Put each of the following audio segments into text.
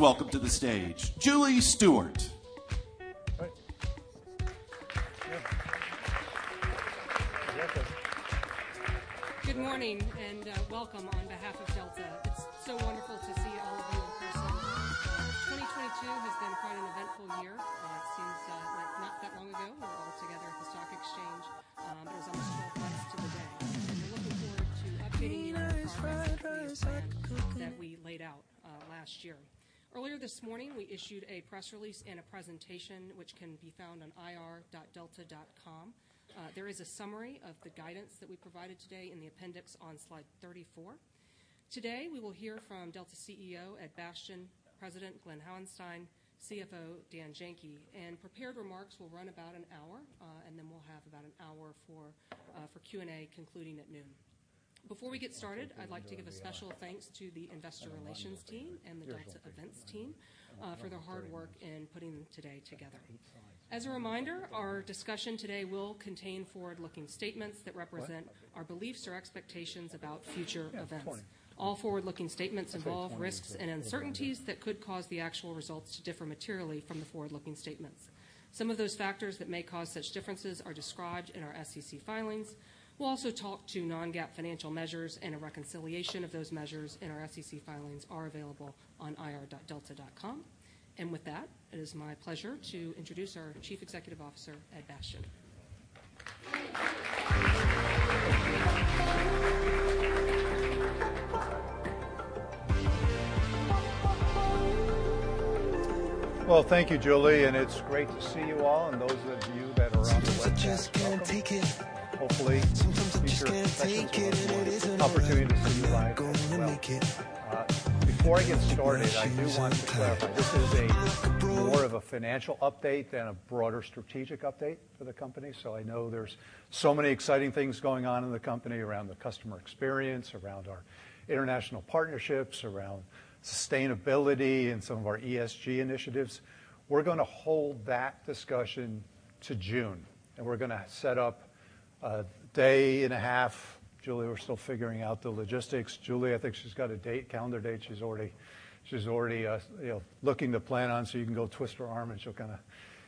Good morning, welcome on behalf of Delta. It's so wonderful to see all of you in person. 2022 has been quite an eventful year. It seems like not that long ago, we were all together at the stock exchange. It was almost 12 months to the day. We're looking forward to updating you on the progress that we have made that we laid out last year. Earlier this morning, we issued a press release and a presentation which can be found on ir.delta.com. There is a summary of the guidance that we provided today in the appendix on slide 34. Today, we will hear from Delta CEO, Ed Bastian, President Glen Hauenstein, CFO Dan Janki. Prepared remarks will run about an hour, and then we'll have about an hour for Q&A concluding at noon. Before we get started, I'd like to give a special thanks to the investor relations team and the Delta events team for their hard work in putting today together. As a reminder, our discussion today will contain forward-looking statements that represent our beliefs or expectations about future events. All forward-looking statements involve risks and uncertainties that could cause the actual results to differ materially from the forward-looking statements. Some of those factors that may cause such differences are described in our SEC filings. We'll also talk to non-GAAP financial measures and a reconciliation of those measures, and our SEC filings are available on ir.delta.com. With that, it is my pleasure to introduce our Chief Executive Officer, Ed Bastian. Well, thank you, Julie. It's great to see you all. Those of you that are on the webcast, welcome. Hopefully, in the future, especially for those who wanted an opportunity to see you live as well. Before I get started, I do want to clarify, this is a more of a financial update than a broader strategic update for the company. I know there's so many exciting things going on in the company around the customer experience, around our international partnerships, around sustainability, and some of our ESG initiatives. We're gonna hold that discussion to June, and we're gonna set up a day and a half. Julie, we're still figuring out the logistics. Julie, I think she's got a date, calendar date she's already, she's already, you know, looking to plan on, you can go twist her arm, and she'll kind of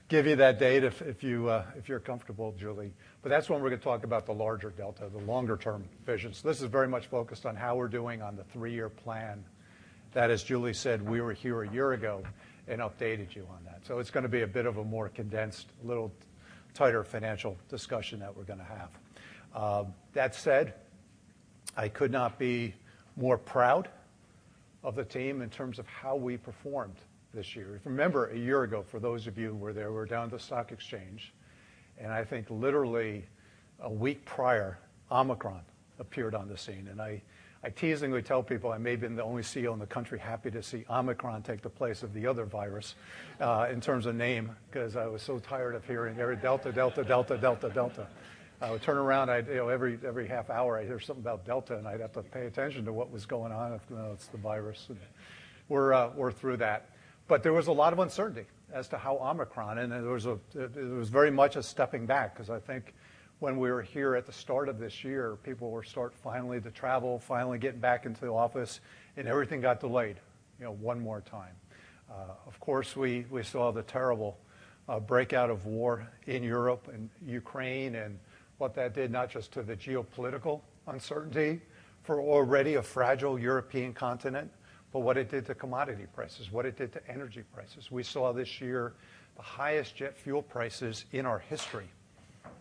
give you that date if you're comfortable, Julie. That's when we're gonna talk about the larger Delta, the longer term vision. This is very much focused on how we're doing on the three-year plan that, as Julie said, we were here a year ago and updated you on that. It's gonna be a bit of a more condensed, little tighter financial discussion that we're gonna have. That said, I could not be more proud of the team in terms of how we performed this year. If you remember a year ago, for those of you who were there, we were down at the stock exchange, I think literally a week prior, Omicron appeared on the scene. I teasingly tell people I may have been the only CEO in the country happy to see Omicron take the place of the other virus, in terms of name, because I was so tired of hearing Delta, Delta, Delta. I would turn around, I'd, you know, every half hour I'd hear something about Delta, I'd have to pay attention to what was going on. Oh, it's the virus. We're through that. There was a lot of uncertainty as to how Omicron. It was very much a stepping back, because I think when we were here at the start of this year, people were finally to travel, finally getting back into the office, and everything got delayed, you know, one more time. Of course, we saw the terrible breakout of war in Europe and Ukraine and what that did, not just to the geopolitical uncertainty for already a fragile European continent, but what it did to commodity prices, what it did to energy prices. We saw this year the highest jet fuel prices in our history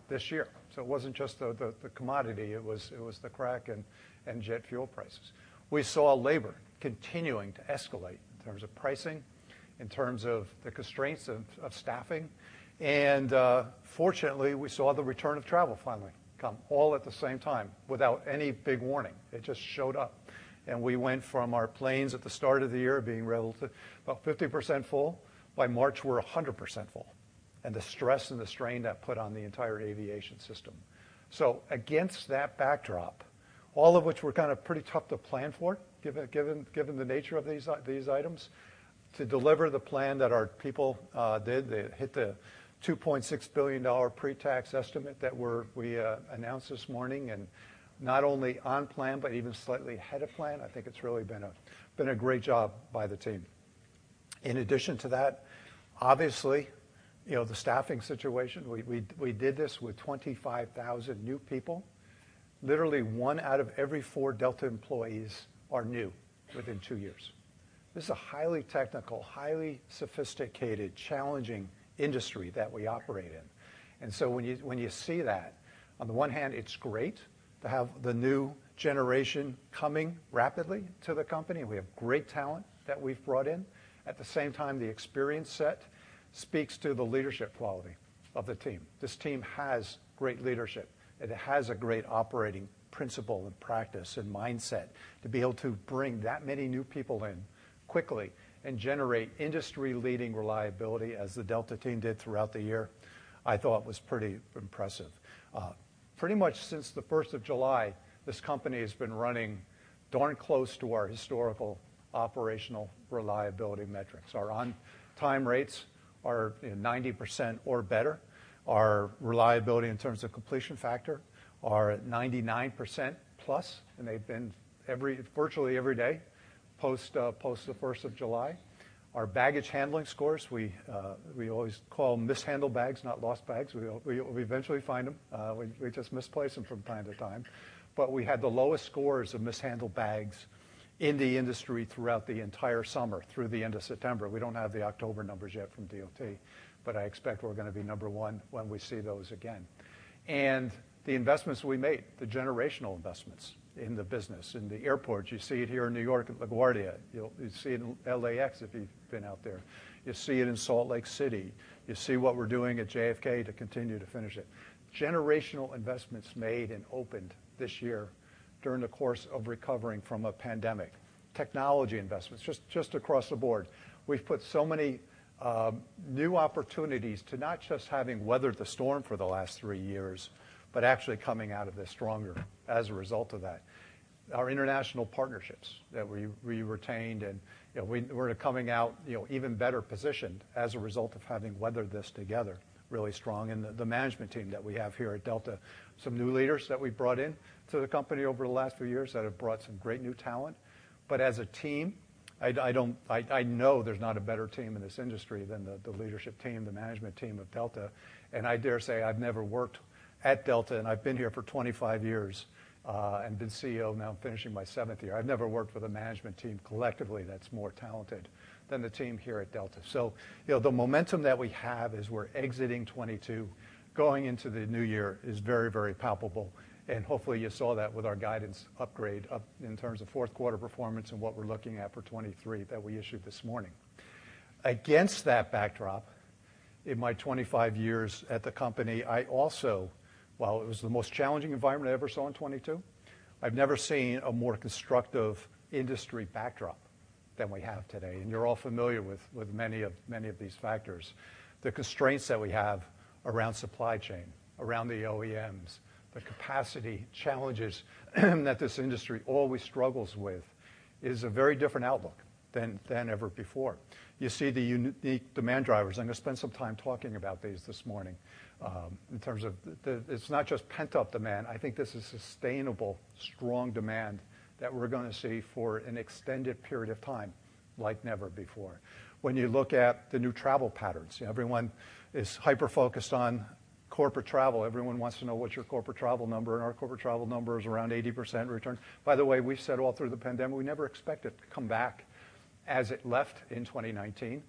this year. It wasn't just the commodity, it was the crack and jet fuel prices. We saw labor continuing to escalate in terms of pricing, in terms of the constraints of staffing. Fortunately, we saw the return of travel finally come all at the same time without any big warning. It just showed up. We went from our planes at the start of the year being relatively about 50% full. By March, we're 100% full, and the stress and the strain that put on the entire aviation system. Against that backdrop, all of which were kind of pretty tough to plan for, given the nature of these items, to deliver the plan that our people did. They hit the $2.6 billion pre-tax estimate that we announced this morning. Not only on plan, but even slightly ahead of plan. I think it's really been a great job by the team. You know, the staffing situation, we did this with 25,000 new people. Literally one out of every four Delta employees are new within two years. This is a highly technical, highly sophisticated, challenging industry that we operate in. When you see that, on the one hand, it's great to have the new generation coming rapidly to the company. We have great talent that we've brought in. At the same time, the experience set speaks to the leadership quality of the team. This team has great leadership, and it has a great operating principle and practice and mindset to be able to bring that many new people in quickly and generate industry-leading reliability as the Delta team did throughout the year, I thought was pretty impressive. Pretty much since the July 1st, this company has been running darn close to our historical operational reliability metrics. Our on-time rates are 90% or better. Our reliability in terms of completion factor are at 99% plus, and they've been virtually every day post the first of July. Our baggage handling scores, we always call them mishandled bags, not lost bags. We eventually find them. We just misplace them from time to time. We had the lowest scores of mishandled bags in the industry throughout the entire summer through the end of September. We don't have the October numbers yet from DOT, but I expect we're going to be number one when we see those again. The investments we made, the generational investments in the business, in the airports. You see it here in New York at LaGuardia. You see it in LAX if you've been out there. You see it in Salt Lake City. You see what we're doing at JFK to continue to finish it. Generational investments made and opened this year during the course of recovering from a pandemic. Technology investments, just across the board. We've put so many new opportunities to not just having weathered the storm for the last three years, but actually coming out of this stronger as a result of that. Our international partnerships that we retained, and, you know, we're coming out, you know, even better positioned as a result of having weathered this together really strong. The management team that we have here at Delta. Some new leaders that we brought in to the company over the last few years that have brought some great new talent. As a team, I know there's not a better team in this industry than the leadership team, the management team of Delta. I dare say I've never worked at Delta, and I've been here for 25 years, and been CEO now finishing my seventh year. I've never worked with a management team collectively that's more talented than the team here at Delta. You know, the momentum that we have as we're exiting 2022, going into the new year is very, very palpable. Hopefully, you saw that with our guidance upgrade up in terms of fourth quarter performance and what we're looking at for 2023 that we issued this morning. Against that backdrop, in my 25 years at the company, while it was the most challenging environment I ever saw in 2022, I've never seen a more constructive industry backdrop than we have today. You're all familiar with many of these factors. The constraints that we have around supply chain, around the OEMs, the capacity challenges that this industry always struggles with is a very different outlook than ever before. You see the demand drivers. I'm going to spend some time talking about these this morning, in terms of It's not just pent-up demand. I think this is sustainable, strong demand that we're going to see for an extended period of time like never before. When you look at the new travel patterns, everyone is hyper-focused on corporate travel. Everyone wants to know what's your corporate travel number. Our corporate travel number is around 80% return. By the way, we said all through the pandemic, we never expect it to come back as it left in 2019.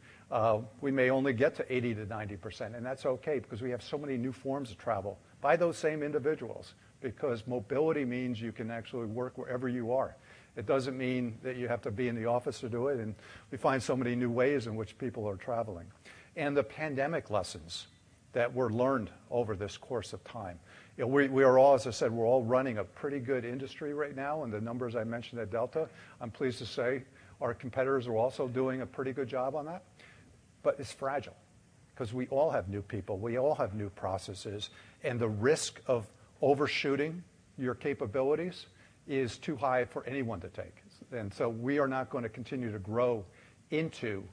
We may only get to 80%-90%. That's okay because we have so many new forms of travel by those same individuals because mobility means you can actually work wherever you are. It doesn't mean that you have to be in the office to do it. We find so many new ways in which people are traveling. The pandemic lessons that were learned over this course of time. You know, we are all, as I said, we're all running a pretty good industry right now, and the numbers I mentioned at Delta, I'm pleased to say our competitors are also doing a pretty good job on that. It's fragile because we all have new people, we all have new processes, and the risk of overshooting your capabilities is too high for anyone to take. We are not going to continue to grow into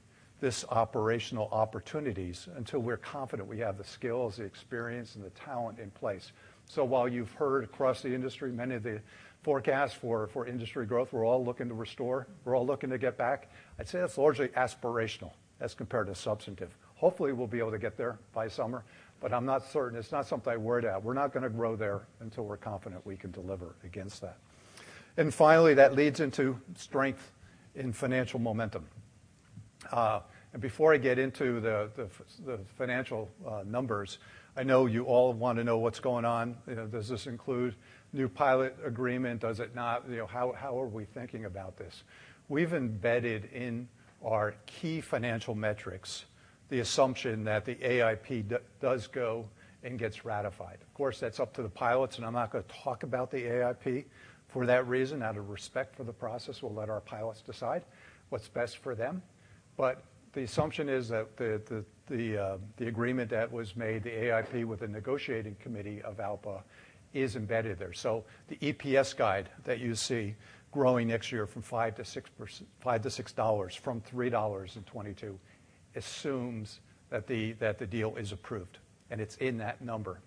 this operational opportunities until we're confident we have the skills, the experience, and the talent in place. While you've heard across the industry many of the forecasts for industry growth, we're all looking to restore, we're all looking to get back. I'd say that's largely aspirational as compared to substantive. Hopefully, we'll be able to get there by summer, but I'm not certain. It's not something I worry to have. We're not going to grow there until we're confident we can deliver against that. Finally, that leads into strength in financial momentum. Before I get into the financial numbers, I know you all want to know what's going on. You know, does this include new pilot agreement? Does it not? You know, how are we thinking about this? We've embedded in our key financial metrics the assumption that the AIP does go and gets ratified. Of course, that's up to the pilots, and I'm not going to talk about the AIP for that reason. Out of respect for the process, we'll let our pilots decide what's best for them. The assumption is that the agreement that was made, the AIP with the negotiating committee of ALPA is embedded there. The EPS guide that you see growing next year from $5-$6 from $3 in 2022 assumes that the deal is approved, and it's in that number.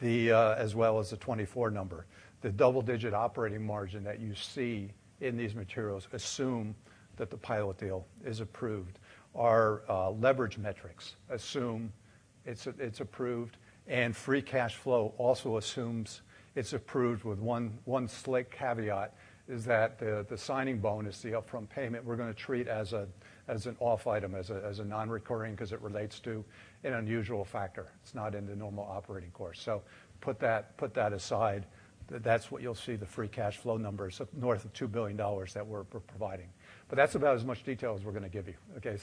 As well as the 2024 number. The double-digit operating margin that you see in these materials assume that the pilot deal is approved. Our leverage metrics assume it's approved, and free cash flow also assumes it's approved with one slight caveat, is that the signing bonus, the upfront payment, we're gonna treat as an off item, as a non-recurring because it relates to an unusual factor. It's not in the normal operating course. Put that aside. That's what you'll see the free cash flow numbers north of $2 billion that we're providing. That's about as much detail as we're gonna give you, okay?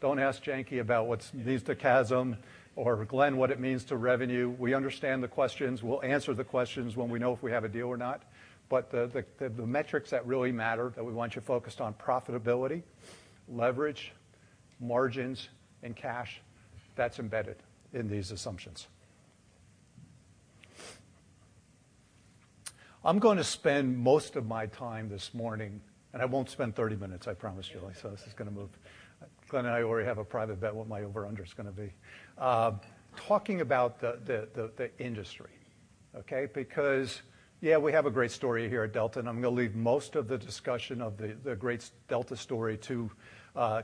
Don't ask Janki about what it means to CASM or Glen what it means to revenue. We understand the questions. We'll answer the questions when we know if we have a deal or not. The metrics that really matter that we want you focused on profitability, leverage, margins, and cash, that's embedded in these assumptions. I'm going to spend most of my time this morning, and I won't spend 30 minutes, I promise you. This is gonna move. Glen and I already have a private bet what my over-under is gonna be. Talking about the industry, okay? Yeah, we have a great story here at Delta, and I'm gonna leave most of the discussion of the great Delta story to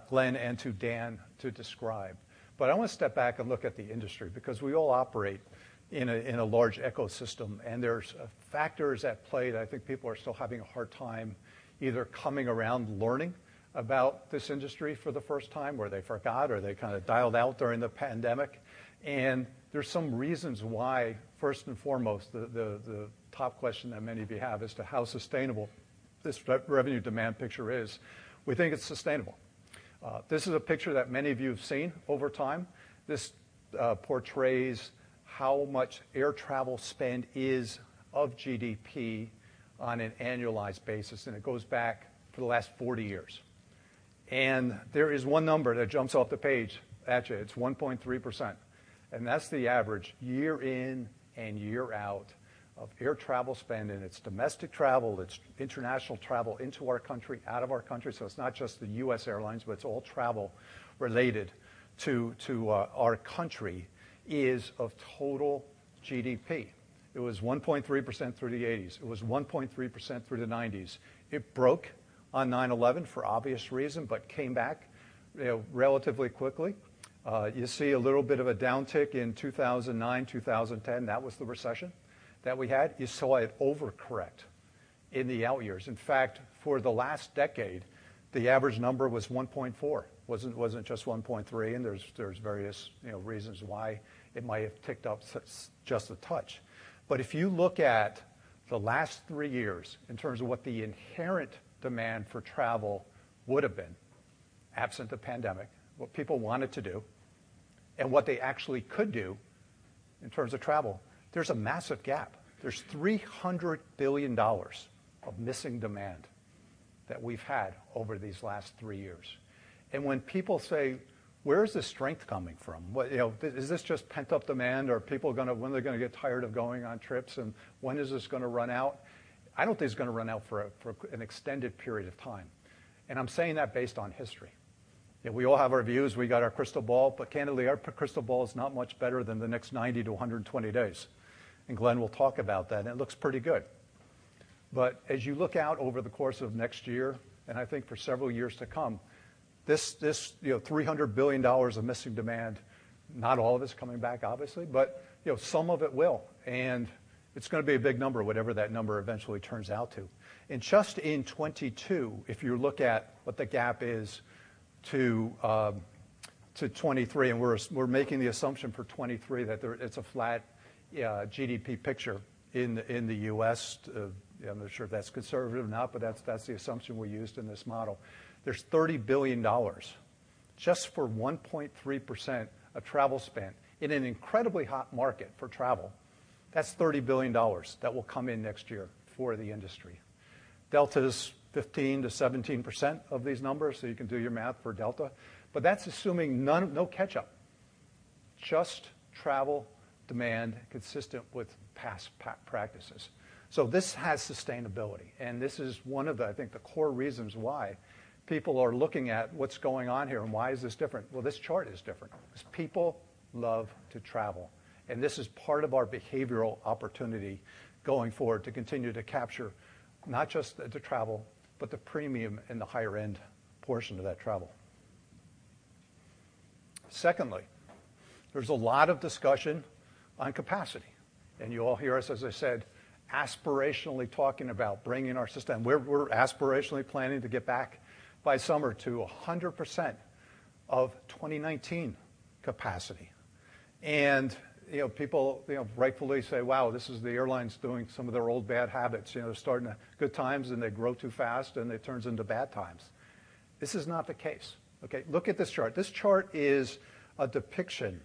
Glen and to Dan to describe. I want to step back and look at the industry because we all operate in a large ecosystem. There's factors at play that I think people are still having a hard time either coming around learning about this industry for the first time, or they forgot, or they kind of dialed out during the pandemic. There's some reasons why, first and foremost, the top question that many of you have as to how sustainable this revenue demand picture is. We think it's sustainable. This is a picture that many of you have seen over time. This portrays how much air travel spend is of GDP on an annualized basis, and it goes back to the last 40 years. There is 1 number that jumps off the page at you. It's 1.3%. That's the average year in and year out of air travel spend. It's domestic travel, international travel into our country, out of our country. It's not just the U.S. airlines, but it's all travel related to our country is of total GDP. It was 1.3% through the 1980s. It was 1.3% through the 1990s. It broke on 9/11 for obvious reason, came back, you know, relatively quickly. You see a little bit of a downtick in 2009, 2010. That was the recession that we had. You saw it overcorrect in the out years. For the last decade, the average number was 1.4%. Wasn't just 1.3%, there's various, you know, reasons why it might have ticked up just a touch. If you look at the last three years in terms of what the inherent demand for travel would have been, absent the pandemic, what people wanted to do and what they actually could do in terms of travel, there's a massive gap. There's $300 billion of missing demand that we've had over these last three years. When people say, "Where is the strength coming from? Is this just pent-up demand or are people gonna get tired of going on trips, and when is this gonna run out?" I don't think it's gonna run out for an extended period of time. I'm saying that based on history. You know, we all have our views. We got our crystal ball. Candidly, our crystal ball is not much better than the next 90-120 days. Glen will talk about that, and it looks pretty good. As you look out over the course of next year, and I think for several years to come, this, you know, $300 billion of missing demand, not all of it's coming back, obviously, but you know, some of it will. It's gonna be a big number, whatever that number eventually turns out to. Just in 2022, if you look at what the gap is to 2023, and we're making the assumption for 2023 that it's a flat GDP picture in the U.S. I'm not sure if that's conservative or not, but that's the assumption we used in this model. There's $30 billion just for 1.3% of travel spend in an incredibly hot market for travel. That's $30 billion that will come in next year for the industry. Delta's 15%-17% of these numbers, so you can do your math for Delta. That's assuming no catch-up. Just travel demand consistent with past practices. This has sustainability, and this is one of the, I think, the core reasons why people are looking at what's going on here and why is this different. This chart is different 'cause people love to travel, and this is part of our behavioral opportunity going forward to continue to capture not just the travel, but the premium and the higher end portion of that travel. Secondly, there's a lot of discussion on capacity. You all hear us, as I said, aspirationally talking about bringing our system. We're aspirationally planning to get back by summer to 100% of 2019 capacity. You know, people, you know, rightfully say, "Wow, this is the airlines doing some of their old bad habits." You know, starting at good times, they grow too fast, it turns into bad times. This is not the case, okay? Look at this chart. This chart is a depiction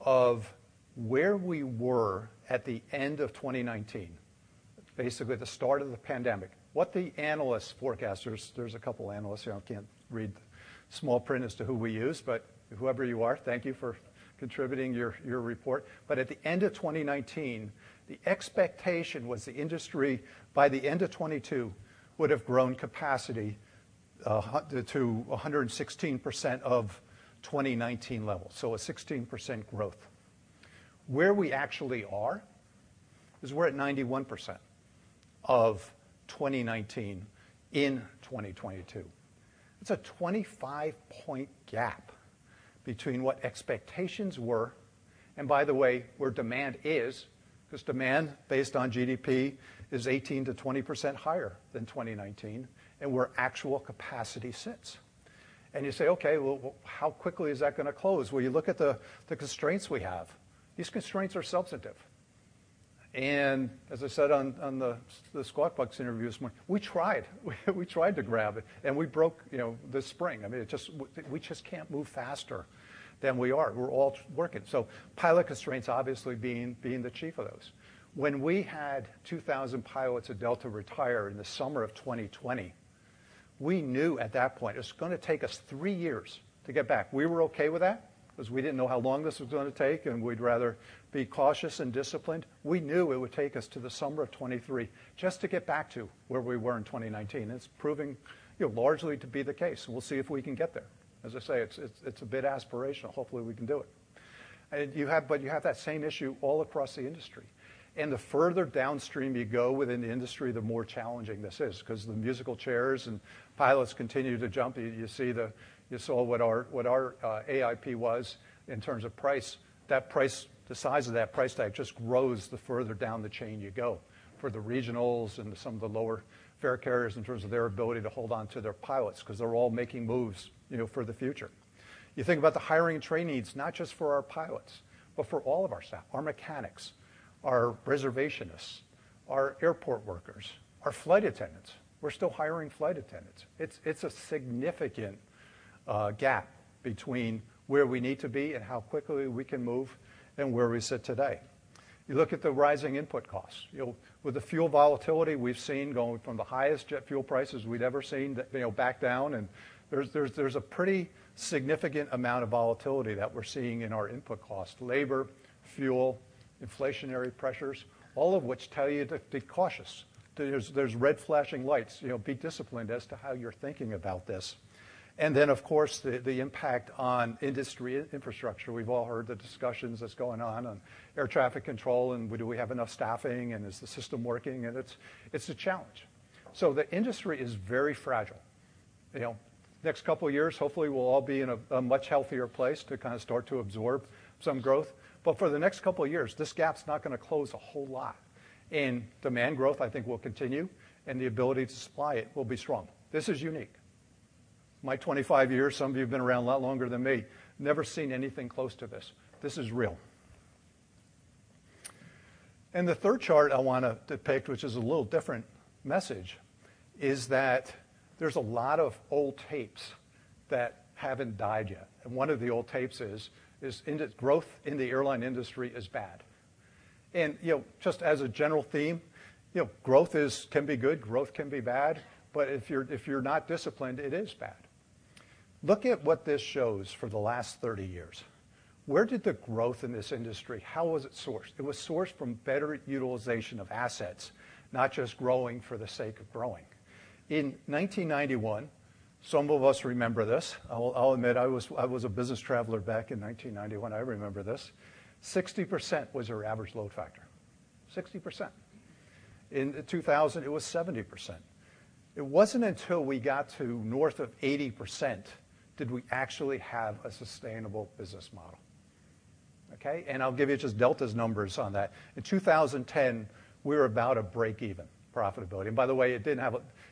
of where we were at the end of 2019, basically the start of the pandemic. What the analysts forecast, there's a couple analysts here I can't read small print as to who we use, but whoever you are, thank you for contributing your report. At the end of 2019, the expectation was the industry by the end of 2022 would have grown capacity to 116% of 2019 levels. So a 16% growth. Where we actually are is we're at 91% of 2019 in 2022. It's a 25-point gap between what expectations were and by the way, where demand is, because demand based on GDP is 18%-20% higher than 2019, and where actual capacity sits. You say, "Okay, well, how quickly is that going to close?" Well you look at the constraints we have, these constraints are substantive. As I said on the Squawk Box interview this morning, we tried. We tried to grab it and we broke, you know, this spring. I mean, we just can't move faster than we are. We're all working. Pilot constraints obviously being the chief of those. When we had 2,000 pilots at Delta retire in the summer of 2020, we knew at that point it was going to take us three years to get back. We were okay with that because we didn't know how long this was going to take, and we'd rather be cautious and disciplined. We knew it would take us to the summer of 2023 just to get back to where we were in 2019. It's proving, you know, largely to be the case. We'll see if we can get there. As I say, it's a bit aspirational. Hopefully we can do it. You have that same issue all across the industry. The further downstream you go within the industry, the more challenging this is because the musical chairs and pilots continue to jump. You saw what our, what our AIP was in terms of price. The size of that price tag just grows the further down the chain you go for the regionals and some of the lower fare carriers in terms of their ability to hold on to their pilots because they're all making moves, you know, for the future. Think about the hiring and training needs, not just for our pilots, but for all of our staff, our mechanics, our reservationists, our airport workers, our flight attendants. We're still hiring flight attendants. It's a significant gap between where we need to be and how quickly we can move and where we sit today. You look at the rising input costs. You know, with the fuel volatility we've seen going from the highest jet fuel prices we'd ever seen, you know, back down, there's a pretty significant amount of volatility that we're seeing in our input costs. Labor, fuel, inflationary pressures, all of which tell you to be cautious. There's red flashing lights. You know, be disciplined as to how you're thinking about this. Then of course, the impact on industry infrastructure. We've all heard the discussions that's going on air traffic control, and do we have enough staffing, and is the system working? It's a challenge. The industry is very fragile. You know, next couple of years, hopefully we'll all be in a much healthier place to kind of start to absorb some growth. For the next couple of years, this gap's not going to close a whole lot. Demand growth, I think, will continue and the ability to supply it will be strong. This is unique. My 25 years, some of you have been around a lot longer than me, never seen anything close to this. This is real. The third chart I want to depict, which is a little different message, is that there's a lot of old tapes that haven't died yet. One of the old tapes is, growth in the airline industry is bad. You know, just as a general theme, you know, growth can be good, growth can be bad, but if you're, if you're not disciplined, it is bad. Look at what this shows for the last 30 years. Where did the growth in this industry, how was it sourced? It was sourced from better utilization of assets, not just growing for the sake of growing. In 1991, some of us remember this. I'll admit I was a business traveler back in 1991. I remember this. 60% was our average load factor. 60%. In 2000 it was 70%. It wasn't until we got to north of 80% did we actually have a sustainable business model. Okay? I'll give you just Delta's numbers on that. In 2010, we were about a break-even profitability. By the way,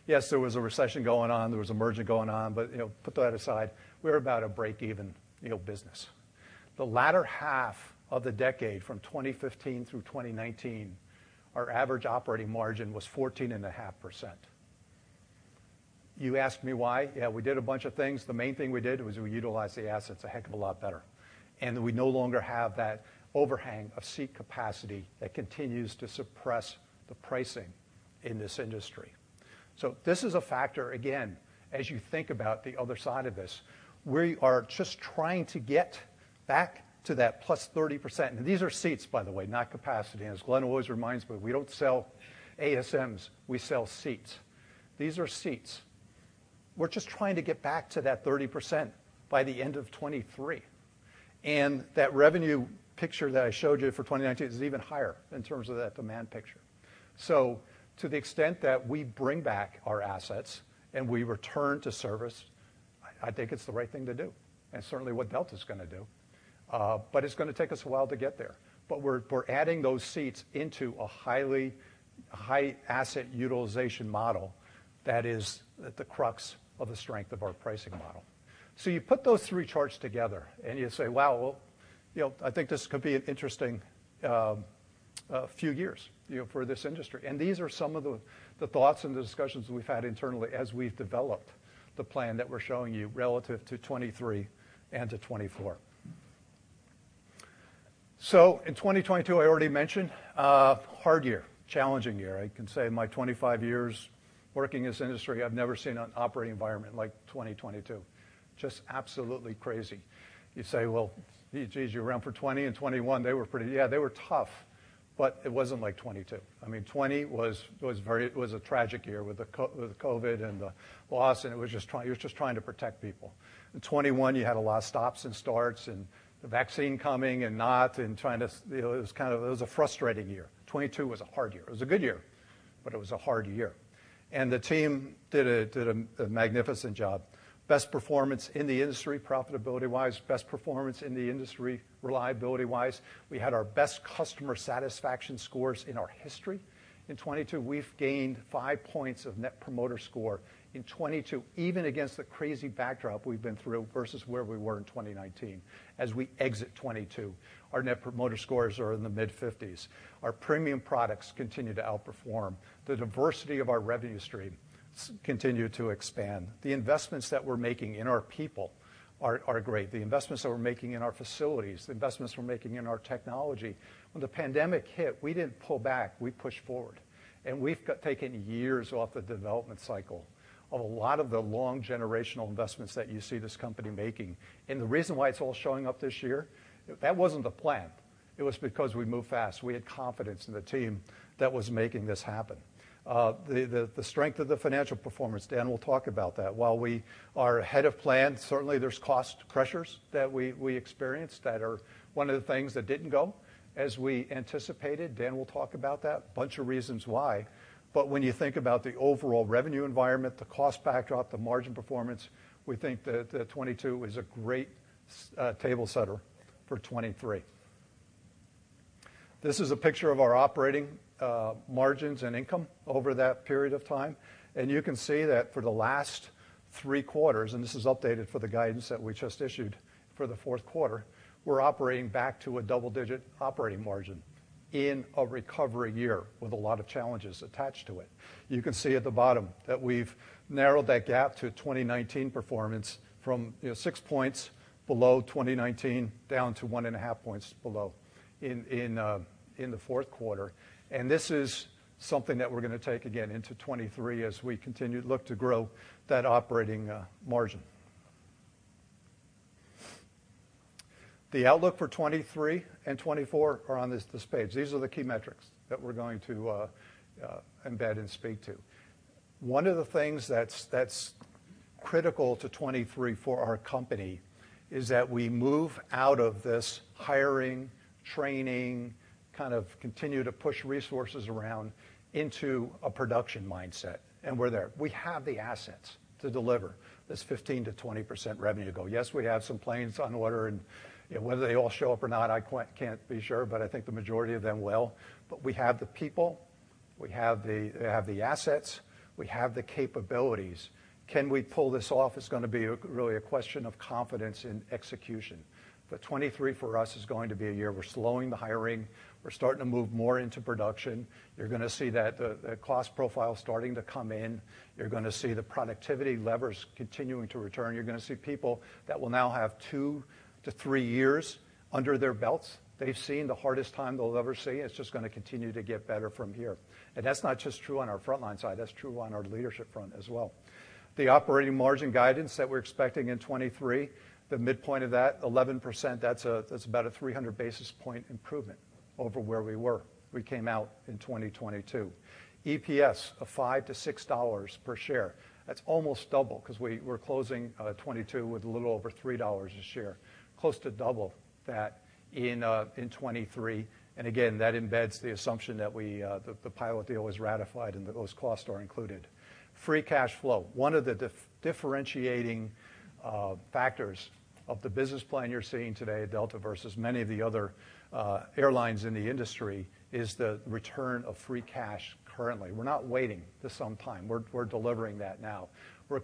Yes, there was a recession going on, there was a merger going on, you know, put that aside, we were about a break-even, you know, business. The latter half of the decade, from 2015 through 2019, our average operating margin was 14.5%. You ask me why? Yeah, we did a bunch of things. The main thing we did was we utilized the assets a heck of a lot better, and we no longer have that overhang of seat capacity that continues to suppress the pricing in this industry. This is a factor, again, as you think about the other side of this. We are just trying to get back to that +30%. These are seats, by the way, not capacity. As Glen always reminds me, we don't sell ASMs, we sell seats. These are seats. We're just trying to get back to that 30% by the end of 2023. That revenue picture that I showed you for 2019 is even higher in terms of that demand picture. To the extent that we bring back our assets and we return to service, I think it's the right thing to do, and certainly what Delta's going to do. It's going to take us a while to get there. We're adding those seats into a highly high asset utilization model that is at the crux of the strength of our pricing model. You put those three charts together and you say, "Wow, well, you know, I think this could be an interesting, a few years, you know, for this industry. These are some of the thoughts and the discussions we've had internally as we've developed the plan that we're showing you relative to 2023 and to 2024. In 2022, I already mentioned, hard year, challenging year. I can say in my 25 years working in this industry, I've never seen an operating environment like 2022. Just absolutely crazy. You say, "Well, geez, you were around for 2020 and 2021. They were pretty." Yeah, they were tough, but it wasn't like 2022. I mean, 2020 was a tragic year with the COVID and the loss, and it was just trying to protect people. In 2021 you had a lot of stops and starts and the vaccine coming and not and trying to, you know, it was kind of, it was a frustrating year. 2022 was a hard year. It was a good year, but it was a hard year. The team did a magnificent job. Best performance in the industry, profitability-wise, best performance in the industry, reliability-wise. We had our best customer satisfaction scores in our history in 2022. We've gained 5 points of Net Promoter Score in 2022, even against the crazy backdrop we've been through versus where we were in 2019. As we exit 2022, our Net Promoter Scores are in the mid-50s. Our premium products continue to outperform. The diversity of our revenue streams continue to expand. The investments that we're making in our people are great. The investments that we're making in our facilities, the investments we're making in our technology. When the pandemic hit, we didn't pull back, we pushed forward. We've taken years off the development cycle of a lot of the long generational investments that you see this company making. The reason why it's all showing up this year, that wasn't the plan. It was because we moved fast. We had confidence in the team that was making this happen. The strength of the financial performance, Dan will talk about that. While we are ahead of plan, certainly there's cost pressures that we experienced that are one of the things that didn't go as we anticipated. Dan will talk about that. Bunch of reasons why. When you think about the overall revenue environment, the cost backdrop, the margin performance, we think that 22 is a great table setter for 23. This is a picture of our operating margins and income over that period of time. You can see that for the last three quarters, and this is updated for the guidance that we just issued for the fourth quarter, we're operating back to a double-digit operating margin in a recovery year with a lot of challenges attached to it. You can see at the bottom that we've narrowed that gap to 2019 performance from, you know, 6 points below 2019 down to one and a half points below in the fourth quarter. This is something that we're gonna take again into 2023 as we continue to look to grow that operating margin. The outlook for 2023 and 2024 are on this page. These are the key metrics that we're going to embed and speak to. One of the things that's critical to 2023 for our company is that we move out of this hiring, training, kind of continue to push resources around into a production mindset. We're there. We have the assets to deliver this 15%-20% revenue goal. Yes, we have some planes on order and, you know, whether they all show up or not, I can't be sure, but I think the majority of them will. We have the people, we have the assets, we have the capabilities. Can we pull this off? It's gonna be really a question of confidence in execution. 2023 for us is going to be a year we're slowing the hiring. We're starting to move more into production. You're gonna see that the cost profile is starting to come in. You're gonna see the productivity levers continuing to return. You're gonna see people that will now have two to three years under their belts. They've seen the hardest time they'll ever see, it's just gonna continue to get better from here. That's not just true on our frontline side, that's true on our leadership front as well. The operating margin guidance that we're expecting in 23, the midpoint of that, 11%, that's about a 300 basis point improvement over where we were. We came out in 2022. EPS of $5-$6 per share. That's almost double because we're closing 22 with a little over $3 a share. Close to double that in 23. Again, that embeds the assumption that we, the pilot deal is ratified and those costs are included. Free cash flow. One of the differentiating factors of the business plan you're seeing today at Delta versus many of the other airlines in the industry is the return of free cash currently. We're not waiting to some time. We're delivering that now.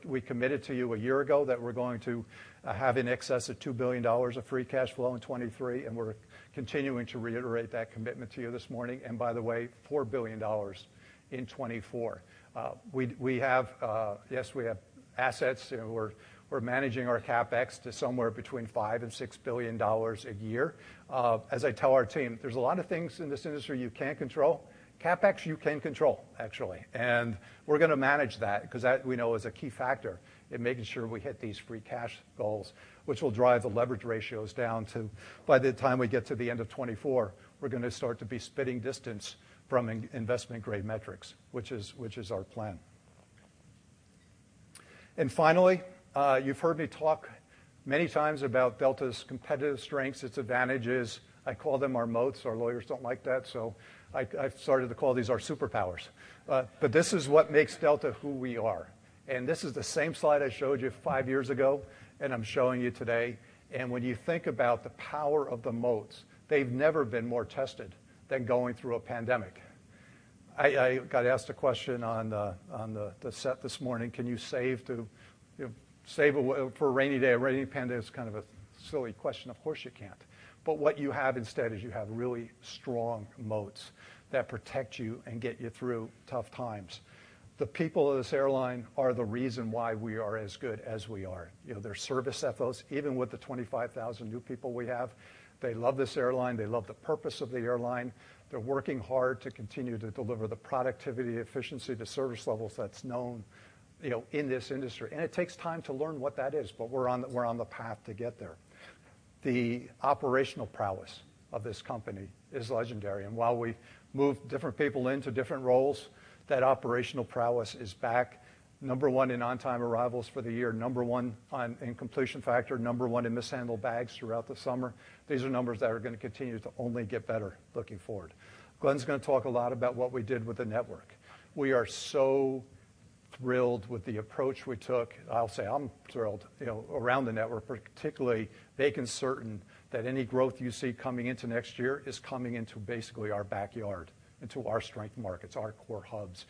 We committed to you a year ago that we're going to have in excess of $2 billion of free cash flow in 2023, and we're continuing to reiterate that commitment to you this morning. By the way, $4 billion in 2024. We have, yes, we have assets. You know, we're managing our CapEx to somewhere between $5 billion and $6 billion a year. As I tell our team, there's a lot of things in this industry you can't control. CapEx you can control, actually. We're gonna manage that because that we know is a key factor in making sure we hit these free cash goals, which will drive the leverage ratios down to, by the time we get to the end of 2024, we're gonna start to be spitting distance from investment grade metrics, which is our plan. Finally, you've heard me talk many times about Delta's competitive strengths, its advantages. I call them our moats. Our lawyers don't like that, so I've started to call these our superpowers. This is what makes Delta who we are. This is the same slide I showed you five years ago, and I'm showing you today. When you think about the power of the moats, they've never been more tested than going through a pandemic. I got asked a question on the set this morning, "Can you save for a rainy day or a rainy pandemic?" It's kind of a silly question. Of course you can't. What you have instead is you have really strong moats that protect you and get you through tough times. The people of this airline are the reason why we are as good as we are. You know, their service ethos, even with the 25,000 new people we have, they love this airline. They love the purpose of the airline. They're working hard to continue to deliver the productivity, efficiency, the service levels that's known, you know, in this industry. It takes time to learn what that is, but we're on the path to get there. The operational prowess of this company is legendary. While we move different people into different roles, that operational prowess is back. Number one in on-time arrivals for the year, number one in completion factor, number one in mishandled bags throughout the summer. These are numbers that are gonna continue to only get better looking forward. Glen's gonna talk a lot about what we did with the network. We are so thrilled with the approach we took. I'll say I'm thrilled, you know, around the network, particularly making certain that any growth you see coming into next year is coming into basically our backyard, into our strength markets, our core hubs.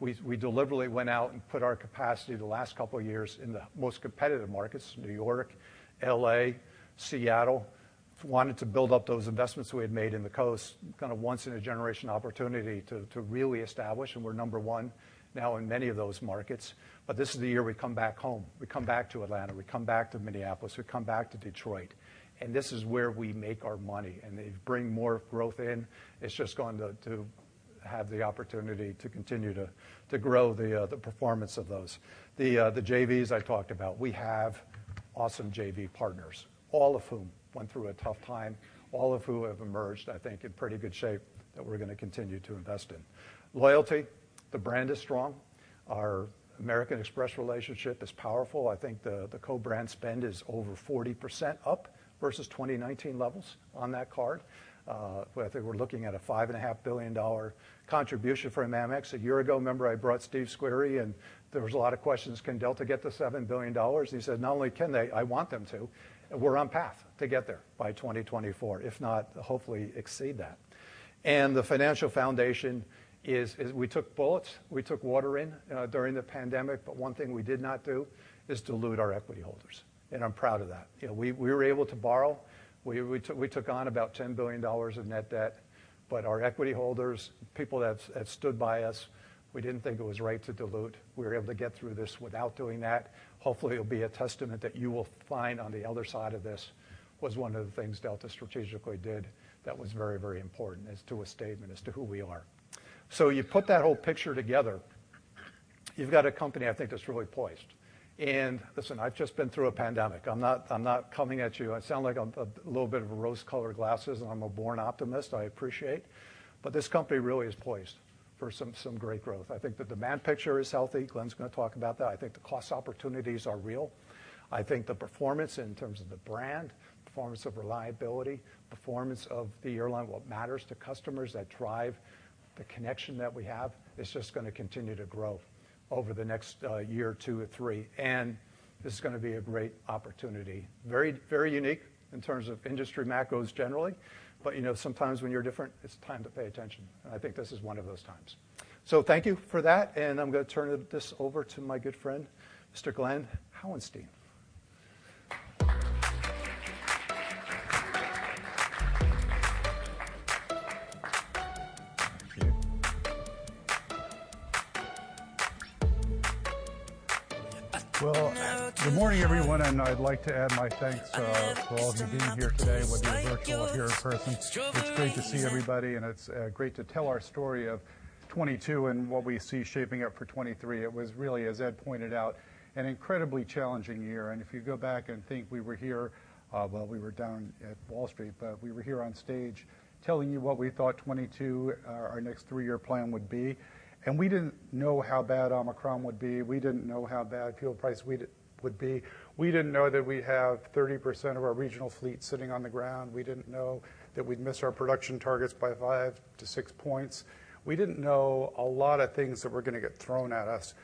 We deliberately went out and put our capacity the last couple of years in the most competitive markets, New York, L.A., Seattle. Wanted to build up those investments we had made in the coast, kind of once in a generation opportunity to really establish, and we're number one now in many of those markets. This is the year we come back home. We come back to Atlanta, we come back to Minneapolis, we come back to Detroit. This is where we make our money, and they bring more growth in. It's just going to have the opportunity to continue to grow the performance of those, the JVs I talked about. We have awesome JV partners, all of whom went through a tough time, all of who have emerged, I think, in pretty good shape that we're going to continue to invest in. Loyalty, the brand is strong. Our American Express relationship is powerful. I think the co-brand spend is over 40% up versus 2019 levels on that card. I think we're looking at a $5.5 billion contribution from Amex. A year ago, remember I brought Stephen Squeri, there was a lot of questions, "Can Delta get to $7 billion?" He said, "Not only can they, I want them to." We're on path to get there by 2024, if not, hopefully exceed that. The financial foundation is we took bullets, we took water in during the pandemic, but one thing we did not do is dilute our equity holders, and I'm proud of that. You know, we were able to borrow. We took on about $10 billion of net debt. Our equity holders, people that have stood by us, we didn't think it was right to dilute. We were able to get through this without doing that. Hopefully, it'll be a testament that you will find on the other side of this was one of the things Delta strategically did that was very, very important as to a statement as to who we are. You put that whole picture together, you've got a company I think that's really poised. Listen, I've just been through a pandemic. I'm not coming at you. I sound like I'm a little bit of rose-colored glasses, and I'm a born optimist, I appreciate. This company really is poised for some great growth. I think the demand picture is healthy. Glen's gonna talk about that. I think the cost opportunities are real. I think the performance in terms of the brand, performance of reliability, performance of the airline, what matters to customers that drive the connection that we have is just gonna continue to grow over the next year or two or three. This is gonna be a great opportunity. Very unique in terms of industry macros generally. You know, sometimes when you're different, it's time to pay attention, and I think this is one of those times. Thank you for that, and I'm gonna turn this over to my good friend, Mr. Glen Hauenstein. Thank you. Good morning, everyone, and I'd like to add my thanks to all of you being here today, whether you're virtual or here in person. It's great to see everybody, and it's great to tell our story of 2022 and what we see shaping up for 2023. It was really, as Ed pointed out, an incredibly challenging year. If you go back and think we were here, well, we were down at Wall Street, but we were here on stage telling you what we thought 2022, our next three-year plan would be. We didn't know how bad Omicron would be. We didn't know how bad fuel price would be. We didn't know that we'd have 30% of our regional fleet sitting on the ground. We didn't know that we'd miss our production targets by 5-6 points. We didn't know a lot of things that were gonna get thrown at us.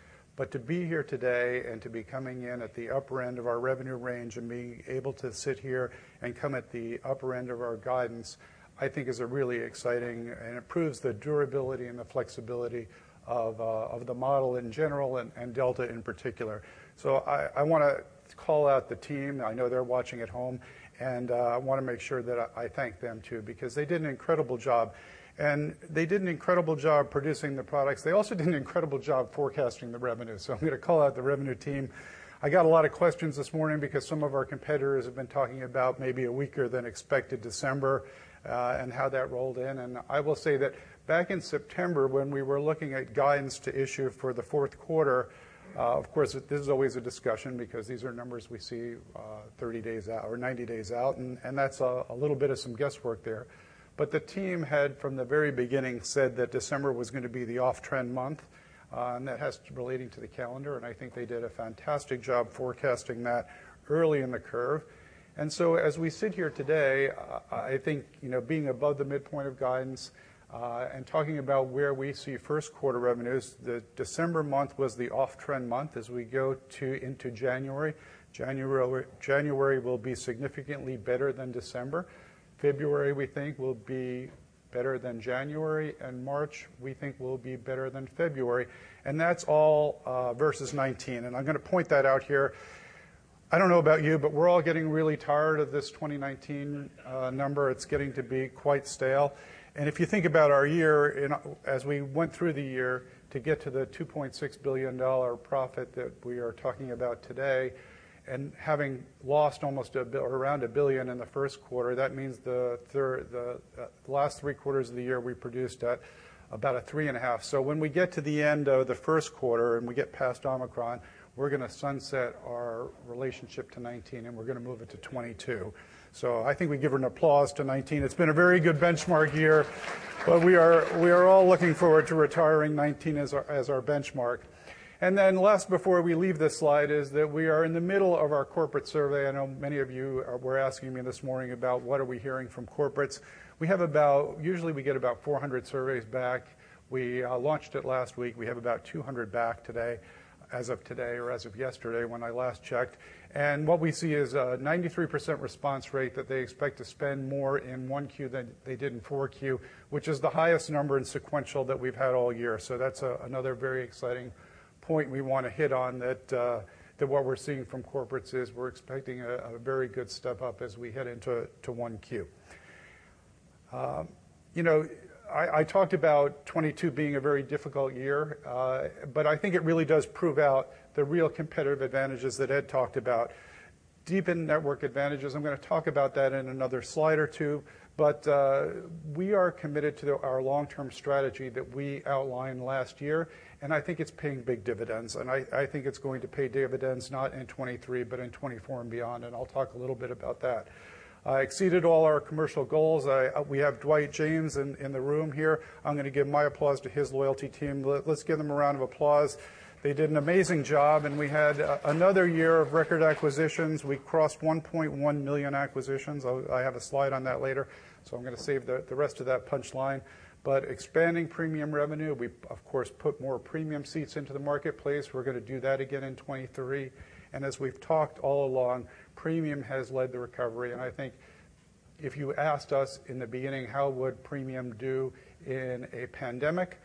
To be here today and to be coming in at the upper end of our revenue range and being able to sit here and come at the upper end of our guidance, I think is a really exciting and it proves the durability and the flexibility of the model in general and Delta in particular. I wanna call out the team. I know they're watching at home, and I wanna make sure that I thank them too because they did an incredible job, and they did an incredible job producing the products. They also did an incredible job forecasting the revenue. I'm gonna call out the revenue team. I got a lot of questions this morning because some of our competitors have been talking about maybe a weaker than expected December and how that rolled in. I will say that back in September when we were looking at guidance to issue for the fourth quarter, of course this is always a discussion because these are numbers we see 30 days out or 90 days out, and that's a little bit of some guesswork there. The team had from the very beginning said that December was gonna be the off-trend month relating to the calendar, and I think they did a fantastic job forecasting that early in the curve. As we sit here today, I think, you know, being above the midpoint of guidance, and talking about where we see first quarter revenues, the December month was the off-trend month into January. January will be significantly better than December. February, we think will be better than January, and March, we think will be better than February. That's all versus 2019. I'm gonna point that out here. I don't know about you, but we're all getting really tired of this 2019 number. It's getting to be quite stale. If you think about our year and as we went through the year to get to the $2.6 billion profit that we are talking about today, having lost almost around $1 billion in the first quarter, that means the last three quarters of the year, we produced at about a 3.5. When we get to the end of the first quarter, and we get past Omicron, we're gonna sunset our relationship to 2019, and we're gonna move it to 2022. I think we give an applause to 2019. It's been a very good benchmark year, but we are all looking forward to retiring 2019 as our, as our benchmark. Last before we leave this slide is that we are in the middle of our corporate survey. I know many of you were asking me this morning about what are we hearing from corporates. Usually we get about 400 surveys back. We launched it last week. We have about 200 back today as of today or as of yesterday when I last checked. What we see is a 93% response rate that they expect to spend more in one Q than they did in four Q, which is the highest number in sequential that we've had all year. That's another very exciting point we want to hit on that what we're seeing from corporates is we're expecting a very good step up as we head into one Q. You know, I talked about 2022 being a very difficult year, I think it really does prove out the real competitive advantages that Ed talked about. Deepened network advantages, I'm gonna talk about that in another slide or two. We are committed to our long-term strategy that we outlined last year, I think it's paying big dividends, I think it's going to pay dividends not in 2023 but in 2024 and beyond. I'll talk a little bit about that. I exceeded all our commercial goals. We have Dwight James in the room here. I'm gonna give my applause to his loyalty team. Let's give them a round of applause. They did an amazing job, we had another year of record acquisitions. We crossed 1.1 million acquisitions. I have a slide on that later, so I'm gonna save the rest of that punchline. Expanding premium revenue, we of course put more premium seats into the marketplace. We're gonna do that again in 23. As we've talked all along, premium has led the recovery. I think if you asked us in the beginning how would premium do in a pandemic,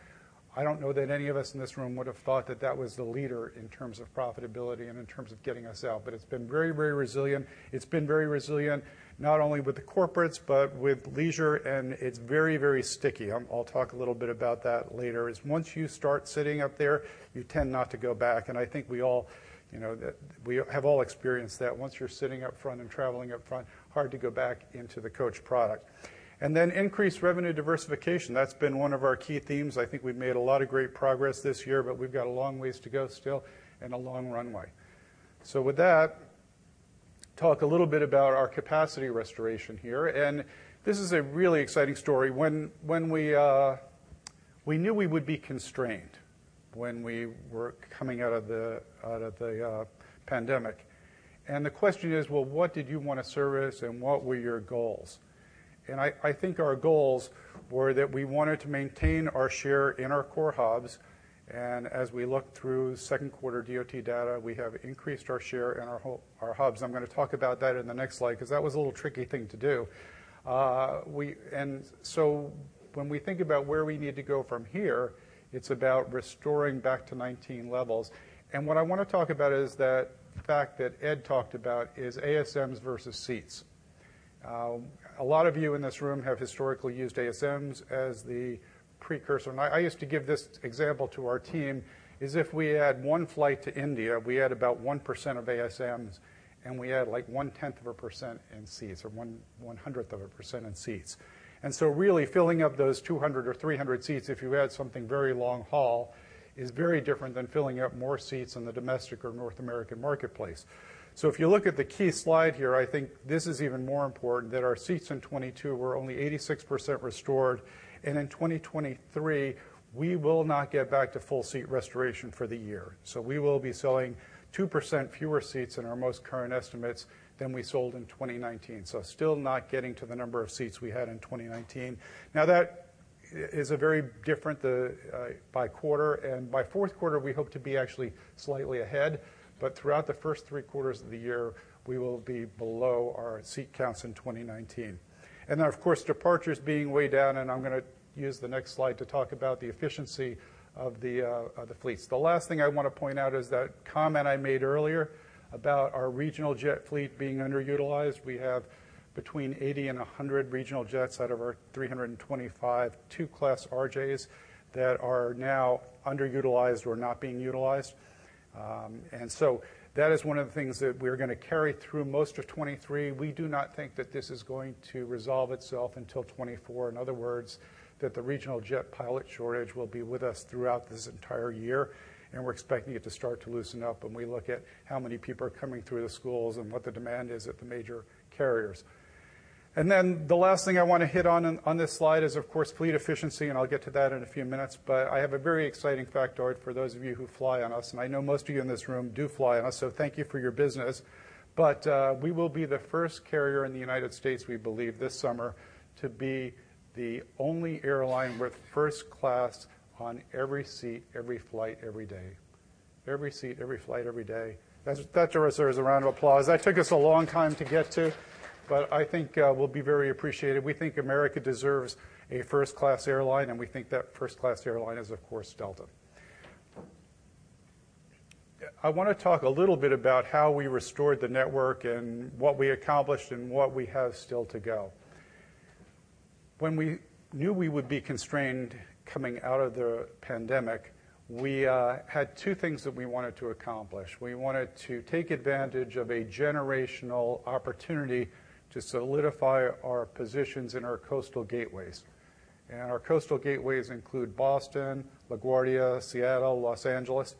I don't know that any of us in this room would have thought that that was the leader in terms of profitability and in terms of getting us out. It's been very, very resilient. It's been very resilient not only with the corporates but with leisure, and it's very, very sticky. I'll talk a little bit about that later, is once you start sitting up there, you tend not to go back. I think we all, you know, that we have all experienced that. Once you're sitting up front and traveling up front, hard to go back into the coach product. Increased revenue diversification. That's been one of our key themes. I think we've made a lot of great progress this year, but we've got a long ways to go still and a long runway. With that, talk a little bit about our capacity restoration here. This is a really exciting story. When we knew we would be constrained when we were coming out of the pandemic. The question is: well, what did you want to service, and what were your goals? I think our goals were that we wanted to maintain our share in our core hubs. As we look through second quarter DOT data, we have increased our share in our hubs. I'm gonna talk about that in the next slide because that was a little tricky thing to do. When we think about where we need to go from here, it's about restoring back to 19 levels. What I want to talk about is that fact that Ed talked about is ASMs versus seats. A lot of you in this room have historically used ASMs as the precursor. I used to give this example to our team is if we add one flight to India, we add about 1% of ASMs, and we add, like, 0.1% in seats or 0.01% in seats. Really filling up those 200 or 300 seats if you add something very long haul is very different than filling up more seats in the domestic or North American marketplace. If you look at the key slide here, I think this is even more important that our seats in 2022 were only 86% restored. In 2023, we will not get back to full seat restoration for the year. We will be selling 2% fewer seats in our most current estimates than we sold in 2019. Still not getting to the number of seats we had in 2019. That is a very different by quarter. By fourth quarter, we hope to be actually slightly ahead. Throughout the first three quarters of the year, we will be below our seat counts in 2019. Of course, departures being way down, and I'm gonna use the next slide to talk about the efficiency of the fleets. The last thing I want to point out is that comment I made earlier about our regional jet fleet being underutilized. We have between 80 and 100 regional jets out of our 325 two class RJs that are now underutilized or not being utilized. That is one of the things that we're gonna carry through most of 2023. We do not think that this is going to resolve itself until 2024. In other words, that the RJ pilot shortage will be with us throughout this entire year. We're expecting it to start to loosen up when we look at how many people are coming through the schools and what the demand is at the major carriers. The last thing I want to hit on this slide is, of course, fleet efficiency. I'll get to that in a few minutes. I have a very exciting factoid for those of you who fly on us, and I know most of you in this room do fly on us. Thank you for your business. We will be the first carrier in the United States, we believe this summer, to be the only airline with first class on every seat, every flight, every day. Every seat, every flight, every day. That deserves a round of applause. That took us a long time to get to, but I think will be very appreciated. We think America deserves a first class airline. We think that first class airline is, of course, Delta. I want to talk a little bit about how we restored the network and what we accomplished and what we have still to go. When we knew we would be constrained coming out of the pandemic, we had two things that we wanted to accomplish. We wanted to take advantage of a generational opportunity to solidify our positions in our coastal gateways. Our coastal gateways include Boston, LaGuardia, Seattle, Los Angeles,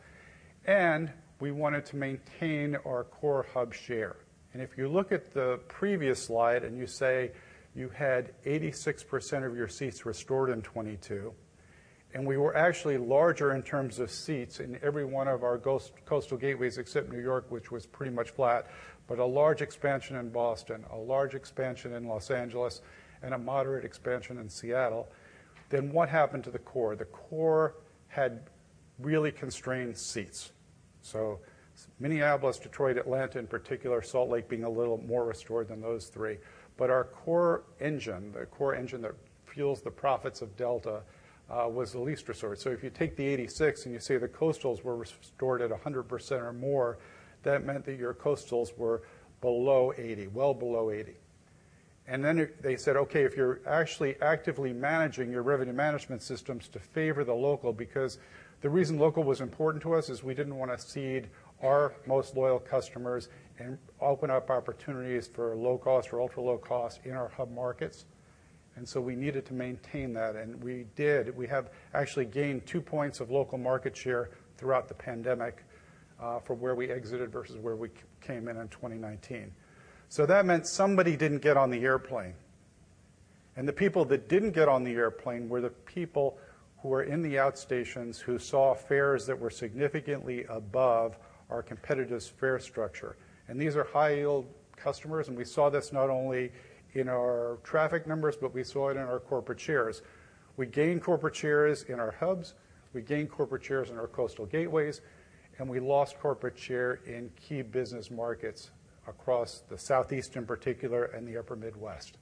and we wanted to maintain our core hub share. If you look at the previous slide and you say you had 86% of your seats restored in 2022, and we were actually larger in terms of seats in every one of our coastal gateways except New York, which was pretty much flat, but a large expansion in Boston, a large expansion in Los Angeles, and a moderate expansion in Seattle. What happened to the core? The core had really constrained seats. Minneapolis, Detroit, Atlanta in particular, Salt Lake being a little more restored than those three. Our core engine, the core engine that fuels the profits of Delta, was the least restored. If you take the 86 and you say the coastals were restored at 100% or more, that meant that your coastals were below 80, well below 80. They said, "Okay, if you're actually actively managing your revenue management systems to favor the local," because the reason local was important to us is we didn't want to cede our most loyal customers and open up opportunities for low cost or ultra-low cost in our hub markets. We needed to maintain that, and we did. We have actually gained 2 points of local market share throughout the pandemic, from where we exited versus where we came in in 2019. That meant somebody didn't get on the airplane. The people that didn't get on the airplane were the people who were in the outstations who saw fares that were significantly above our competitors' fare structure. These are high-yield customers, and we saw this not only in our traffic numbers, but we saw it in our corporate shares. We gained corporate shares in our hubs, we gained corporate shares in our coastal gateways, and we lost corporate share in key business markets across the Southeast in particular and the upper Midwest.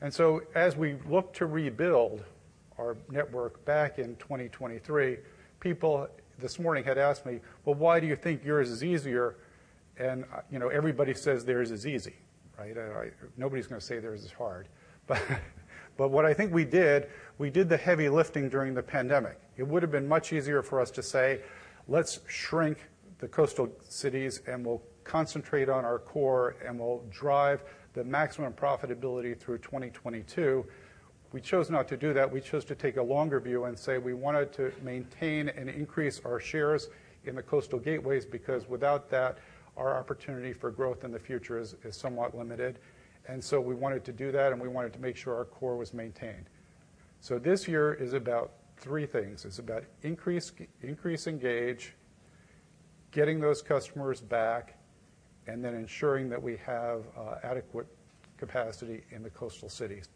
As we look to rebuild our network back in 2023, people this morning had asked me, "Well, why do you think yours is easier?" You know, everybody says theirs is easy, right? Nobody's going to say theirs is hard. But what I think we did, we did the heavy lifting during the pandemic. It would have been much easier for us to say, "Let's shrink the coastal cities, and we'll concentrate on our core, and we'll drive the maximum profitability through 2022." We chose not to do that. We chose to take a longer view and say we wanted to maintain and increase our shares in the coastal gateways because without that, our opportunity for growth in the future is somewhat limited. We wanted to do that, and we wanted to make sure our core was maintained. This year is about three things. It's about increase engage, getting those customers back, ensuring that we have adequate capacity in the coastal cities.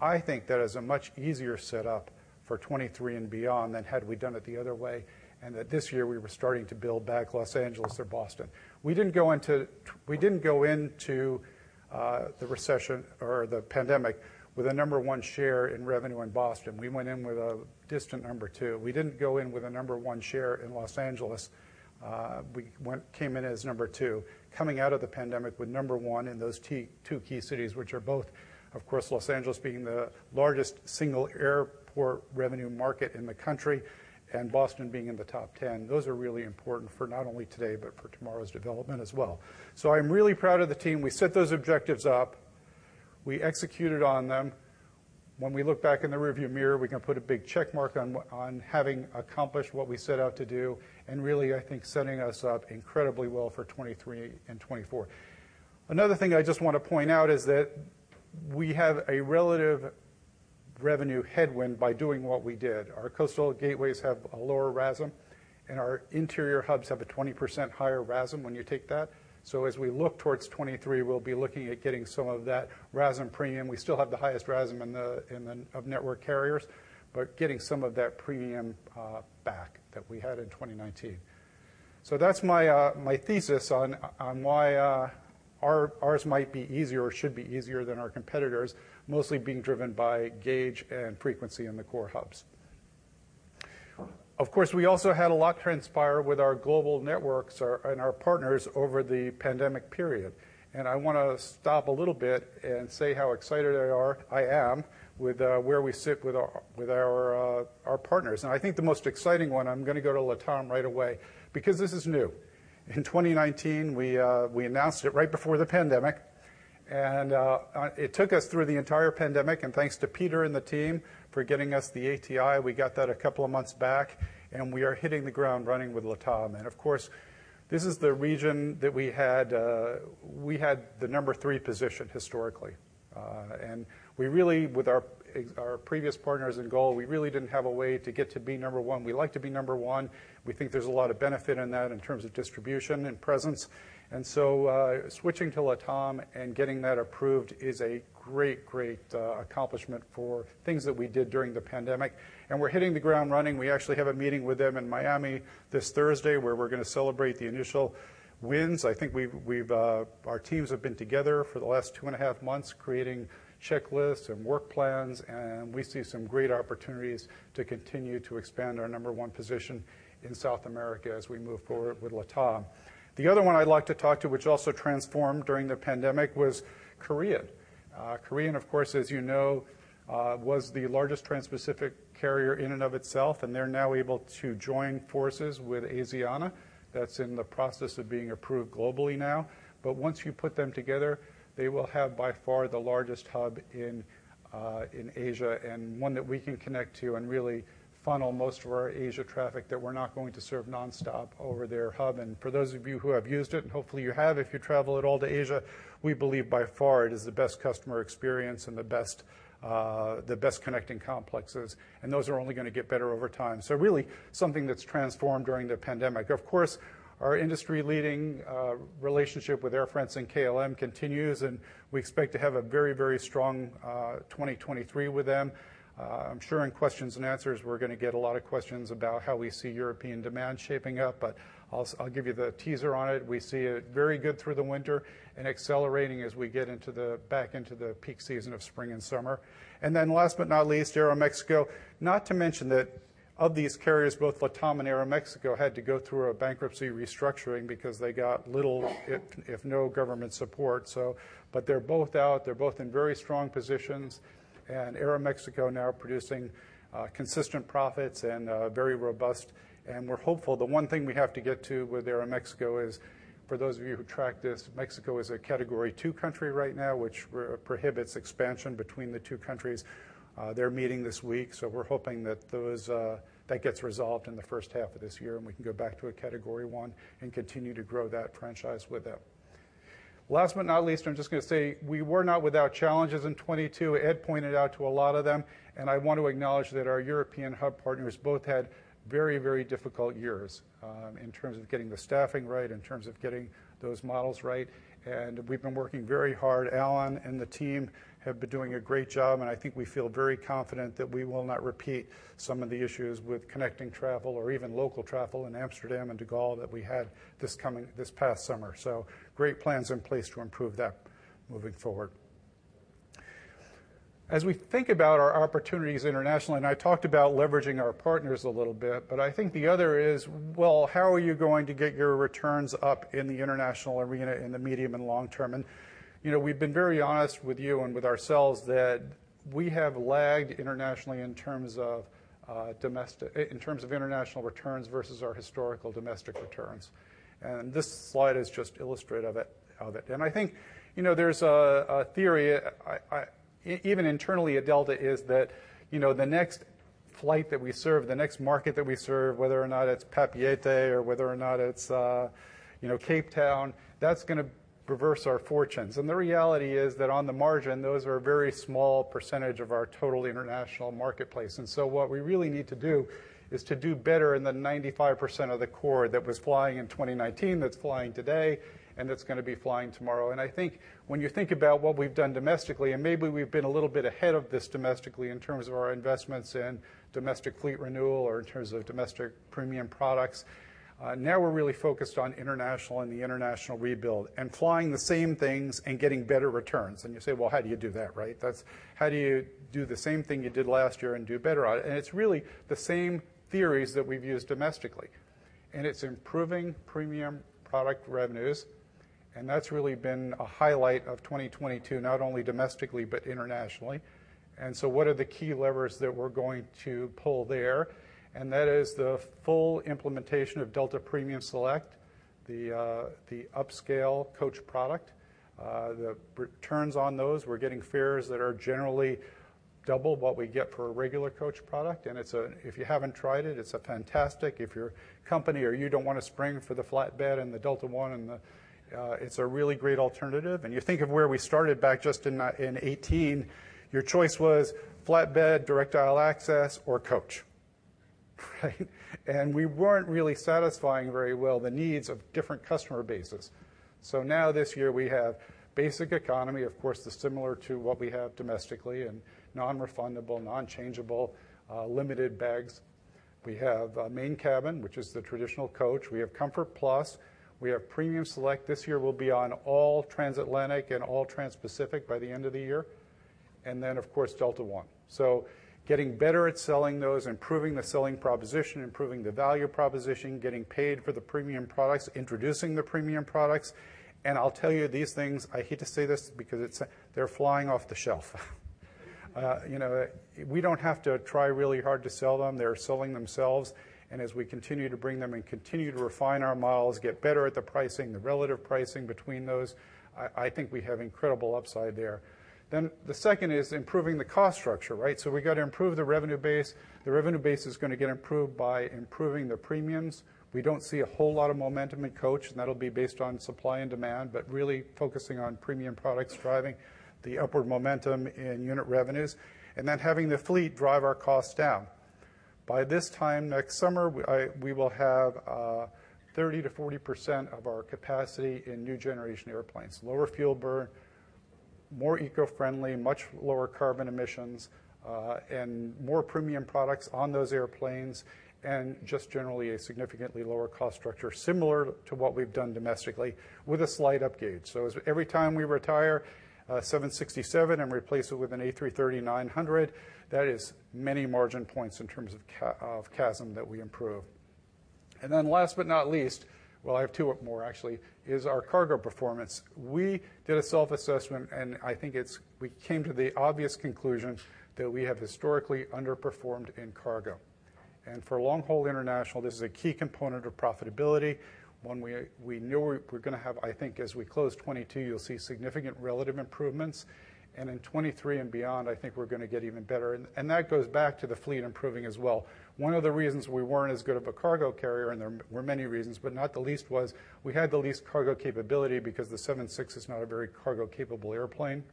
I think that is a much easier setup for 23 and beyond than had we done it the other way and that this year we were starting to build back Los Angeles or Boston. We didn't go into we didn't go into the recession or the pandemic with a number one share in revenue in Boston. We went in with a distant number two. We didn't go in with a number one share in Los Angeles. We came in as number two. Coming out of the pandemic with number one in those two key cities, which are both, of course, Los Angeles being the largest single airport revenue market in the country and Boston being in the top 10. Those are really important for not only today but for tomorrow's development as well. I'm really proud of the team. We set those objectives up. We executed on them. When we look back in the rearview mirror, we can put a big check mark on having accomplished what we set out to do and really, I think, setting us up incredibly well for 2023 and 2024. Another thing I just want to point out is that we have a relative revenue headwind by doing what we did. Our coastal gateways have a lower RASM, and our interior hubs have a 20% higher RASM when you take that. As we look towards 2023, we'll be looking at getting some of that RASM premium. We still have the highest RASM in the of network carriers, but getting some of that premium back that we had in 2019. That's my thesis on why, our, ours might be easier or should be easier than our competitors, mostly being driven by gauge and frequency in the core hubs. Of course, we also had a lot transpire with our global networks our and our partners over the pandemic period. I want to stop a little bit and say how excited I am with, where we sit with our, with our partners. I think the most exciting one, I'm going to go to LATAM right away because this is new. In 2019, we announced it right before the pandemic, it took us through the entire pandemic. Thanks to Peter and the team for getting us the ATI. We got that a couple of months back, we are hitting the ground running with LATAM. Of course, this is the region that we had, we had the number three position historically. We really with our previous partners in goal, we really didn't have a way to get to be number one. We like to be number one. We think there's a lot of benefit in that in terms of distribution and presence. Switching to LATAM and getting that approved is a great accomplishment for things that we did during the pandemic. We're hitting the ground running. We actually have a meeting with them in Miami this Thursday, where we're gonna celebrate the initial wins. I think we've our teams have been together for the last two and a half months creating checklists and work plans, and we see some great opportunities to continue to expand our number one position in South America as we move forward with LATAM. The other one I'd like to talk to, which also transformed during the pandemic, was Korea. Korean, of course, as you know, was the largest transpacific carrier in and of itself, and they're now able to join forces with Asiana. That's in the process of being approved globally now. Once you put them together, they will have by far the largest hub in Asia and one that we can connect to and really funnel most of our Asia traffic that we're not going to serve nonstop over their hub. For those of you who have used it, and hopefully you have if you travel at all to Asia, we believe by far it is the best customer experience and the best connecting complexes, and those are only going to get better over time. Really something that's transformed during the pandemic. Of course, our industry leading relationship with Air France and KLM continues, and we expect to have a very, very strong 2023 with them. I'm sure in questions and answers we're going to get a lot of questions about how we see European demand shaping up, but I'll give you the teaser on it. We see it very good through the winter and accelerating as we get back into the peak season of spring and summer. Last but not least, Aeroméxico. Not to mention that of these carriers, both LATAM and Aeroméxico had to go through a bankruptcy restructuring because they got little, if no government support. They're both out. They're both in very strong positions. Aeroméxico now producing consistent profits and very robust. We're hopeful the one thing we have to get to with Aeroméxico is, for those of you who track this, Mexico is a Category 2 country right now, which prohibits expansion between the two countries. They're meeting this week, we're hoping that those that gets resolved in the first half of this year, and we can go back to a Category 1 and continue to grow that franchise with them. Last but not least, I'm just going to say we were not without challenges in 2022. Ed pointed out to a lot of them, and I want to acknowledge that our European hub partners both had very, very difficult years in terms of getting the staffing right, in terms of getting those models right. We've been working very hard. Alain and the team have been doing a great job, and I think we feel very confident that we will not repeat some of the issues with connecting travel or even local travel in Amsterdam and De Gaulle that we had this past summer. Great plans in place to improve that moving forward. As we think about our opportunities internationally, I talked about leveraging our partners a little bit, I think the other is, well, how are you going to get your returns up in the international arena in the medium and long term? You know, we've been very honest with you and with ourselves that we have lagged internationally in terms of international returns versus our historical domestic returns. This slide is just illustrative of it. I think, you know, there's a theory, even internally at Delta is that, you know, the next flight that we serve, the next market that we serve, whether or not it's Papeete or whether or not it's, you know, Cape Town, that's going to reverse our fortunes. The reality is that on the margin, those are a very small percent of our total international marketplace. What we really need to do is to do better in the 95% of the core that was flying in 2019, that's flying today, and that's going to be flying tomorrow. I think when you think about what we've done domestically, and maybe we've been a little bit ahead of this domestically in terms of our investments in domestic fleet renewal or in terms of domestic premium products, now we're really focused on international and the international rebuild and flying the same things and getting better returns. You say, "Well, how do you do that?" Right? How do you do the same thing you did last year and do better on it? It's really the same theories that we've used domestically, and it's improving premium product revenues. That's really been a highlight of 2022, not only domestically but internationally. What are the key levers that we're going to pull there? That is the full implementation of Delta Premium Select, the upscale coach product. The returns on those, we're getting fares that are generally double what we get for a regular coach product. If you haven't tried it's a fantastic. If your company or you don't want to spring for the flat bed and the Delta One and it's a really great alternative. You think of where we started back just in 18, your choice was flatbed, direct aisle access, or coach, right? We weren't really satisfying very well the needs of different customer bases. Now this year we have Basic Economy. Of course, it's similar to what we have domestically and non-refundable, non-changeable, limited bags. We have a Main Cabin, which is the traditional coach. We have Delta Comfort+. We have Delta Premium Select. This year will be on all transatlantic and all transpacific by the end of the year. Of course, Delta One. Getting better at selling those, improving the selling proposition, improving the value proposition, getting paid for the premium products, introducing the premium products. I'll tell you these things, I hate to say this because they're flying off the shelf. You know, we don't have to try really hard to sell them. They're selling themselves. As we continue to bring them and continue to refine our models, get better at the pricing, the relative pricing between those, I think we have incredible upside there. The second is improving the cost structure, right? We got to improve the revenue base. The revenue base is going to get improved by improving the premiums. We don't see a whole lot of momentum in coach, and that'll be based on supply and demand, but really focusing on premium products, driving the upward momentum in unit revenues, and then having the fleet drive our costs down. By this time next summer, we will have 30%-40% of our capacity in new generation airplanes. Lower fuel burn, more eco-friendly, much lower carbon emissions, and more premium products on those airplanes, and just generally a significantly lower cost structure similar to what we've done domestically with a slight upgauge. Every time we retire a 767 and replace it with an A330-900, that is many margin points in terms of CASM that we improve. Last but not least, well, I have two more actually, is our cargo performance. We did a self-assessment, and I think we came to the obvious conclusion that we have historically underperformed in cargo. For long-haul international, this is a key component of profitability. One, we know we're gonna have I think as we close 22, you'll see significant relative improvements. In 23 and beyond, I think we're gonna get even better. That goes back to the fleet improving as well. One of the reasons we weren't as good of a cargo carrier, and there were many reasons, but not the least, was we had the least cargo capability because the 767 is not a very cargo-capable airplane.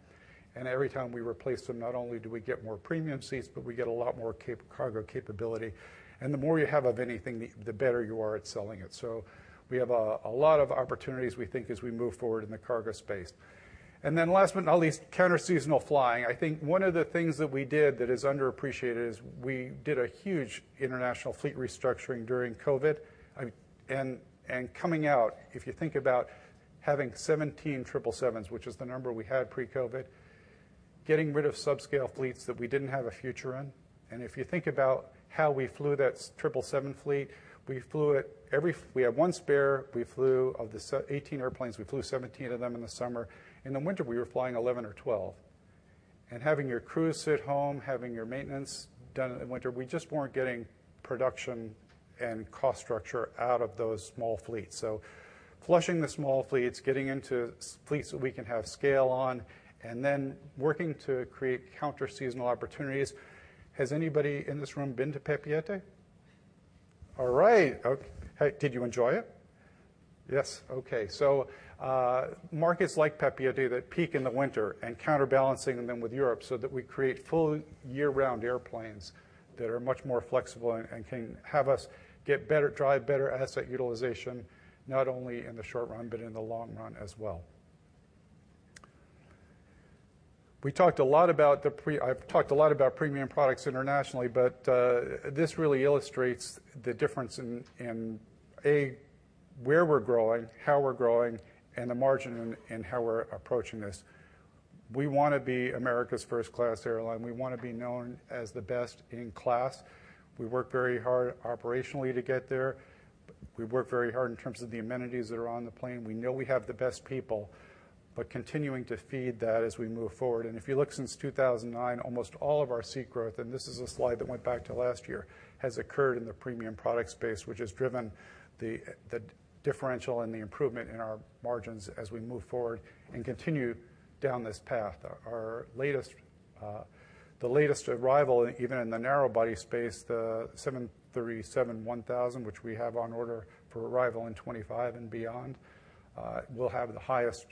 Every time we replace them, not only do we get more premium seats, but we get a lot more cargo capability. The more you have of anything, the better you are at selling it. We have a lot of opportunities we think as we move forward in the cargo space. Last but not least, counter-seasonal flying. I think one of the things that we did that is underappreciated is we did a huge international fleet restructuring during COVID. Coming out, if you think about having 17 triple sevens, which is the number we had pre-COVID, getting rid of subscale fleets that we didn't have a future in. If you think about how we flew that triple seven fleet, we had one spare. Of the 18 airplanes, we flew 17 of them in the summer. In the winter, we were flying 11 or 12. Having your crew sit home, having your maintenance done in winter, we just weren't getting production and cost structure out of those small fleets. Flushing the small fleets, getting into fleets that we can have scale on, working to create counter-seasonal opportunities. Has anybody in this room been to Papeete? All right. Did you enjoy it? Yes. Okay. Markets like Papeete that peak in the winter and counterbalancing them with Europe so that we create full year-round airplanes that are much more flexible and can have us drive better asset utilization, not only in the short run but in the long run as well. I've talked a lot about premium products internationally, but this really illustrates the difference in A, where we're growing, how we're growing, and the margin and how we're approaching this. We wanna be America's first-class airline. We wanna be known as the best in class. We work very hard operationally to get there. We work very hard in terms of the amenities that are on the plane. We know we have the best people, but continuing to feed that as we move forward. If you look since 2009, almost all of our seat growth, and this is a slide that went back to last year, has occurred in the premium product space, which has driven the differential and the improvement in our margins as we move forward and continue down this path. Our, our latest, the latest arrival, even in the narrowbody space, the 737-10, which we have on order for arrival in 2025 and beyond, will have the highest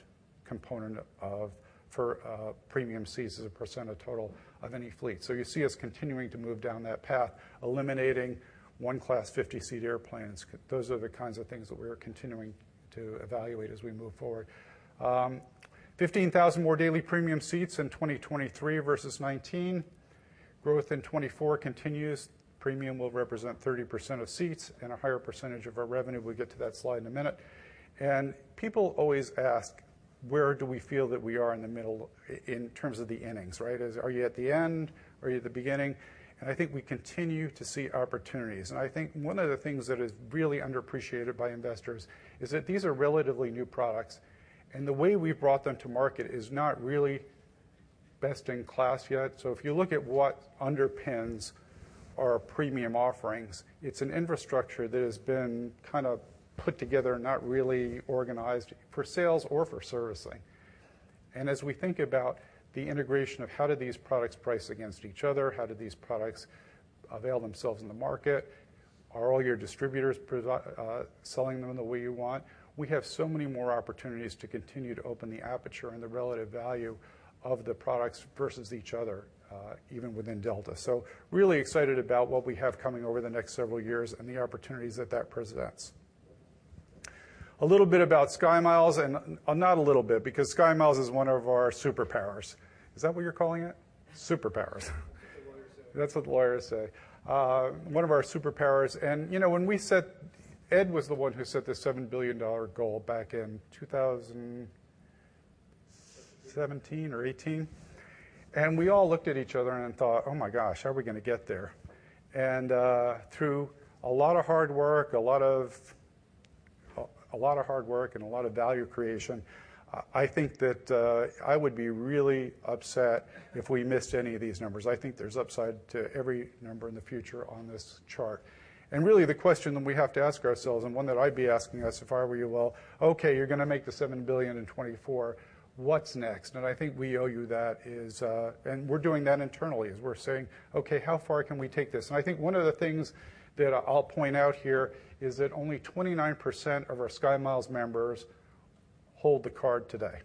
component of, for, premium seats as a percent of total of any fleet. You see us continuing to move down that path, eliminating one-class 50-seat airplanes. Those are the kinds of things that we are continuing to evaluate as we move forward. 15,000 more daily premium seats in 2023 versus 2019. Growth in 2024 continues. Premium will represent 30% of seats and a higher percentage of our revenue. We'll get to that slide in a minute. People always ask, where do we feel that we are in the middle in terms of the innings, right? Are you at the end? Are you at the beginning? I think we continue to see opportunities. I think one of the things that is really underappreciated by investors is that these are relatively new products, and the way we've brought them to market is not really best in class yet. If you look at what underpins our premium offerings, it's an infrastructure that has been kind of put together, not really organized for sales or for servicing. As we think about the integration of how do these products price against each other, how do these products avail themselves in the market, are all your distributors selling them the way you want? We have so many more opportunities to continue to open the aperture and the relative value of the products versus each other, even within Delta. Really excited about what we have coming over the next several years and the opportunities that that presents. A little bit about SkyMiles. Not a little bit because SkyMiles is one of our superpowers. Is that what you're calling it? Superpowers. That's what the lawyers say. That's what the lawyers say. one of our superpowers. You know, when Ed was the one who set the $7 billion goal back in 2017 or 2018. We all looked at each other and thought, "Oh my gosh, how are we gonna get there?" Through a lot of hard work and a lot of value creation, I think that I would be really upset if we missed any of these numbers. I think there's upside to every number in the future on this chart. Really the question that we have to ask ourselves and one that I'd be asking us if I were you, Well, okay, you're gonna make the $7 billion in 2024. What's next? I think we owe you that is, and we're doing that internally is we're saying, "Okay, how far can we take this?" I think one of the things that I'll point out here is that only 29% of our SkyMiles members hold the card today.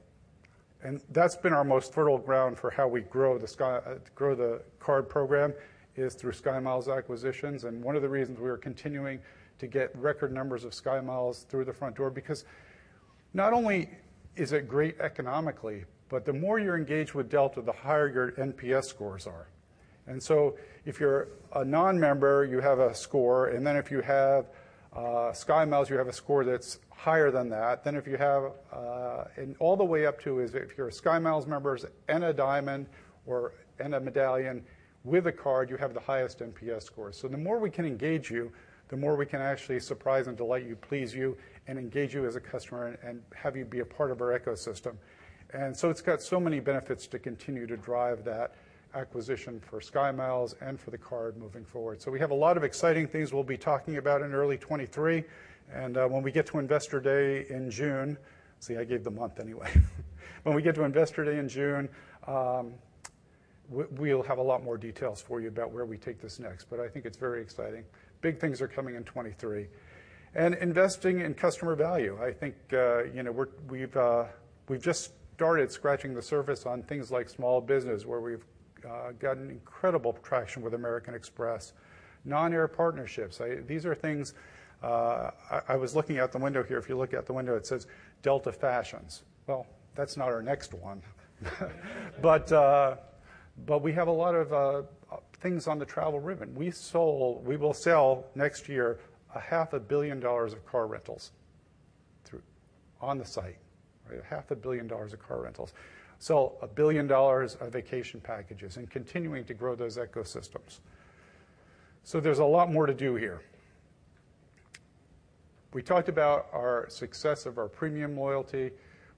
That's been our most fertile ground for how we grow the card program is through SkyMiles acquisitions. One of the reasons we are continuing to get record numbers of SkyMiles through the front door because not only is it great economically, but the more you're engaged with Delta, the higher your NPS scores are. If you're a non-member, you have a score, and then if you have SkyMiles, you have a score that's higher than that. If you have, all the way up to is if you're a SkyMiles members and a Diamond or and a Medallion with a card, you have the highest NPS score. The more we can engage you, the more we can actually surprise and delight you, please you, and engage you as a customer and have you be a part of our ecosystem. It's got so many benefits to continue to drive that acquisition for SkyMiles and for the card moving forward. We have a lot of exciting things we'll be talking about in early 2023. When we get to Investor Day in June. See, I gave the month anyway. When we get to Investor Day in June, we'll have a lot more details for you about where we take this next, but I think it's very exciting. Big things are coming in 2023. Investing in customer value. I think, you know, we've just started scratching the surface on things like small business, where we've gotten incredible traction with American Express. Non-air partnerships. These are things. I was looking out the window here. If you look out the window, it says Delta Fashions. Well, that's not our next one. We have a lot of things on the travel ribbon. We will sell next year a half a billion dollars of car rentals on the site. All right? A half a billion dollars of car rentals. Sell $1 billion of vacation packages, and continuing to grow those ecosystems. There's a lot more to do here. We talked about our success of our premium loyalty.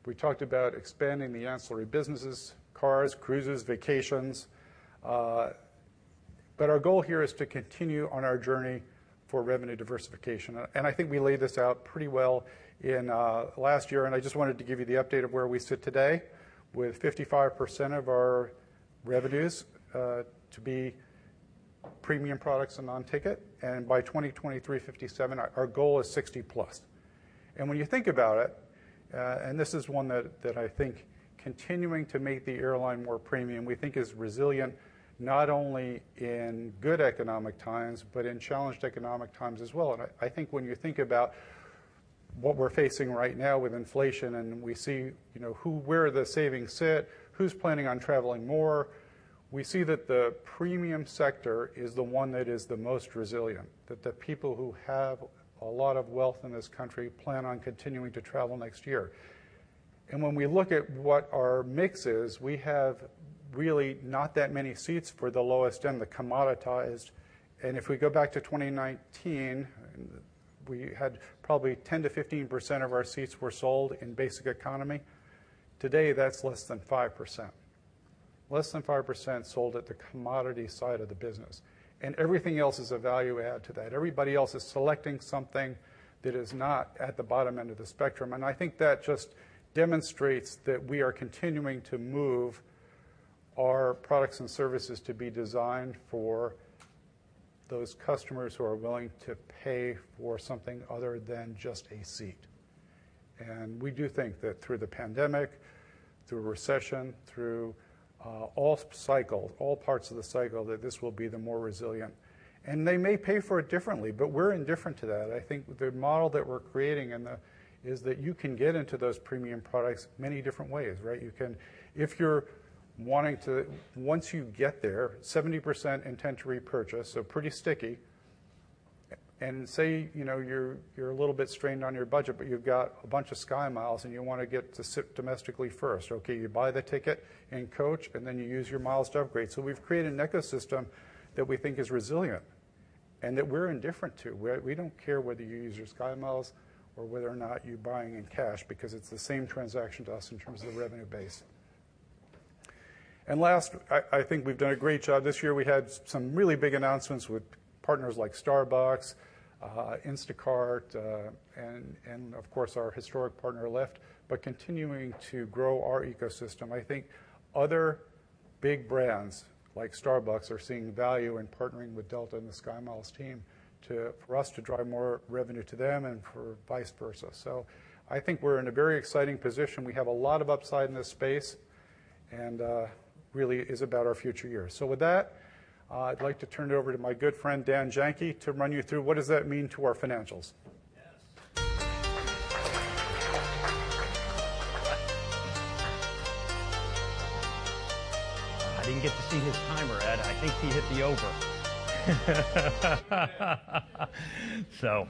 We talked about expanding the ancillary businesses, cars, cruises, vacations. Our goal here is to continue on our journey for revenue diversification. I think we laid this out pretty well in last year, and I just wanted to give you the update of where we sit today with 55% of our revenues to be premium products and non-ticket, and by 2023 57%, our goal is 60 plus. When you think about it, this is one that I think continuing to make the airline more premium, we think is resilient not only in good economic times, but in challenged economic times as well. I think when you think about what we're facing right now with inflation, and we see, you know, where the savings sit, who's planning on traveling more, we see that the premium sector is the one that is the most resilient. That the people who have a lot of wealth in this country plan on continuing to travel next year. When we look at what our mix is, we have really not that many seats for the lowest end, the commoditized. If we go back to 2019, and we had probably 10%-15% of our seats were sold in Basic Economy. Today, that's less than 5%. Less than 5% sold at the commodity side of the business. Everything else is a value add to that. Everybody else is selecting something that is not at the bottom end of the spectrum. I think that just demonstrates that we are continuing to move our products and services to be designed for those customers who are willing to pay for something other than just a seat. We do think that through the pandemic, through a recession, through all cycles, all parts of the cycle, that this will be the more resilient. They may pay for it differently, but we're indifferent to that. I think the model that we're creating is that you can get into those premium products many different ways, right? Once you get there, 70% intend to repurchase, so pretty sticky. Say, you know, you're a little bit strained on your budget, but you've got a bunch of SkyMiles, and you want to get to sit domestically first. Okay, you buy the ticket in coach, and then you use your miles to upgrade. We've created an ecosystem that we think is resilient and that we're indifferent to. We don't care whether you use your SkyMiles or whether or not you're buying in cash because it's the same transaction to us in terms of the revenue base. Last, I think we've done a great job. This year we had some really big announcements with partners like Starbucks, Instacart, and of course our historic partner Lyft, but continuing to grow our ecosystem. I think other big brands like Starbucks are seeing value in partnering with Delta and the SkyMiles team for us to drive more revenue to them and for vice versa. I think we're in a very exciting position. We have a lot of upside in this space, and really is about our future years. With that, I'd like to turn it over to my good friend, Dan Janki, to run you through what does that mean to our financials. Yes. I didn't get to see his timer, Ed. I think he hit the over.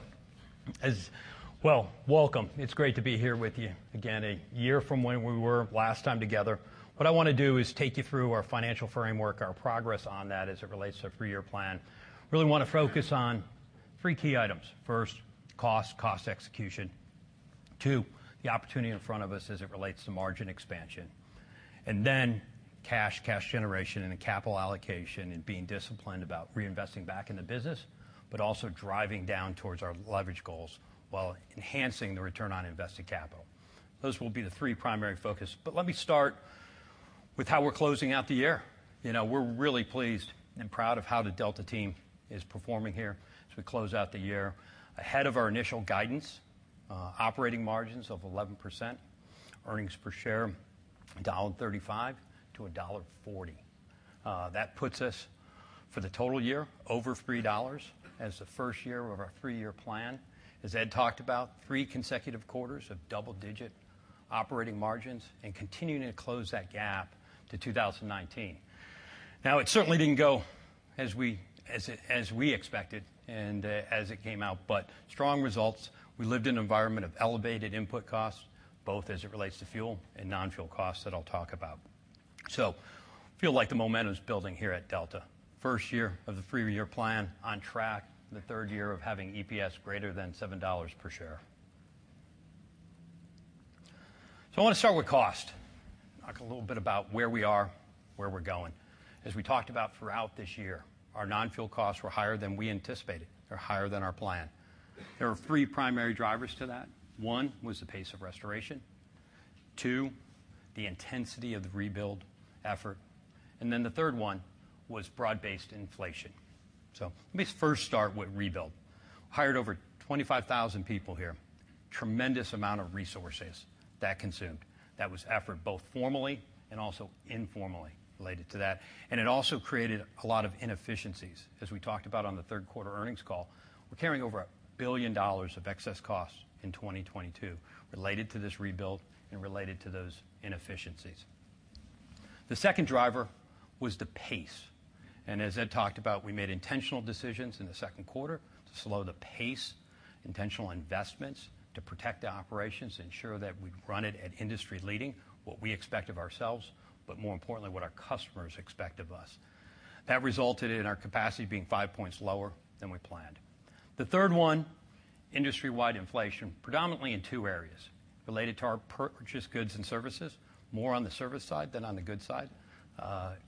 Well, welcome. It's great to be here with you again, a year from when we were last time together. What I wanna do is take you through our financial framework, our progress on that as it relates to our three-year plan. Really wanna focus on three key items. First, cost execution. Two, the opportunity in front of us as it relates to margin expansion. cash generation, and capital allocation, and being disciplined about reinvesting back in the business, but also driving down towards our leverage goals while enhancing the return on invested capital. Those will be the three primary focus. Let me start with how we're closing out the year. You know, we're really pleased and proud of how the Delta team is performing here as we close out the year. Ahead of our initial guidance, operating margins of 11%, earnings per share, $1.35 to $1.40. That puts us for the total year, over $3 as the first year of our three-year plan. As Ed talked about, three consecutive quarters of double-digit operating margins and continuing to close that gap to 2019. It certainly didn't go as we expected and as it came out, but strong results. We lived in an environment of elevated input costs, both as it relates to fuel and non-fuel costs that I'll talk about. Feel like the momentum is building here at Delta. First year of the three-year plan on track, the third year of having EPS greater than $7 per share. I wanna start with cost. Talk a little bit about where we are, where we're going. As we talked about throughout this year, our non-fuel costs were higher than we anticipated. They're higher than our plan. There are three primary drivers to that. One was the pace of restoration, two, the intensity of the rebuild effort, and then the third one was broad-based inflation. Let me first start with rebuild. Hired over 25,000 people here. Tremendous amount of resources that consumed. That was effort, both formally and also informally related to that. It also created a lot of inefficiencies. As we talked about on the third quarter earnings call, we're carrying over $1 billion of excess costs in 2022 related to this rebuild and related to those inefficiencies. The second driver was the pace, and as Ed talked about, we made intentional decisions in the second quarter to slow the pace, intentional investments to protect the operations, ensure that we run it at industry leading, what we expect of ourselves, but more importantly, what our customers expect of us. That resulted in our capacity being five points lower than we planned. The third one, industry-wide inflation, predominantly in two areas related to our purchased goods and services, more on the service side than on the goods side.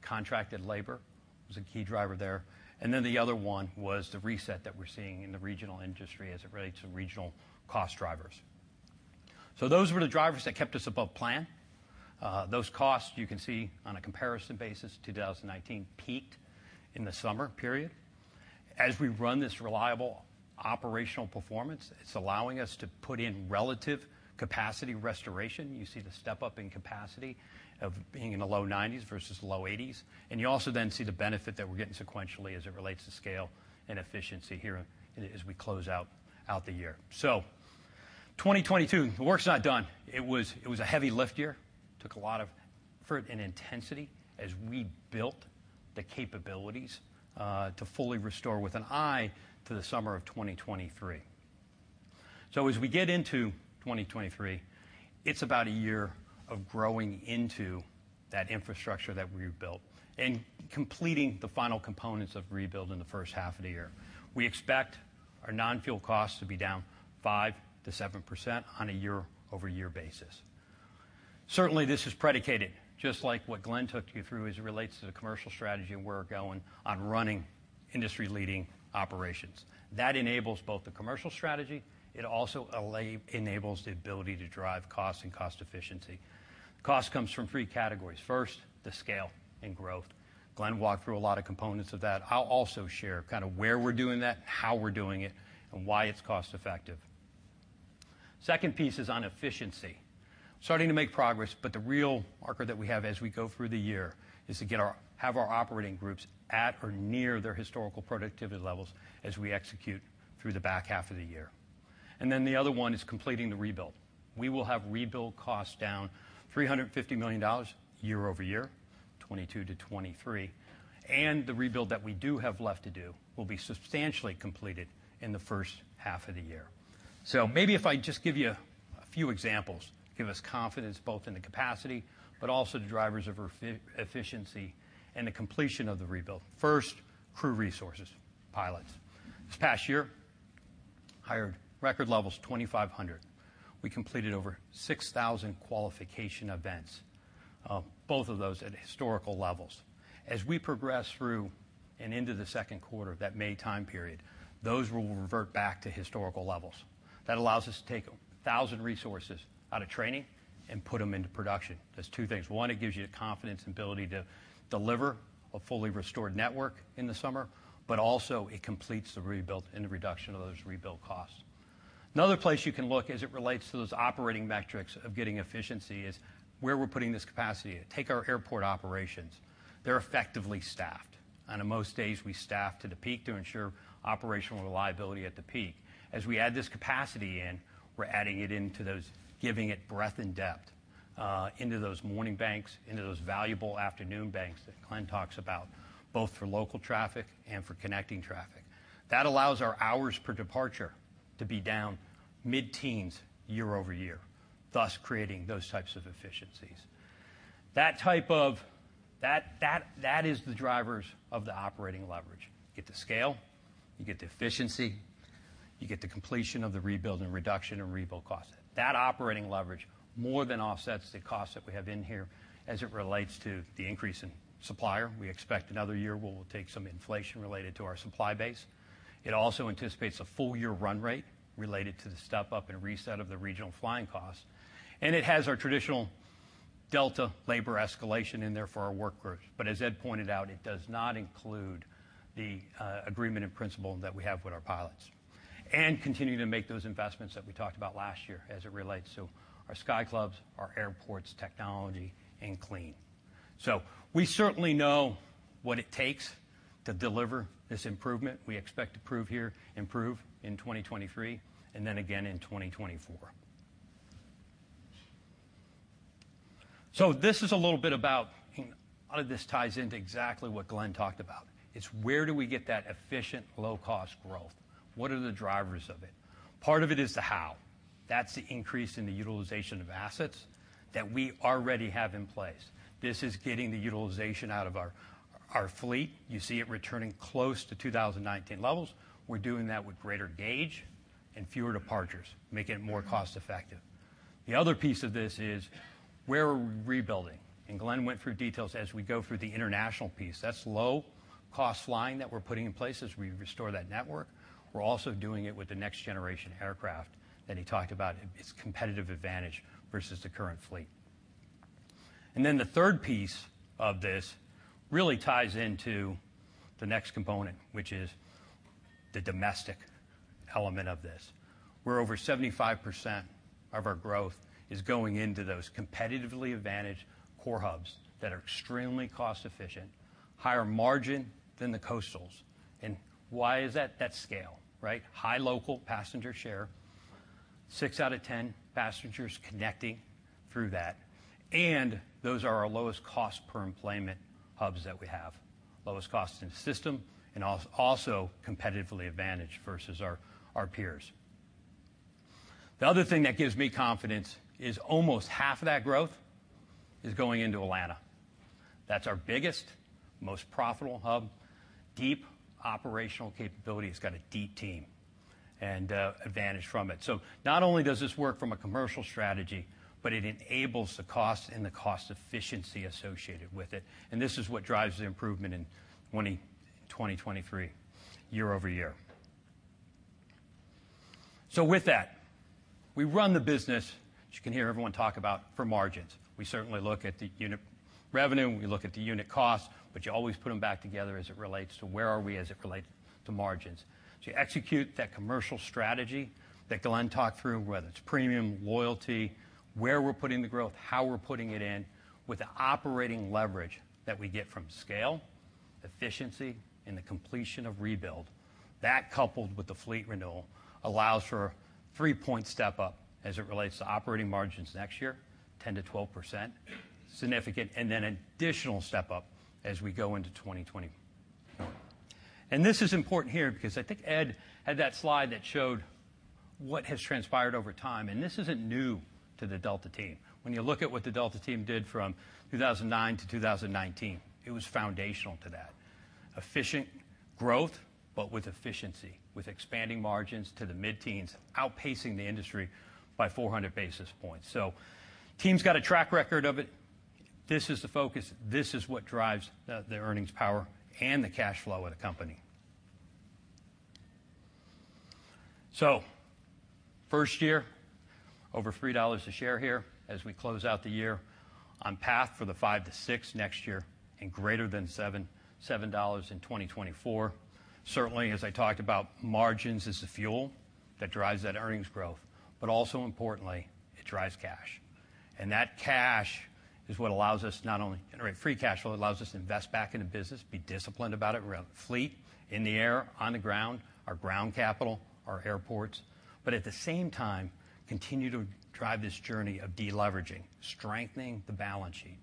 Contracted labor was a key driver there. The other one was the reset that we're seeing in the regional industry as it relates to regional cost drivers. Those were the drivers that kept us above plan. Those costs you can see on a comparison basis, 2019 peaked in the summer period. We run this reliable operational performance, it's allowing us to put in relative capacity restoration. You see the step-up in capacity of being in the low 90s% versus low 80s%. You also then see the benefit that we're getting sequentially as it relates to scale and efficiency here as we close out the year. 2022, the work's not done. It was a heavy lift year. Took a lot of effort and intensity as we built the capabilities to fully restore with an eye to the summer of 2023. As we get into 2023, it's about a year of growing into that infrastructure that we built and completing the final components of rebuild in the first half of the year. We expect our non-fuel costs to be down 5%-7% on a year-over-year basis. Certainly, this is predicated just like what Glen took you through as it relates to the commercial strategy, and we're going on running industry-leading operations. That enables both the commercial strategy. It also enables the ability to drive costs and cost efficiency. Cost comes from three categories. First, the scale and growth. Glen walked through a lot of components of that. I'll also share kinda where we're doing that, how we're doing it, and why it's cost-effective. Second piece is on efficiency. Starting to make progress, but the real marker that we have as we go through the year is to have our operating groups at or near their historical productivity levels as we execute through the back half of the year. The other one is completing the rebuild. We will have rebuild costs down $350 million year-over-year, 2022-2023. The rebuild that we do have left to do will be substantially completed in the first half of the year. Maybe if I just give you a few examples, give us confidence both in the capacity, but also the drivers of efficiency and the completion of the rebuild. First, crew resources, pilots. This past year, hired record levels, 2,500. We completed over 6,000 qualification events, both of those at historical levels. As we progress through and into the second quarter, that May time period, those will revert back to historical levels. That allows us to take 1,000 resources out of training and put them into production. There's two things. One, it gives you the confidence and ability to deliver a fully restored network in the summer. Also, it completes the rebuild and the reduction of those rebuild costs. Another place you can look as it relates to those operating metrics of getting efficiency is where we're putting this capacity. Take our airport operations. They're effectively staffed. On most days, we staff to the peak to ensure operational reliability at the peak. As we add this capacity in, we're adding it into those, giving it breadth and depth into those morning banks, into those valuable afternoon banks that Glen talks about, both for local traffic and for connecting traffic. That allows our hours per departure to be down mid-teens year-over-year, thus creating those types of efficiencies. That is the drivers of the operating leverage. Get the scale, you get the efficiency, you get the completion of the rebuild and reduction in rebuild cost. That operating leverage more than offsets the cost that we have in here as it relates to the increase in supplier. We expect another year where we'll take some inflation related to our supply base. It also anticipates a full year run rate related to the step-up and reset of the regional flying cost. It has our traditional Delta labor escalation in there for our work groups. As Ed pointed out, it does not include the agreement in principle that we have with our pilots. Continuing to make those investments that we talked about last year as it relates to our Sky Clubs, our airports technology, and clean. We certainly know what it takes to deliver this improvement. We expect to improve in 2023, then again in 2024. This is a little bit about, you know, a lot of this ties into exactly what Glen talked about. It's where do we get that efficient low-cost growth? What are the drivers of it? Part of it is the how. That's the increase in the utilization of assets that we already have in place. This is getting the utilization out of our fleet. You see it returning close to 2019 levels. We're doing that with greater gauge and fewer departures, making it more cost effective. The other piece of this is where are we rebuilding? Glen went through details as we go through the international piece. That's low cost flying that we're putting in place as we restore that network. We're also doing it with the next generation aircraft that he talked about. It's competitive advantage versus the current fleet. The third piece of this really ties into the next component, which is the domestic element of this, where over 75% of our growth is going into those competitively advantaged core hubs that are extremely cost efficient, higher margin than the coastals. Why is that? That's scale, right? High local passenger share. Six out of 10 passengers connecting through that. Those are our lowest cost per employment hubs that we have. Lowest costs in the system and also competitively advantaged versus our peers. The other thing that gives me confidence is almost half of that growth is going into Atlanta. That's our biggest, most profitable hub. Deep operational capability. It's got a deep team and advantage from it. Not only does this work from a commercial strategy, but it enables the cost and the cost efficiency associated with it. This is what drives the improvement in 2023 year-over-year. With that, we run the business, which you can hear everyone talk about, for margins. We certainly look at the unit revenue, we look at the unit cost, but you always put them back together as it relates to where are we as it relates to margins. You execute that commercial strategy that Glen talked through, whether it's premium loyalty, where we're putting the growth, how we're putting it in with the operating leverage that we get from scale, efficiency, and the completion of rebuild. That, coupled with the fleet renewal, allows for a three-point step up as it relates to operating margins next year, 10%-12%. Significant. Additional step up as we go into 2024. This is important here because I think Ed had that slide that showed what has transpired over time. This isn't new to the Delta team. When you look at what the Delta team did from 2009 to 2019, it was foundational to that. Efficient growth, but with efficiency, with expanding margins to the mid-teens, outpacing the industry by 400 basis points. Team's got a track record of it. This is the focus. This is what drives the earnings power and the cash flow of the company. First year, over $3 a share here as we close out the year. On path for the $5-$6 next year, and greater than $7 in 2024. Certainly, as I talked about, margins is the fuel that drives that earnings growth. Also importantly, it drives cash. That cash is what allows us to not only generate free cash flow, it allows us to invest back in the business, be disciplined about it. We have fleet in the air, on the ground, our ground capital, our airports. At the same time, continue to drive this journey of deleveraging, strengthening the balance sheet.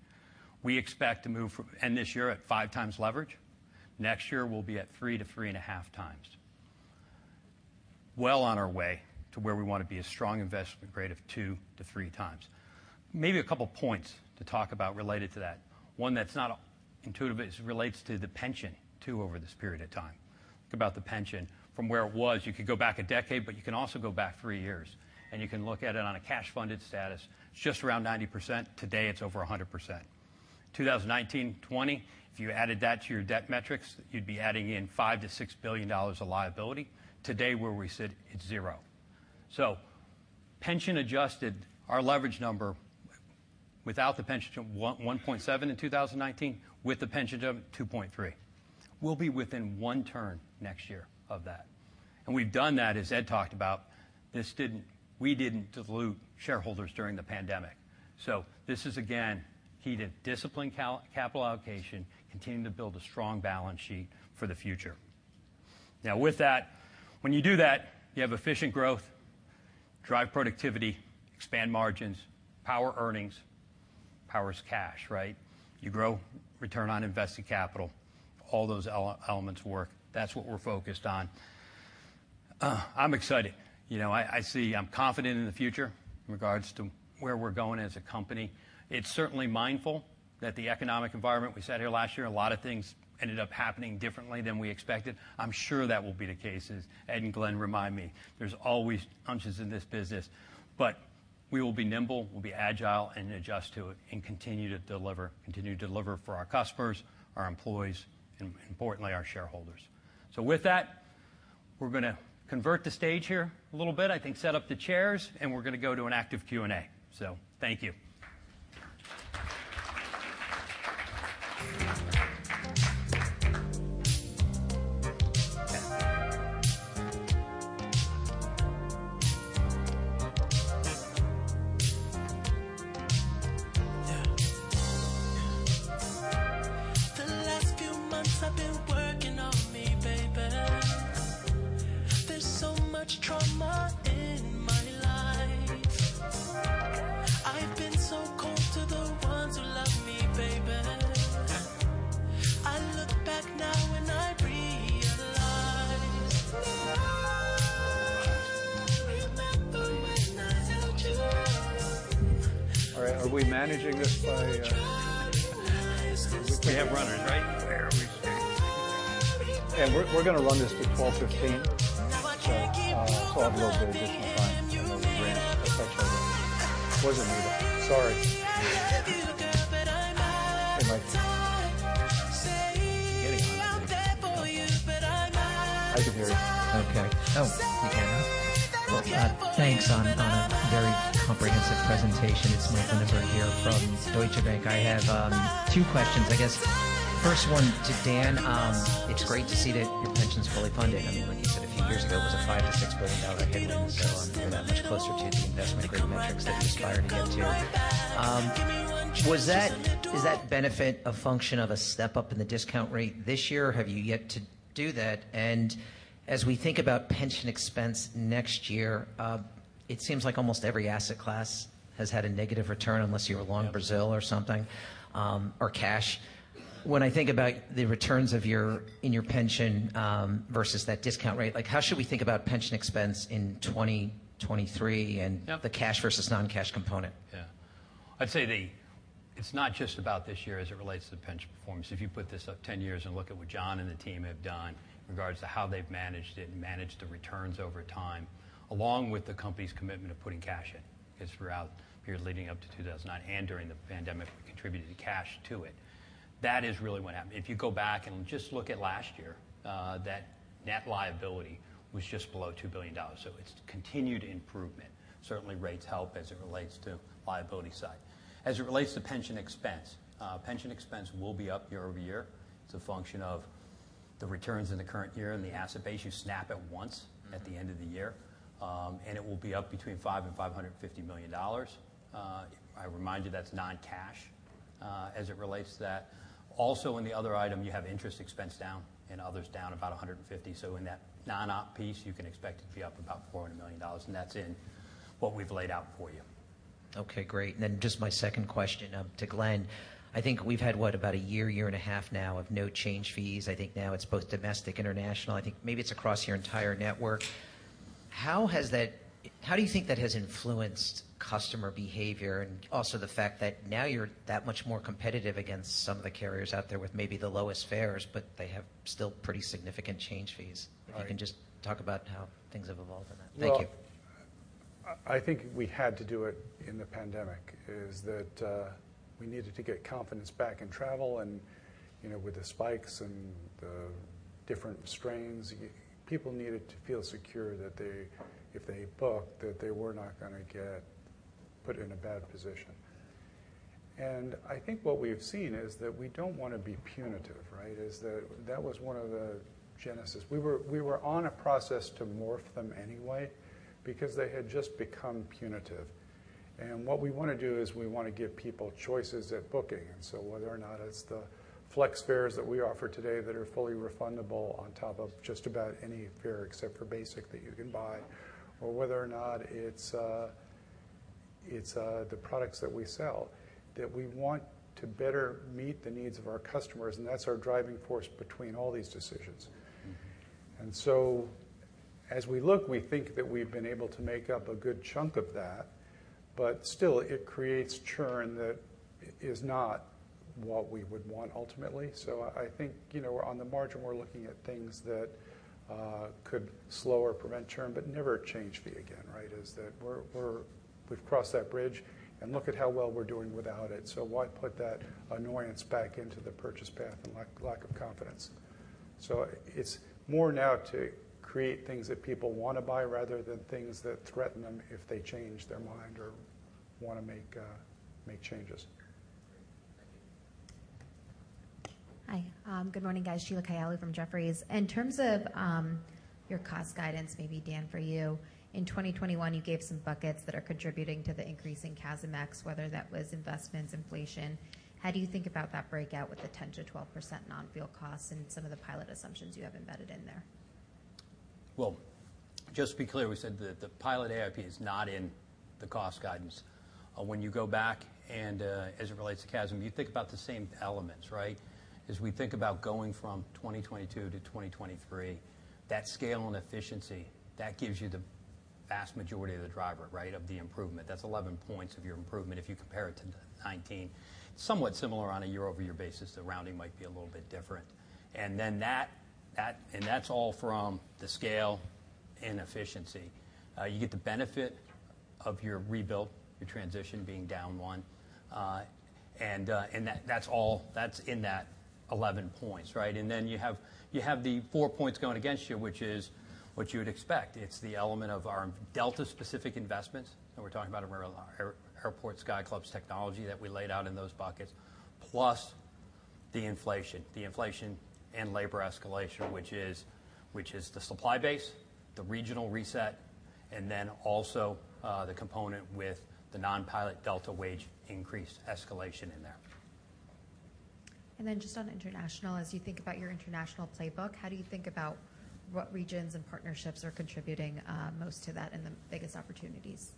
We expect to end this year at 5x leverage. Next year, we'll be at 3 to 3.5x. Well on our way to where we wanna be, a strong investment grade of 2 to 3x. Maybe a couple points to talk about related to that. One that's not intuitive, but it relates to the pension too over this period of time. Think about the pension from where it was. You could go back a decade, but you can also go back three years, and you can look at it on a cash funded status. It's just around 90%. Today, it's over 100%. 2019, 2020, if you added that to your debt metrics, you'd be adding in $5 billion-$6 billion of liability. Today, where we sit, it's zero. Pension adjusted, our leverage number without the pension, 1.7 in 2019. With the pension, 2.3. We'll be within one turn next year of that. We've done that, as Ed talked about. We didn't dilute shareholders during the pandemic. This is again key to disciplined capital allocation, continuing to build a strong balance sheet for the future. With that, when you do that, you have efficient growth, drive productivity, expand margins, power earnings. Power is cash, right? You grow return on invested capital. All those elements work. That's what we're focused on. I'm excited. You know, I'm confident in the future in regards to where we're going as a company. It's certainly mindful that the economic environment, we sat here last year, a lot of things ended up happening differently than we expected. I'm sure that will be the case, as Ed and Glen remind me. There's always punches in this business, but we will be nimble, we'll be agile, and adjust to it and continue to deliver for our customers, our employees, and importantly, our shareholders. With that, we're gonna convert the stage here a little bit, I think set up the chairs, and we're gonna go to an active Q&A. Thank you. All right. Are we managing this by? We have runners, right? Yeah. We're gonna run this to 12:15 P.M. I'll have José give you time on the ramp. That's our time. Wasn't me though. Sorry. I can hear you. Okay. Oh, you can now? Well, thanks on a very comprehensive presentation. It's Michael Linenberg here from Deutsche Bank. I have two questions, I guess. First one to Dan. It's great to see that your pension is fully funded. I mean, like you said, a few years ago it was a $5 billion-$6 billion headwind, so you're that much closer to the investment grade metrics that you're aspiring to get to. Is that benefit a function of a step up in the discount rate this year? Have you yet to do that and as we think about pension expense next year, it seems like almost every asset class has had a negative return unless you're along Brazil or something, or cash. When I think about the returns in your pension, versus that discount rate, like how should we think about pension expense in 2023 and the cash versus non-cash component? I'd say it's not just about this year as it relates to pension performance. If you put this up 10 years and look at what John and the team have done in regards to how they've managed it and managed the returns over time, along with the company's commitment of putting cash in, because throughout periods leading up to 2009 and during the pandemic, we contributed cash to it. That is really what happened. If you go back and just look at last year, that net liability was just below $2 billion. It's continued improvement. Certainly rates help as it relates to liability side. As it relates to pension expense, pension expense will be up year-over-year. It's a function of the returns in the current year and the asset base. You snap it once at the end of the year, it will be up between $5 million and $550 million. I remind you that's non-cash, as it relates to that. In the other item, you have interest expense down and others down about $150 million. In that non-op piece, you can expect it to be up about $400 million, and that's in what we've laid out for you. Okay, great. Then just my second question, to Glen. I think we've had what? About a year and a half now of no change fees. I think now it's both domestic, international. I think maybe it's across your entire network. How do you think that has influenced customer behavior and also the fact that now you're that much more competitive against some of the carriers out there with maybe the lowest fares, but they have still pretty significant change fees. If you can just talk about how things have evolved in that. Thank you. Well, I think we had to do it in the pandemic, is that, we needed to get confidence back in travel and, you know, with the spikes and the different strains, people needed to feel secure that if they book, that they were not gonna get put in a bad position. I think what we've seen is that we don't wanna be punitive, right? Is that that was one of the genesis. We were on a process to morph them anyway because they had just become punitive. What we wanna do is we wanna give people choices at booking. Whether or not it's the flex fares that we offer today that are fully refundable on top of just about any fare except for basic that you can buy, or whether or not it's, the products that we sell, that we want to better meet the needs of our customers, and that's our driving force between all these decisions. As we look, we think that we've been able to make up a good chunk of that. Still it creates churn that is not what we would want ultimately. I think, you know, on the margin, we're looking at things that could slow or prevent churn, but never a change fee again, right? We've crossed that bridge and look at how well we're doing without it. Why put that annoyance back into the purchase path and lack of confidence? It's more now to create things that people wanna buy rather than things that threaten them if they change their mind or wanna make changes. Great. Thank you. Hi, good morning, guys. Sheila Kahyaoglu from Jefferies. In terms of, your cost guidance, maybe Dan, for you. In 2021, you gave some buckets that are contributing to the increase in CASM ex, whether that was investments, inflation. How do you think about that breakout with the 10%-12% non-fuel costs and some of the pilot assumptions you have embedded in there? Well, just to be clear, we said the pilot AIP is not in the cost guidance. When you go back as it relates to CASM, you think about the same elements, right? We think about going from 2022 to 2023, that scale and efficiency, that gives you the vast majority of the driver, right, of the improvement. That's 11 points of your improvement if you compare it to 19. Somewhat similar on a year-over-year basis. The rounding might be a little bit different. That's all from the scale and efficiency. You get the benefit of your rebuilt, your transition being down 1. That's all that's in that 11 points, right? You have the 4 points going against you, which is what you would expect. It's the element of our Delta specific investments. We're talking about our Airport Sky Clubs technology that we laid out in those buckets. Plus the inflation and labor escalation, which is the supply base, the regional reset, and then also the component with the nonpilot Delta wage increase escalation in there. Just on international, as you think about your international playbook, how do you think about what regions and partnerships are contributing most to that and the biggest opportunities?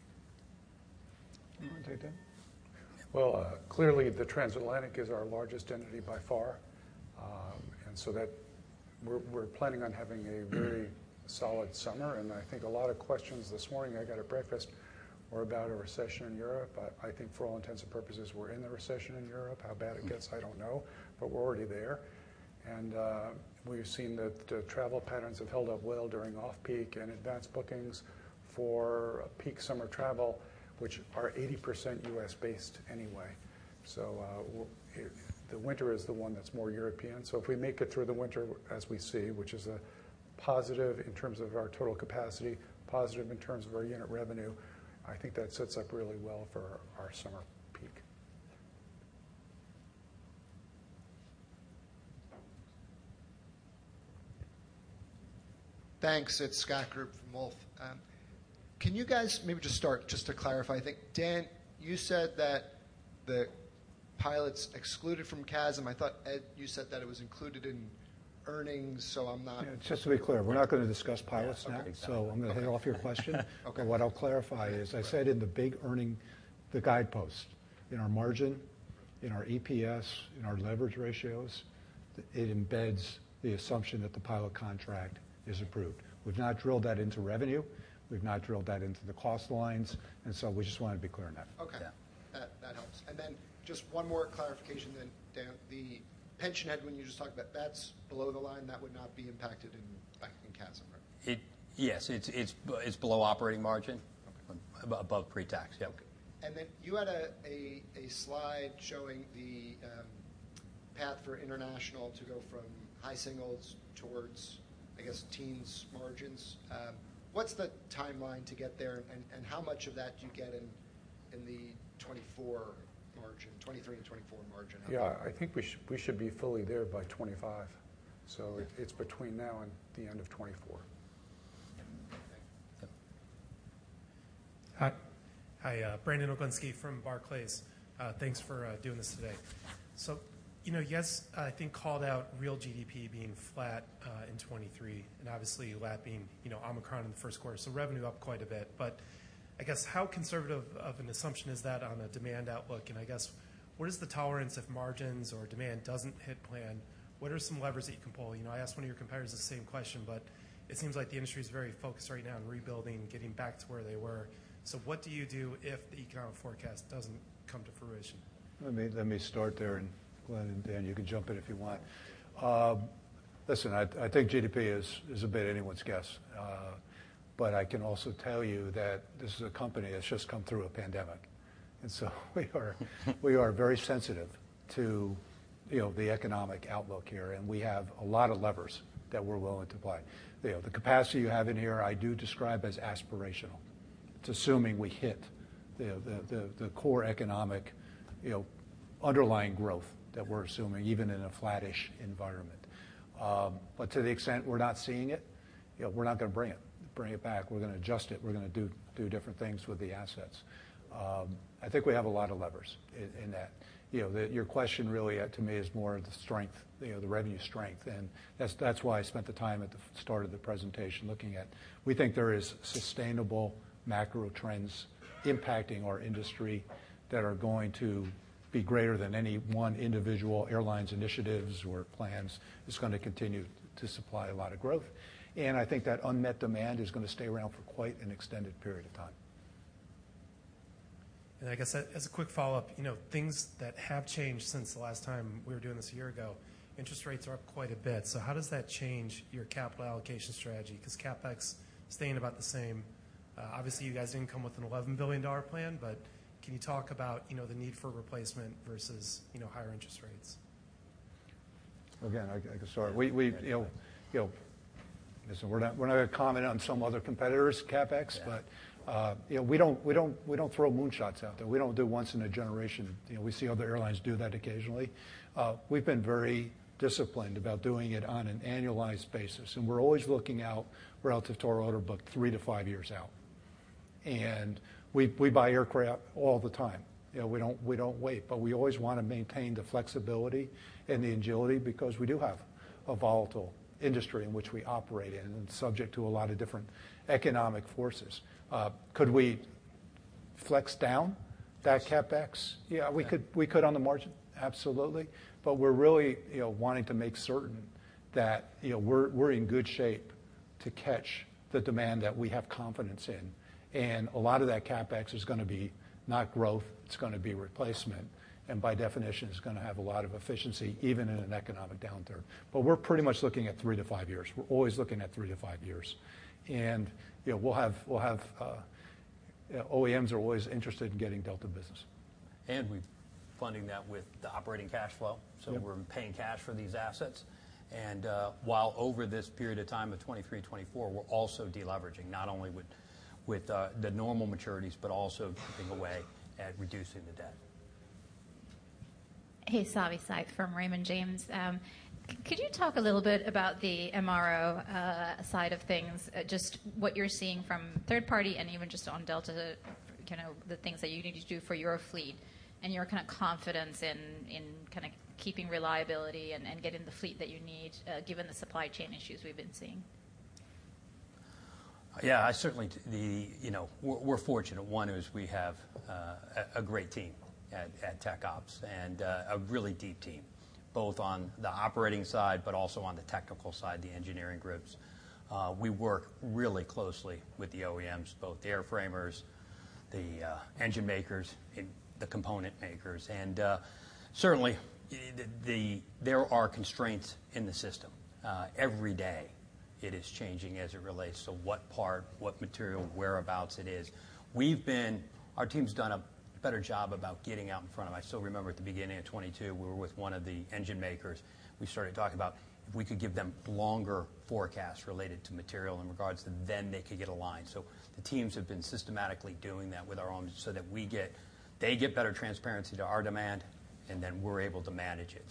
You want to take that? Clearly, the transatlantic is our largest entity by far. That we're planning on having a very solid summer, I think a lot of questions this morning I got at breakfast were about a recession in Europe. I think for all intents and purposes, we're in the recession in Europe. How bad it gets, I don't know, but we're already there. We've seen that the travel patterns have held up well during off-peak and advanced bookings for peak summer travel, which are 80% U.S.-based anyway. The winter is the one that's more European. If we make it through the winter as we see, which is a positive in terms of our total capacity, positive in terms of our unit revenue, I think that sets up really well for our summer peak. Thanks. It's Scott Group from Wolfe. Dan, you said that the pilots excluded from CASM. I thought, Ed, you said that it was included in earnings. Just to be clear, we're not gonna discuss pilots now. Yeah. Okay. Got it. I'm gonna head off your question. Okay. What I'll clarify is I said in the big earning, the guidepost in our margin, in our EPS, in our leverage ratios, it embeds the assumption that the pilot contract is approved. We've not drilled that into revenue. We've not drilled that into the cost lines, we just want to be clear on that. Okay. Yeah. That helps. Just one more clarification then, Dan. The pension, Ed, when you just talked about, that's below the line. That would not be impacted in, back in CASM, right? Yes. It's below operating margin. Okay. Above pre-tax. Yep. Okay. You had a slide showing the path for international to go from high singles towards, I guess, teens margins. What's the timeline to get there, and how much of that do you get in the 2024 margin, 2023 and 2024 margin? Yeah. I think we should be fully there by 2025. It's between now and the end of 2024. Okay. Yep. Hi. Hi, Brandon Oglenski from Barclays. Thanks for doing this today. You know, yes, I think called out real GDP being flat in 2023. Obviously, LAP being, you know, Omicron in the first quarter. Revenue up quite a bit. I guess how conservative of an assumption is that on a demand outlook? I guess what is the tolerance if margins or demand doesn't hit plan? What are some levers that you can pull? You know, I asked one of your competitors the same question. It seems like the industry is very focused right now on rebuilding, getting back to where they were. What do you do if the economic forecast doesn't come to fruition? Let me start there. Glen and Dan, you can jump in if you want. Listen, I think GDP is a bit anyone's guess. I can also tell you that this is a company that's just come through a pandemic. We are very sensitive to, you know, the economic outlook here, and we have a lot of levers that we're willing to play. You know, the capacity you have in here, I do describe as aspirational. It's assuming we hit the core economic, you know, underlying growth that we're assuming even in a flattish environment. To the extent we're not seeing it, you know, we're not gonna bring it back. We're gonna adjust it. We're gonna do different things with the assets. I think we have a lot of levers in that. You know, your question really to me is more of the strength, you know, the revenue strength. That's why I spent the time at the start of the presentation looking at. We think there is sustainable macro trends impacting our industry that are going to be greater than any one individual airline's initiatives or plans. It's gonna continue to supply a lot of growth. I think that unmet demand is gonna stay around for quite an extended period of time. I guess as a quick follow-up, you know, things that have changed since the last time we were doing this a year ago, interest rates are up quite a bit. How does that change your capital allocation strategy? CapEx staying about the same. Obviously, you guys didn't come with an $11 billion plan, can you talk about, you know, the need for replacement versus, you know, higher interest rates? I can start. We, you know, listen, we're not gonna comment on some other competitor's CapEx. Yeah. you know, we don't throw moonshots out there. We don't do once in a generation. You know, we see other airlines do that occasionally. We've been very disciplined about doing it on an annualized basis, and we're always looking out relative to our order book three to five years out. We buy aircraft all the time. You know, we don't wait. We always wanna maintain the flexibility and the agility because we do have a volatile industry in which we operate in and subject to a lot of different economic forces. Could we flex down that CapEx? Yeah. We could on the margin, absolutely. We're really, you know, wanting to make certain that, you know, we're in good shape to catch the demand that we have confidence in. A lot of that CapEx is gonna be not growth, it's gonna be replacement. By definition, it's gonna have a lot of efficiency even in an economic downturn. We're pretty much looking at three to five years. We're always looking at three to five years. You know, we'll have, you know, OEMs are always interested in getting Delta business. We're funding that with the operating cash flow. Yep. We're paying cash for these assets. While over this period of time of 2023 and 2024, we're also deleveraging not only with the normal maturities, but also chipping away at reducing the debt. Hey, Savanthi Syth from Raymond James. Could you talk a little bit about the MRO side of things, just what you're seeing from third party and even just on Delta, the, you know, the things that you need to do for your fleet and your kind of confidence in kinda keeping reliability and getting the fleet that you need, given the supply chain issues we've been seeing? Yeah, I certainly do. You know, we're fortunate. One is we have a great team at Tech Ops and a really deep team, both on the operating side, but also on the technical side, the engineering groups. We work really closely with the OEMs, both the airframers, the engine makers, and the component makers. Certainly, there are constraints in the system. Every day it is changing as it relates to what part, what material, whereabouts it is. Our team's done a better job about getting out in front of it. I still remember at the beginning of 2022, we were with one of the engine makers. We started talking about if we could give them longer forecasts related to material in regards to then they could get aligned. The teams have been systematically doing that with our own so that they get better transparency to our demand, and then we're able to manage it.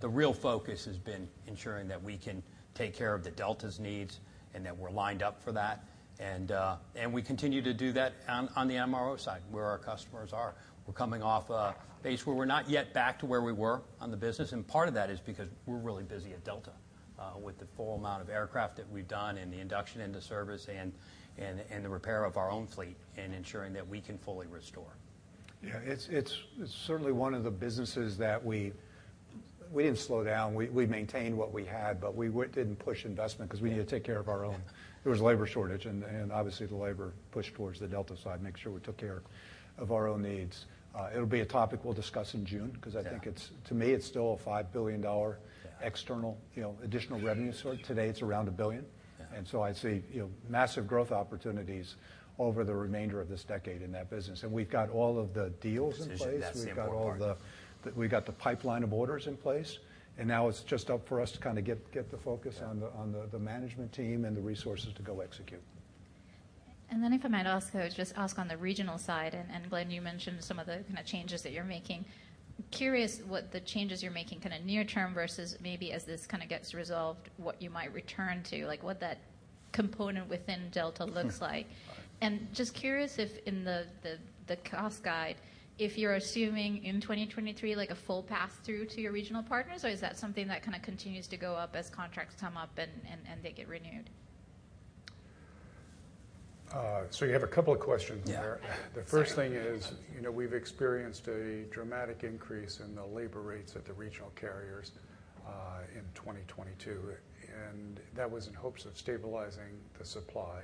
The real focus has been ensuring that we can take care of the Delta's needs and that we're lined up for that. We continue to do that on the MRO side, where our customers are. We're coming off a base where we're not yet back to where we were on the business, and part of that is because we're really busy at Delta, with the full amount of aircraft that we've done and the induction into service and the repair of our own fleet and ensuring that we can fully restore. It's certainly one of the businesses that we didn't slow down. We maintained what we had, but we didn't push investment 'cause we needed to take care of our own. There was labor shortage and obviously the labor pushed towards the Delta side, make sure we took care of our own needs. It'll be a topic we'll discuss in June. Yeah. 'Cause I think to me, it's still a $5 billion external, you know, additional revenue source. Today, it's around $1 billion. Yeah. I see, you know, massive growth opportunities over the remainder of this decade in that business. We've got all of the deals in place. Decisions. That's the important part. We got the pipeline of orders in place. Now it's just up for us to kinda get the focus on the management team and the resources to go execute. If I might ask, though, just ask on the regional side, and Glen, you mentioned some of the kinda changes that you're making. Curious what the changes you're making kinda near term versus maybe as this kinda gets resolved, what you might return to, like what that component within Delta looks like. Just curious if in the cost guide, if you're assuming in 2023, like, a full pass-through to your regional partners, or is that something that kinda continues to go up as contracts come up and they get renewed? You have a couple of questions there. Yeah. The first thing is, you know, we've experienced a dramatic increase in the labor rates at the regional carriers in 2022, that was in hopes of stabilizing the supply.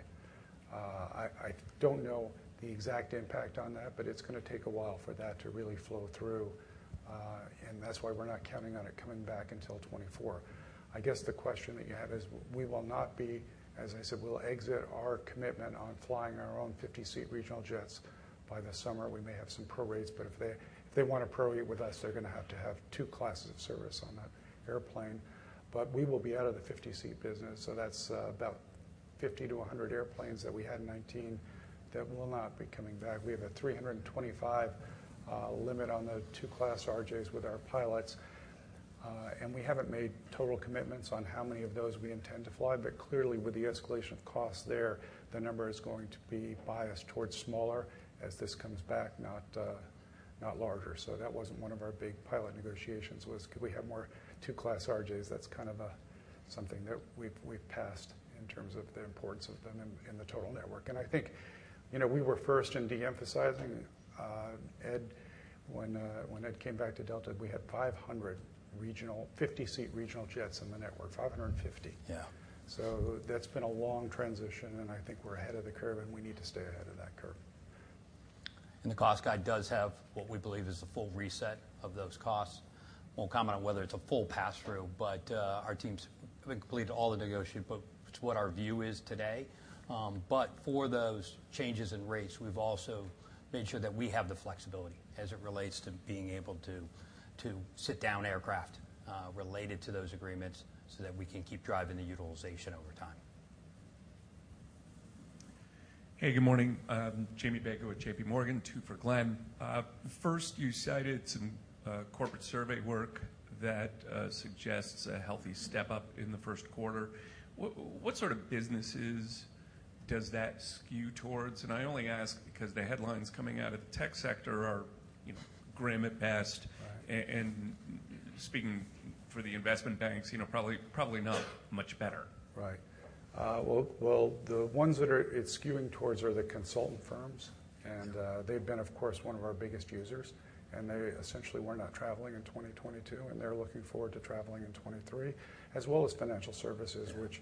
I don't know the exact impact on that, but it's gonna take a while for that to really flow through. That's why we're not counting on it coming back until 2024. I guess the question that you have is As I said, we'll exit our commitment on flying our own 50-seat regional jets by the summer. We may have some prorates, but if they wanna prorate with us, they're gonna have to have two-classes of service on that airplane. We will be out of the 50-seat business, so that's about 50 to 100 airplanes that we had in 2019 that will not be coming back. We have a 325 limit on the two-class RJs with our pilots, and we haven't made total commitments on how many of those we intend to fly. Clearly, with the escalation of costs there, the number is going to be biased towards smaller as this comes back, not larger. That wasn't one of our big pilot negotiations, twoas could we have more two-class RJs. That's kind of something that we've passed in terms of the importance of them in the total network. I think, you know, we were first in de-emphasizing, Ed. When Ed came back to Delta, we had 500 50-seat regional jets in the network, 550. Yeah. That's been a long transition, and I think we're ahead of the curve, and we need to stay ahead of that curve. The cost guide does have what we believe is the full reset of those costs. Won't comment on whether it's a full pass-through, our team's, I think, completed all the. It's what our view is today. For those changes in rates, we've also made sure that we have the flexibility as it relates to being able to sit down aircraft related to those agreements, so that we can keep driving the utilization over time. Hey, good morning. Jamie Baker with JPMorgan. Two for Glen. First you cited some corporate survey work that suggests a healthy step-up in the first quarter. What sort of businesses does that skew towards? I only ask because the headlines coming out of the tech sector are, you know, grim at best. Right. Speaking for the investment banks, you know, probably not much better. Right. well, the ones that it's skewing towards are the consultant firms, and they've been, of course, one of our biggest users. They essentially were not traveling in 2022, and they're looking forward to traveling in 2023, as well as financial services. Yeah. Which,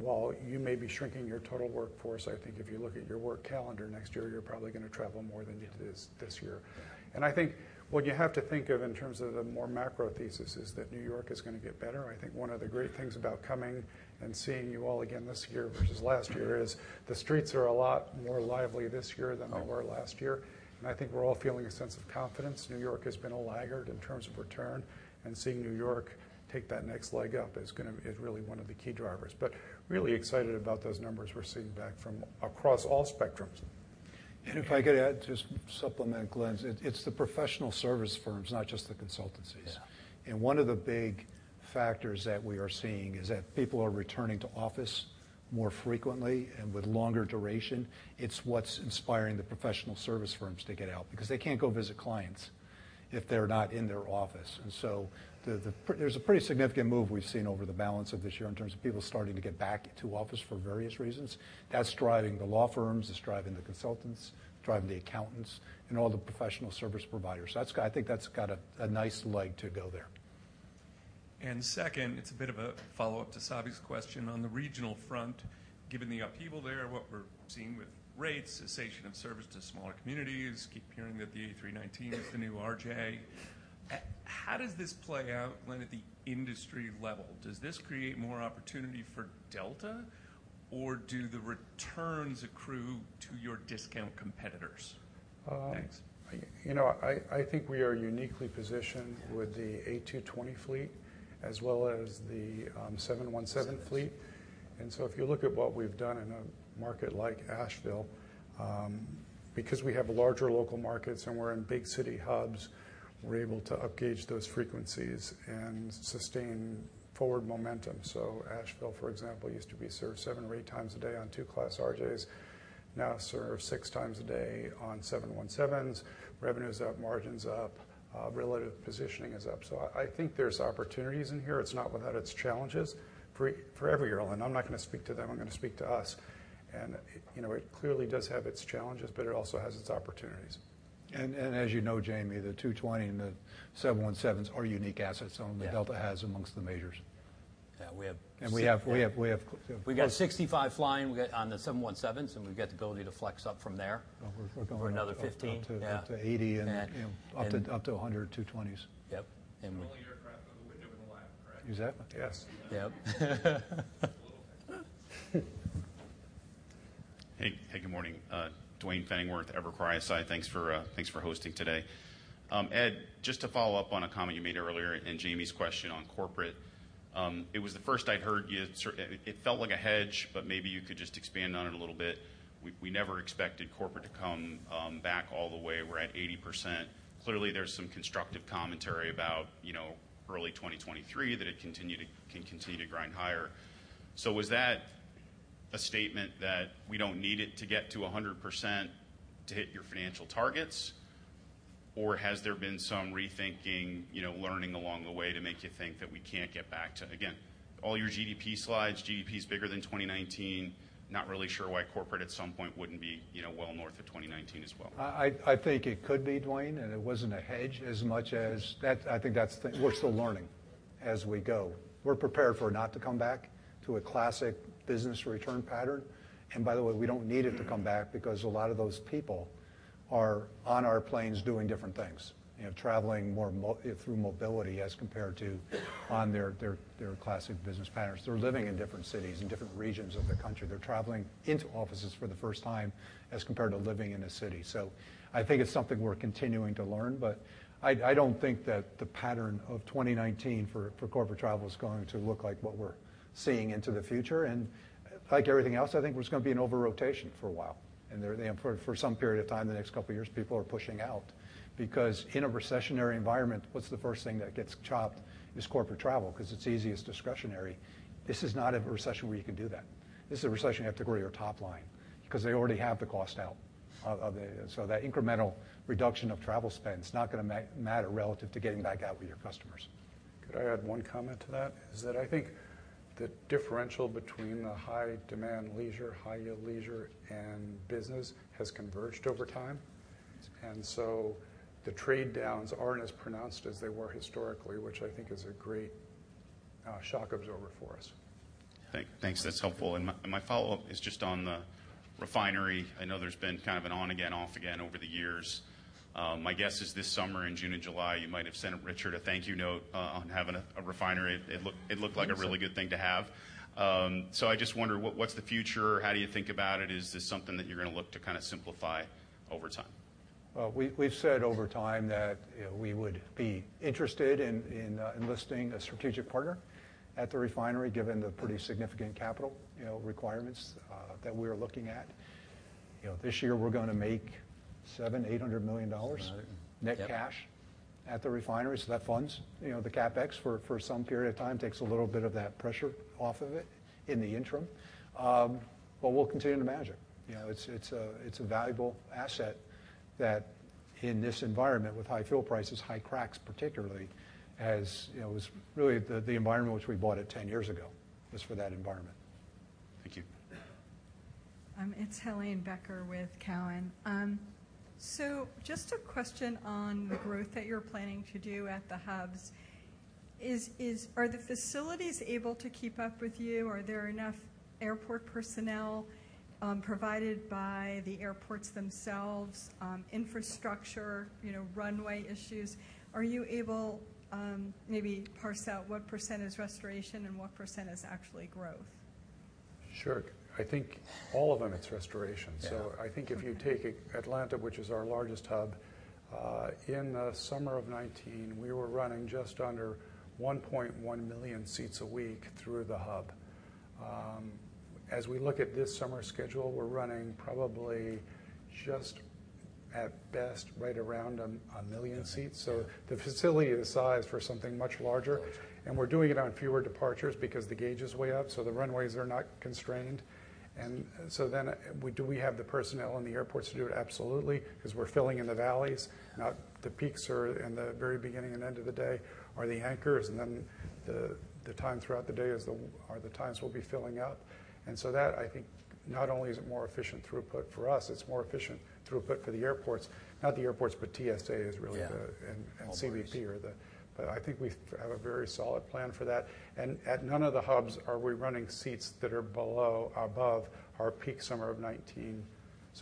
while you may be shrinking your total workforce, I think if you look at your work calendar next year, you're probably gonna travel more than you did this year. I think what you have to think of in terms of the more macro thesis is that New York is gonna get better. I think one of the great things about coming and seeing you all again this year versus last year is the streets are a lot more lively this year than they were last year. I think we're all feeling a sense of confidence. New York has been a laggard in terms of return, and seeing New York take that next leg up is really one of the key drivers. Really excited about those numbers we're seeing back from across all spectrums. If I could add, just supplement Glen's. It's the professional service firms, not just the consultancies. Yeah. One of the big factors that we are seeing is that people are returning to office more frequently and with longer duration. It's what's inspiring the professional service firms to get out, because they can't go visit clients if they're not in their office. There's a pretty significant move we've seen over the balance of this year in terms of people starting to get back to office for various reasons. That's driving the law firms, it's driving the consultants, driving the accountants and all the professional service providers. I think that's got a nice leg to go there. Second, it's a bit of a follow-up to Savanthi's question. On the regional front, given the upheaval there, what we're seeing with rates, cessation of service to smaller communities, keep hearing that the A319 is the new RJ. How does this play out, Glen, at the industry level? Does this create more opportunity for Delta, or do the returns accrue to your discount competitors? Thanks. You know, I think we are uniquely positioned with the A220 fleet as well as the 717 fleet. If you look at what we've done in a market like Asheville, because we have larger local markets and we're in big city hubs, we're able to upgauge those frequencies and sustain forward momentum. Asheville, for example, used to be served seven or eight times a day on 2 class RJs, now served six times a day on 717s. Revenue's up, margin's up, relative positioning is up. I think there's opportunities in here. It's not without its challenges for every airline. I'm not gonna speak to them, I'm gonna speak to us. You know, it clearly does have its challenges, but it also has its opportunities. As you know, Jamie, the A220 and the 717s are unique assets only Delta has amongst the majors. Yeah, we have. We have. We've got 65 flying. On the 717s, we've got the ability to flex up from there. We're, we're going up to. For another 15. Yeah. Up to 80 and, you know, up to 100 A220s. Yep. Small aircraft through the window in the lab, correct? Exactly. Yes. Yep. It's a little technical. Hey, hey, good morning. Duane Pfennigwerth, Evercore ISI. Thanks for, thanks for hosting today. Ed, just to follow up on a comment you made earlier and Jamie's question on corporate. It was the first I'd heard you. It felt like a hedge, but maybe you could just expand on it a little bit. We never expected corporate to come back all the way. We're at 80%. Clearly, there's some constructive commentary about, you know, early 2023 that it can continue to grind higher. Was that a statement that we don't need it to get to 100% to hit your financial targets? Or has there been some rethinking, you know, learning along the way to make you think that we can't get back to Again, all your GDP slides, GDP is bigger than 2019. Not really sure why corporate at some point wouldn't be, you know, well north of 2019 as well. I think it could be, Duane, it wasn't a hedge as much as that's the. We're still learning as we go. We're prepared for it not to come back to a classic business return pattern. By the way, we don't need it to come back because a lot of those people are on our planes doing different things, you know, traveling more through mobility as compared to on their classic business patterns. They're living in different cities and different regions of the country. They're traveling into offices for the first time as compared to living in a city. I think it's something we're continuing to learn. I don't think that the pattern of 2019 for corporate travel is going to look like what we're seeing into the future. Like everything else, I think there's gonna be an over-rotation for a while. There, for some period of time in the next couple of years, people are pushing out. In a recessionary environment, what's the first thing that gets chopped? Is corporate travel, because it's easy, it's discretionary. This is not a recession where you can do that. This is a recession you have to grow your top line because they already have the cost out of the. That incremental reduction of travel spend, it's not gonna matter relative to getting back out with your customers. Could I add one comment to that? Is that I think the differential between the high demand leisure, high yield leisure and business has converged over time. The trade downs aren't as pronounced as they were historically, which I think is a great, shock absorber for us. Thanks. That's helpful. My follow-up is just on the refinery. I know there's been kind of an on again, off again over the years. My guess is this summer in June and July, you might have sent Richard a thank you note on having a refinery. It looked like a really good thing to have. I just wonder what's the future? How do you think about it? Is this something that you're gonna look to kinda simplify over time? Well, we've said over time that, you know, we would be interested in a strategic partner at the refinery, given the pretty significant capital, you know, requirements, that we are looking at. You know, this year we're gonna make $700 million-$800 million net cash at the refinery. That funds, you know, the CapEx for some period of time, takes a little bit of that pressure off of it in the interim. We'll continue to manage it. You know, it's a valuable asset that in this environment with high fuel prices, high cracks particularly, as, you know, was really the environment which we bought it 10 years ago. It was for that environment. Thank you. It's Helane Becker with Cowen. Just a question on the growth that you're planning to do at the hubs. Are the facilities able to keep up with you? Are there enough airport personnel, provided by the airports themselves, infrastructure, you know, runway issues? Are you able, maybe parse out what percent is restoration and what percent is actually growth? Sure. I think all of them, it's restoration. Yeah. I think if you take Atlanta, which is our largest hub, in the summer of 2019, we were running just under 1.1 million seats a week through the hub. As we look at this summer schedule, we're running probably just at best right around 1 million seats. The facility is sized for something much larger, and we're doing it on fewer departures because the gauge is way up, so the runways are not constrained. Do we have the personnel in the airports to do it? Absolutely. Because we're filling in the valleys, not the peaks or in the very beginning and end of the day are the anchors, and then the time throughout the day are the times we'll be filling out. That, I think not only is it more efficient throughput for us, it's more efficient throughput for the airports. Not the airports, but TSA is really the. Yeah. CBP are the. I think we have a very solid plan for that. At none of the hubs are we running seats that are above our peak summer of 2019.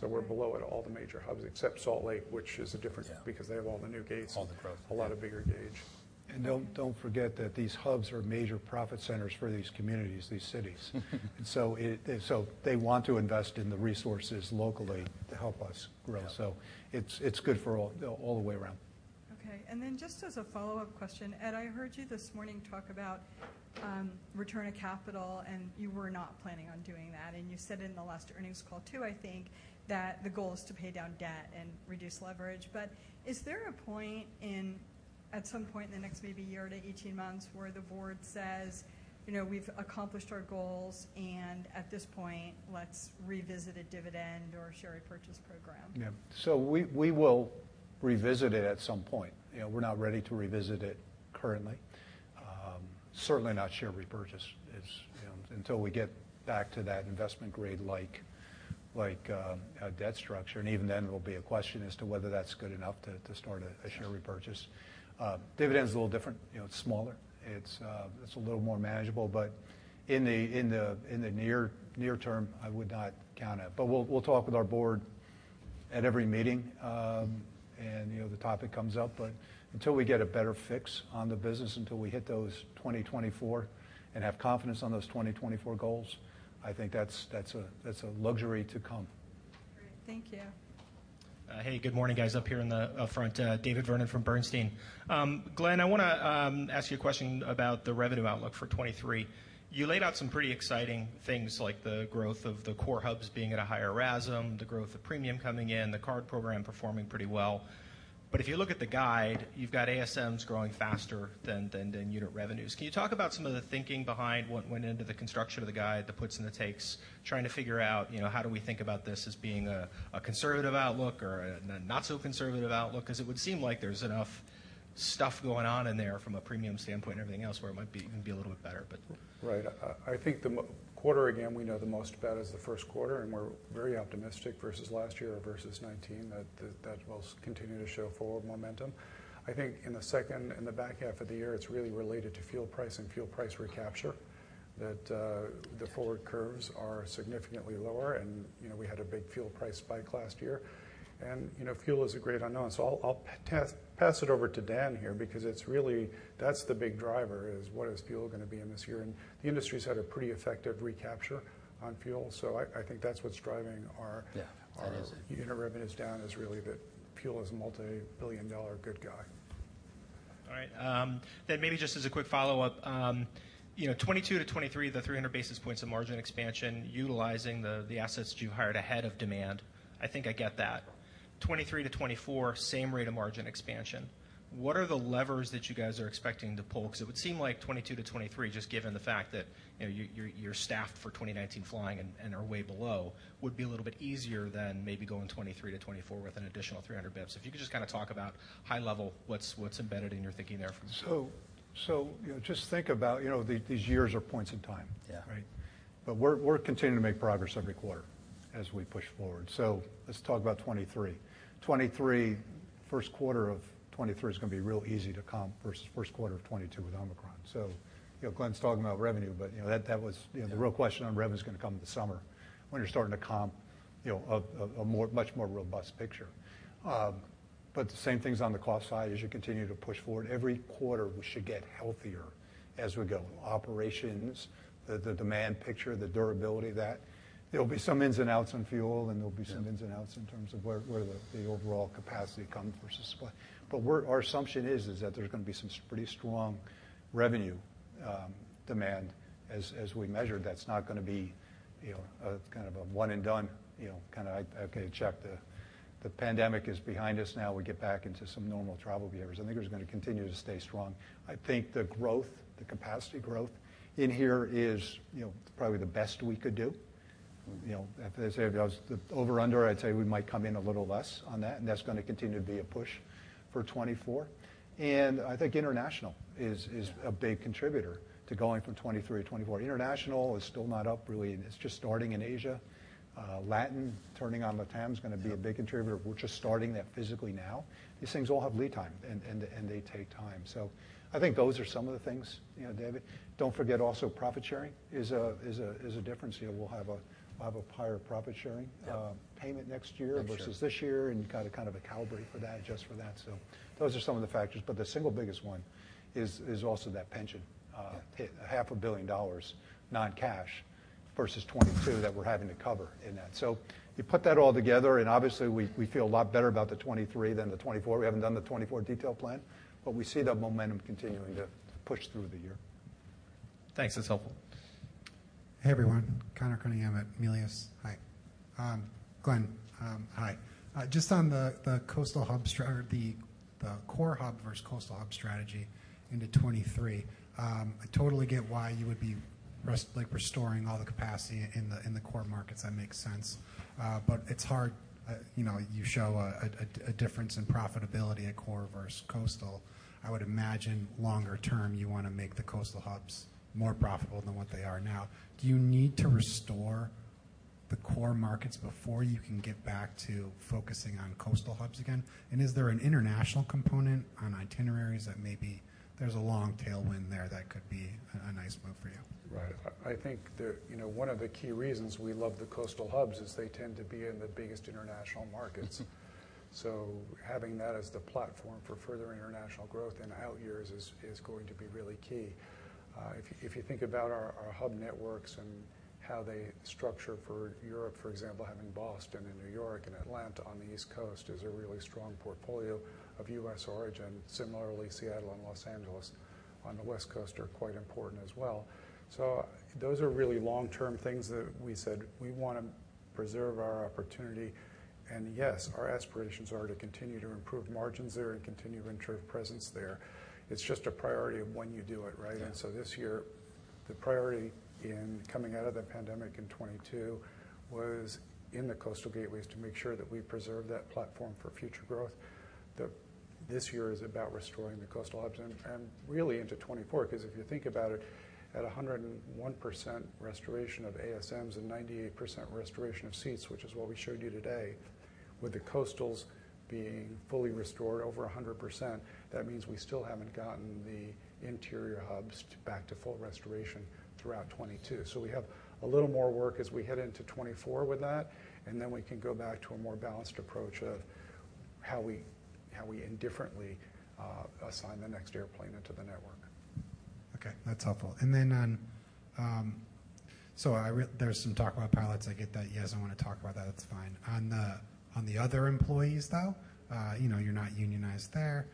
We're below at all the major hubs except Salt Lake, which is different because they have all the new gates. All the growth. A lot of bigger gauge. Don't forget that these hubs are major profit centers for these communities, these cities. They want to invest in the resources locally to help us grow. It's good for all the way around. Okay. Then just as a follow-up question. Ed, I heard you this morning talk about, return of capital, and you were not planning on doing that. You said in the last earnings call too, I think, that the GOL is to pay down debt and reduce leverage. Is there a point at some point in the next maybe year to 18 months where the board says, "You know, we've accomplished our goals, and at this point, let's revisit a dividend or share repurchase program? We will revisit it at some point. You know, we're not ready to revisit it currently. Certainly not share repurchase is, you know, until we get back to that investment grade like a debt structure. Even then, it'll be a question as to whether that's good enough to start a share repurchase. Dividend's a little different. You know, it's smaller. It's a little more manageable. In the near term, I would not count it. We'll talk with our board at every meeting, you know, the topic comes up. Until we get a better fix on the business, until we hit those 2024 and have confidence on those 2024 goals, I think that's a luxury to come. Great. Thank you. Hey, good morning, guys. Up here in the front. David Vernon from Bernstein. Glen, I wanna ask you a question about the revenue outlook for 2023. You laid out some pretty exciting things like the growth of the core hubs being at a higher RASM, the growth of premium coming in, the card program performing pretty well. If you look at the guide, you've got ASMs growing faster than unit revenues. Can you talk about some of the thinking behind what went into the construction of the guide, the puts and the takes, trying to figure out, you know, how do we think about this as being a conservative outlook or a not so conservative outlook? It would seem like there's enough stuff going on in there from a premium standpoint and everything else where it might be a little bit better. Right. I think the quarter, again, we know the most about is the first quarter. We're very optimistic versus last year or versus 2019 that will continue to show forward momentum. I think in the back half of the year, it's really related to fuel price and fuel price recapture, that the forward curves are significantly lower. You know, we had a big fuel price spike last year. You know, fuel is a great unknown. I'll pass it over to Dan here because it's really that's the big driver is what is fuel gonna be in this year. The industry's had a pretty effective recapture on fuel. I think that's what's driving our. Yeah. That is it. Our unit revenues down is really that fuel is a multi-billion dollar good guy. All right. Maybe just as a quick follow-up. You know, 2022 to 2023, the 300 basis points of margin expansion utilizing the assets you hired ahead of demand, I think I get that. 2023 to 2024, same rate of margin expansion. What are the levers that you guys are expecting to pull? It would seem like 2022 to 2023, just given the fact that, you know, you're staffed for 2019 flying and are way below, would be a little bit easier than maybe going 2023 to 2024 with an additional 300 basis points. If you could just kinda talk about high level, what's embedded in your thinking there. You know, just think about, you know, these years are points in time. Yeah. Right? We're continuing to make progress every quarter as we push forward. Let's talk about 2023. 2023, first quarter of 2023 is gonna be real easy to comp versus first quarter of 2022 with Omicron. You know, Glen's talking about revenue, but, you know, that was you know, the real question on revenue is gonna come in the summer when you're starting to comp, you know, a more, much more robust picture. The same thing's on the cost side. As you continue to push forward, every quarter we should get healthier as we go. Operations, the demand picture, the durability of that. There'll be some ins and outs on fuel, and there'll be some ins and outs in terms of where the overall capacity comes versus supply. Our assumption is that there's gonna be some pretty strong revenue demand as we measure. That's not gonna be, you know, kind of a one and done, you know, kinda, okay, check. The pandemic is behind us now. We get back into some normal travel behaviors. I think it's gonna continue to stay strong. I think the capacity growth in here is, you know, probably the best we could do. If they say if it was over under, I'd say we might come in a little less on that, and that's gonna continue to be a push for 2024. I think international is a big contributor to going from 2023 to 2024. International is still not up really. It's just starting in Asia. Turning on LATAM is gonna be a big contributor. We're just starting that physically now. These things all have lead time and they take time. I think those are some of the things, you know, David. Don't forget also profit sharing is a difference. You know, we'll have a higher profit sharing- Yeah Payment next year. I'm sure. Versus this year, you gotta kind of calibrate for that, adjust for that. Those are some of the factors. The single biggest one is also that pension. Yeah. Half a billion dollars non-cash. Versus 2022 that we're having to cover in that. You put that all together, and obviously we feel a lot better about 2023 than 2024. We haven't done the 2024 detail plan, but we see the momentum continuing to push through the year. Thanks. That's helpful. Hey, everyone. Conor Cunningham at Melius. Hi. Glen, hi. Just on the core hub versus coastal hub strategy into 2023. I totally get why you would be like restoring all the capacity in the core markets. That makes sense. But it's hard, you know, you show a difference in profitability at core versus coastal. I would imagine longer term, you wanna make the coastal hubs more profitable than what they are now. Do you need to restore the core markets before you can get back to focusing on coastal hubs again? Is there an international component on itineraries that maybe there's a long tailwind there that could be a nice move for you? Right. I think that, you know, one of the key reasons we love the coastal hubs is they tend to be in the biggest international markets. Mm-hmm. Having that as the platform for further international growth in out years is going to be really key. If you think about our hub networks and how they structure for Europe, for example, having Boston and New York and Atlanta on the East Coast is a really strong portfolio of U.S. origin. Similarly, Seattle and Los Angeles on the West Coast are quite important as well. Those are really long-term things that we said we wanna preserve our opportunity. Yes, our aspirations are to continue to improve margins there and continue to ensure presence there. It's just a priority of when you do it, right? Yeah. This year, the priority in coming out of the pandemic in 2022 was in the coastal gateways to make sure that we preserve that platform for future growth. This year is about restoring the coastal hubs and really into 2024, 'cause if you think about it, at 101% restoration of ASMs and 98% restoration of seats, which is what we showed you today, with the coastals being fully restored over 100%, that means we still haven't gotten the interior hubs back to full restoration throughout 2022. We have a little more work as we head into 2024 with that, then we can go back to a more balanced approach of how we indifferently assign the next airplane into the network. Okay, that's helpful. There's some talk about pilots. I get that you guys don't wanna talk about that's fine. On the other employees, though, you know, you're not unionized there.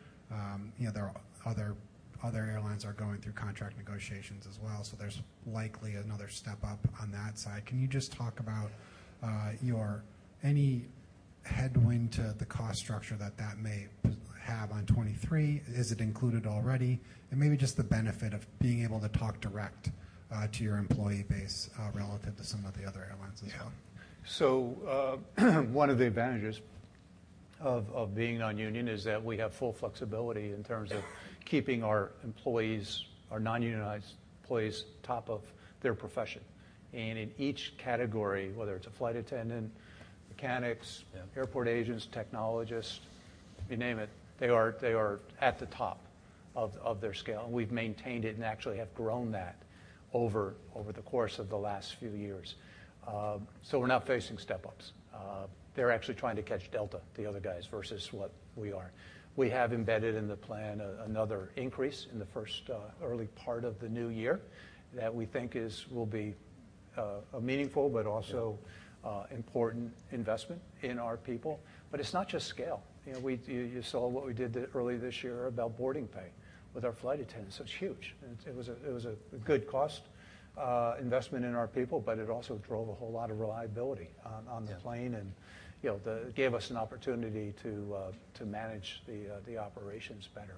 You know, there are other airlines are going through contract negotiations as well, there's likely another step up on that side. Can you just talk about any headwind to the cost structure that that may have on 2023? Is it included already? Maybe just the benefit of being able to talk direct to your employee base relative to some of the other airlines as well. Yeah. One of the advantages of being non-union is that we have full flexibility in terms of keeping our employees, our non-unionized employees top of their profession. In each category, whether it's a flight attendant, mechanics. Yeah. Airport agents, technologists, you name it, they are at the top of their scale. We've maintained it and actually have grown that over the course of the last few years. So we're not facing step-ups. They're actually trying to catch Delta, the other guys, versus what we are. We have embedded in the plan another increase in the first early part of the new year that we think will be a meaningful but also. Yeah. Important investment in our people. It's not just scale. You know, you saw what we did earlier this year about boarding pay with our flight attendants. It's huge. It was a good cost investment in our people, but it also drove a whole lot of reliability on the plane. Yeah. You know, gave us an opportunity to manage the operations better.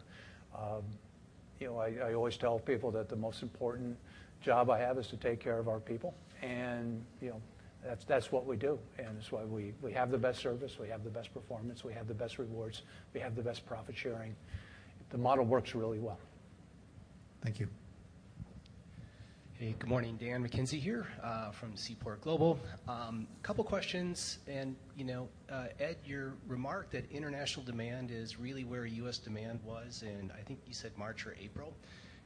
You know, I always tell people that the most important job I have is to take care of our people. You know, that's what we do, and it's why we have the best service. We have the best performance. We have the best rewards. We have the best profit sharing. The model works really well. Thank you. Hey, good morning. Dan McKenzie here, from Seaport Global. Couple questions. You know, Ed, your remark that international demand is really where U.S. demand was in, I think you said March or April.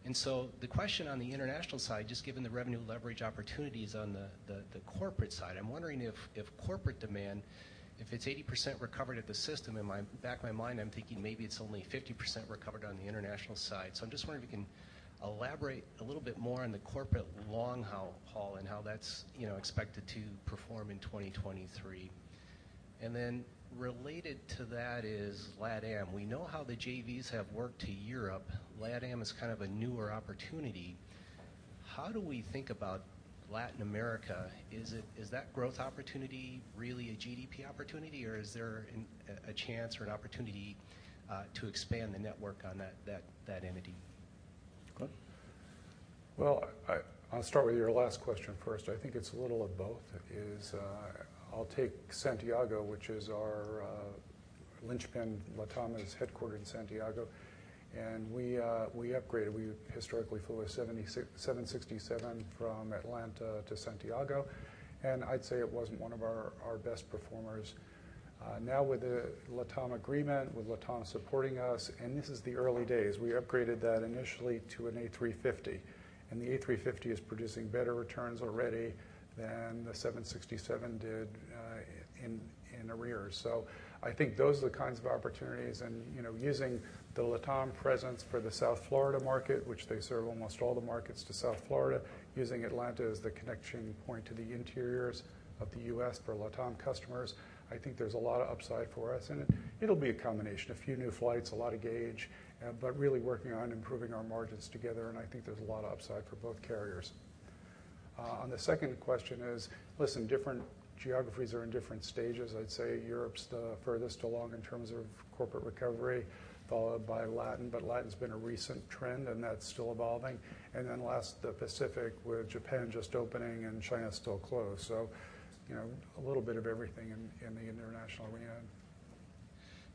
The question on the international side, just given the revenue leverage opportunities on the corporate side. I'm wondering if corporate demand, if it's 80% recovered at the system, back of my mind, I'm thinking maybe it's only 50% recovered on the international side. I'm just wondering if you can elaborate a little bit more on the corporate long haul and how that's, you know, expected to perform in 2023. Related to that is LATAM. We know how the JVs have worked to Europe. LATAM is kind of a newer opportunity. How do we think about Latin America? Is that growth opportunity really a GDP opportunity, or is there a chance or an opportunity to expand the network on that entity? Glen? Well, I'll start with your last question first. I think it's a little of both, is, I'll take Santiago, which is our, linchpin. LATAM is headquartered in Santiago. We upgraded. We historically flew a 767 from Atlanta to Santiago, and I'd say it wasn't one of our best performers. Now with the LATAM agreement, with LATAM supporting us, and this is the early days, we upgraded that initially to an A350, and the A350 is producing better returns already than The 767 did in arrears. I think those are the kinds of opportunities and, you know, using the LATAM presence for the South Florida market, which they serve almost all the markets to South Florida, using Atlanta as the connection point to the interiors of the U.S. for LATAM customers. I think there's a lot of upside for us, it'll be a combination. A few new flights, a lot of gauge, really working on improving our margins together. I think there's a lot of upside for both carriers. On the second question is, listen, different geographies are in different stages. I'd say Europe's the furthest along in terms of corporate recovery, followed by Latin's been a recent trend, that's still evolving. Last, the Pacific, with Japan just opening and China still closed. You know, a little bit of everything in the international arena.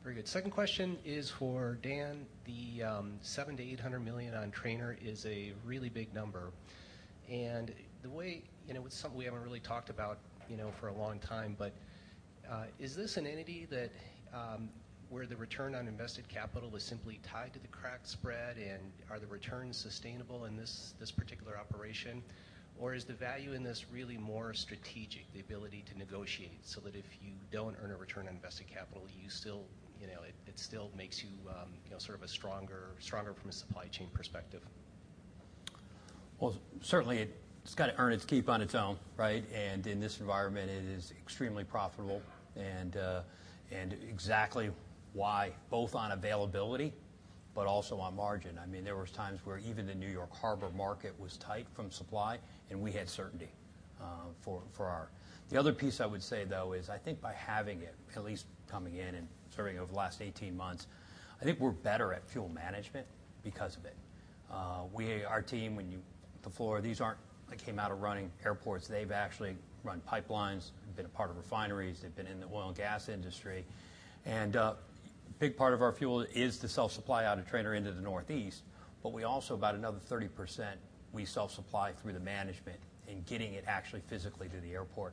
Very good. Second question is for Dan. The $700 million-$800 million on Trainer is a really big number. You know, it's something we haven't really talked about, you know, for a long time. Is this an entity that where the return on invested capital is simply tied to the crack spread, and are the returns sustainable in this particular operation? Or is the value in this really more strategic, the ability to negotiate so that if you don't earn a return on invested capital, you still, you know, it still makes you, sort of a stronger from a supply chain perspective? Well, certainly it's gotta earn its keep on its own, right? In this environment, it is extremely profitable and exactly why both on availability but also on margin. I mean, there was times where even the New York Harbor market was tight from supply, and we had certainty for our. The other piece I would say, though, is I think by having it at least coming in and serving over the last 18 months, I think we're better at fuel management because of it. Our team, the floor, they came out of running airports. They've actually run pipelines. They've been a part of refineries. They've been in the oil and gas industry. A big part of our fuel is to self-supply out of Trainer into the Northeast, but we also about another 30%, we self-supply through the management in getting it actually physically to the airport.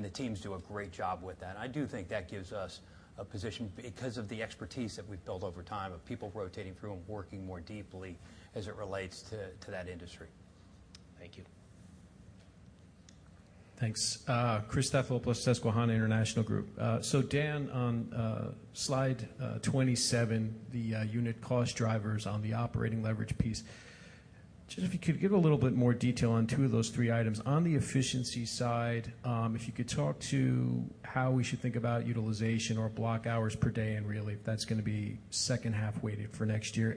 The teams do a great job with that. I do think that gives us a position because of the expertise that we've built over time of people rotating through and working more deeply as it relates to that industry. Thank you. Thanks. Christopher Stathoulopoulos, Susquehanna International Group. Dan, on slide 27, the unit cost drivers on the operating leverage piece. Just if you could give a little bit more detail on two of those three items. On the efficiency side, if you could talk to how we should think about utilization or block hours per day, and really if that's gonna be second half weighted for next year.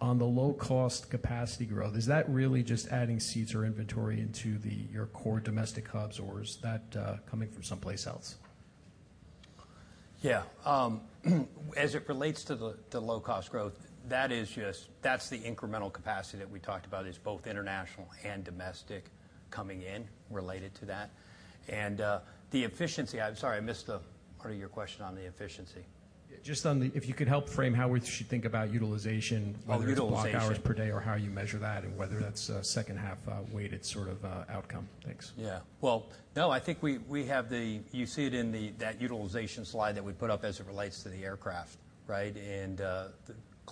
On the low-cost capacity growth, is that really just adding seats or inventory into your core domestic hubs, or is that coming from someplace else? Yeah. As it relates to the low-cost growth, that's the incremental capacity that we talked about. It's both international and domestic coming in related to that. The efficiency. I'm sorry, I missed the part of your question on the efficiency. Just If you could help frame how we should think about utilization? Oh, utilization. Whether it's block hours per day or how you measure that and whether that's a second half weighted sort of outcome. Thanks. Yeah. Well, no, I think we have the you see it in the that utilization slide that we put up as it relates to the aircraft, right?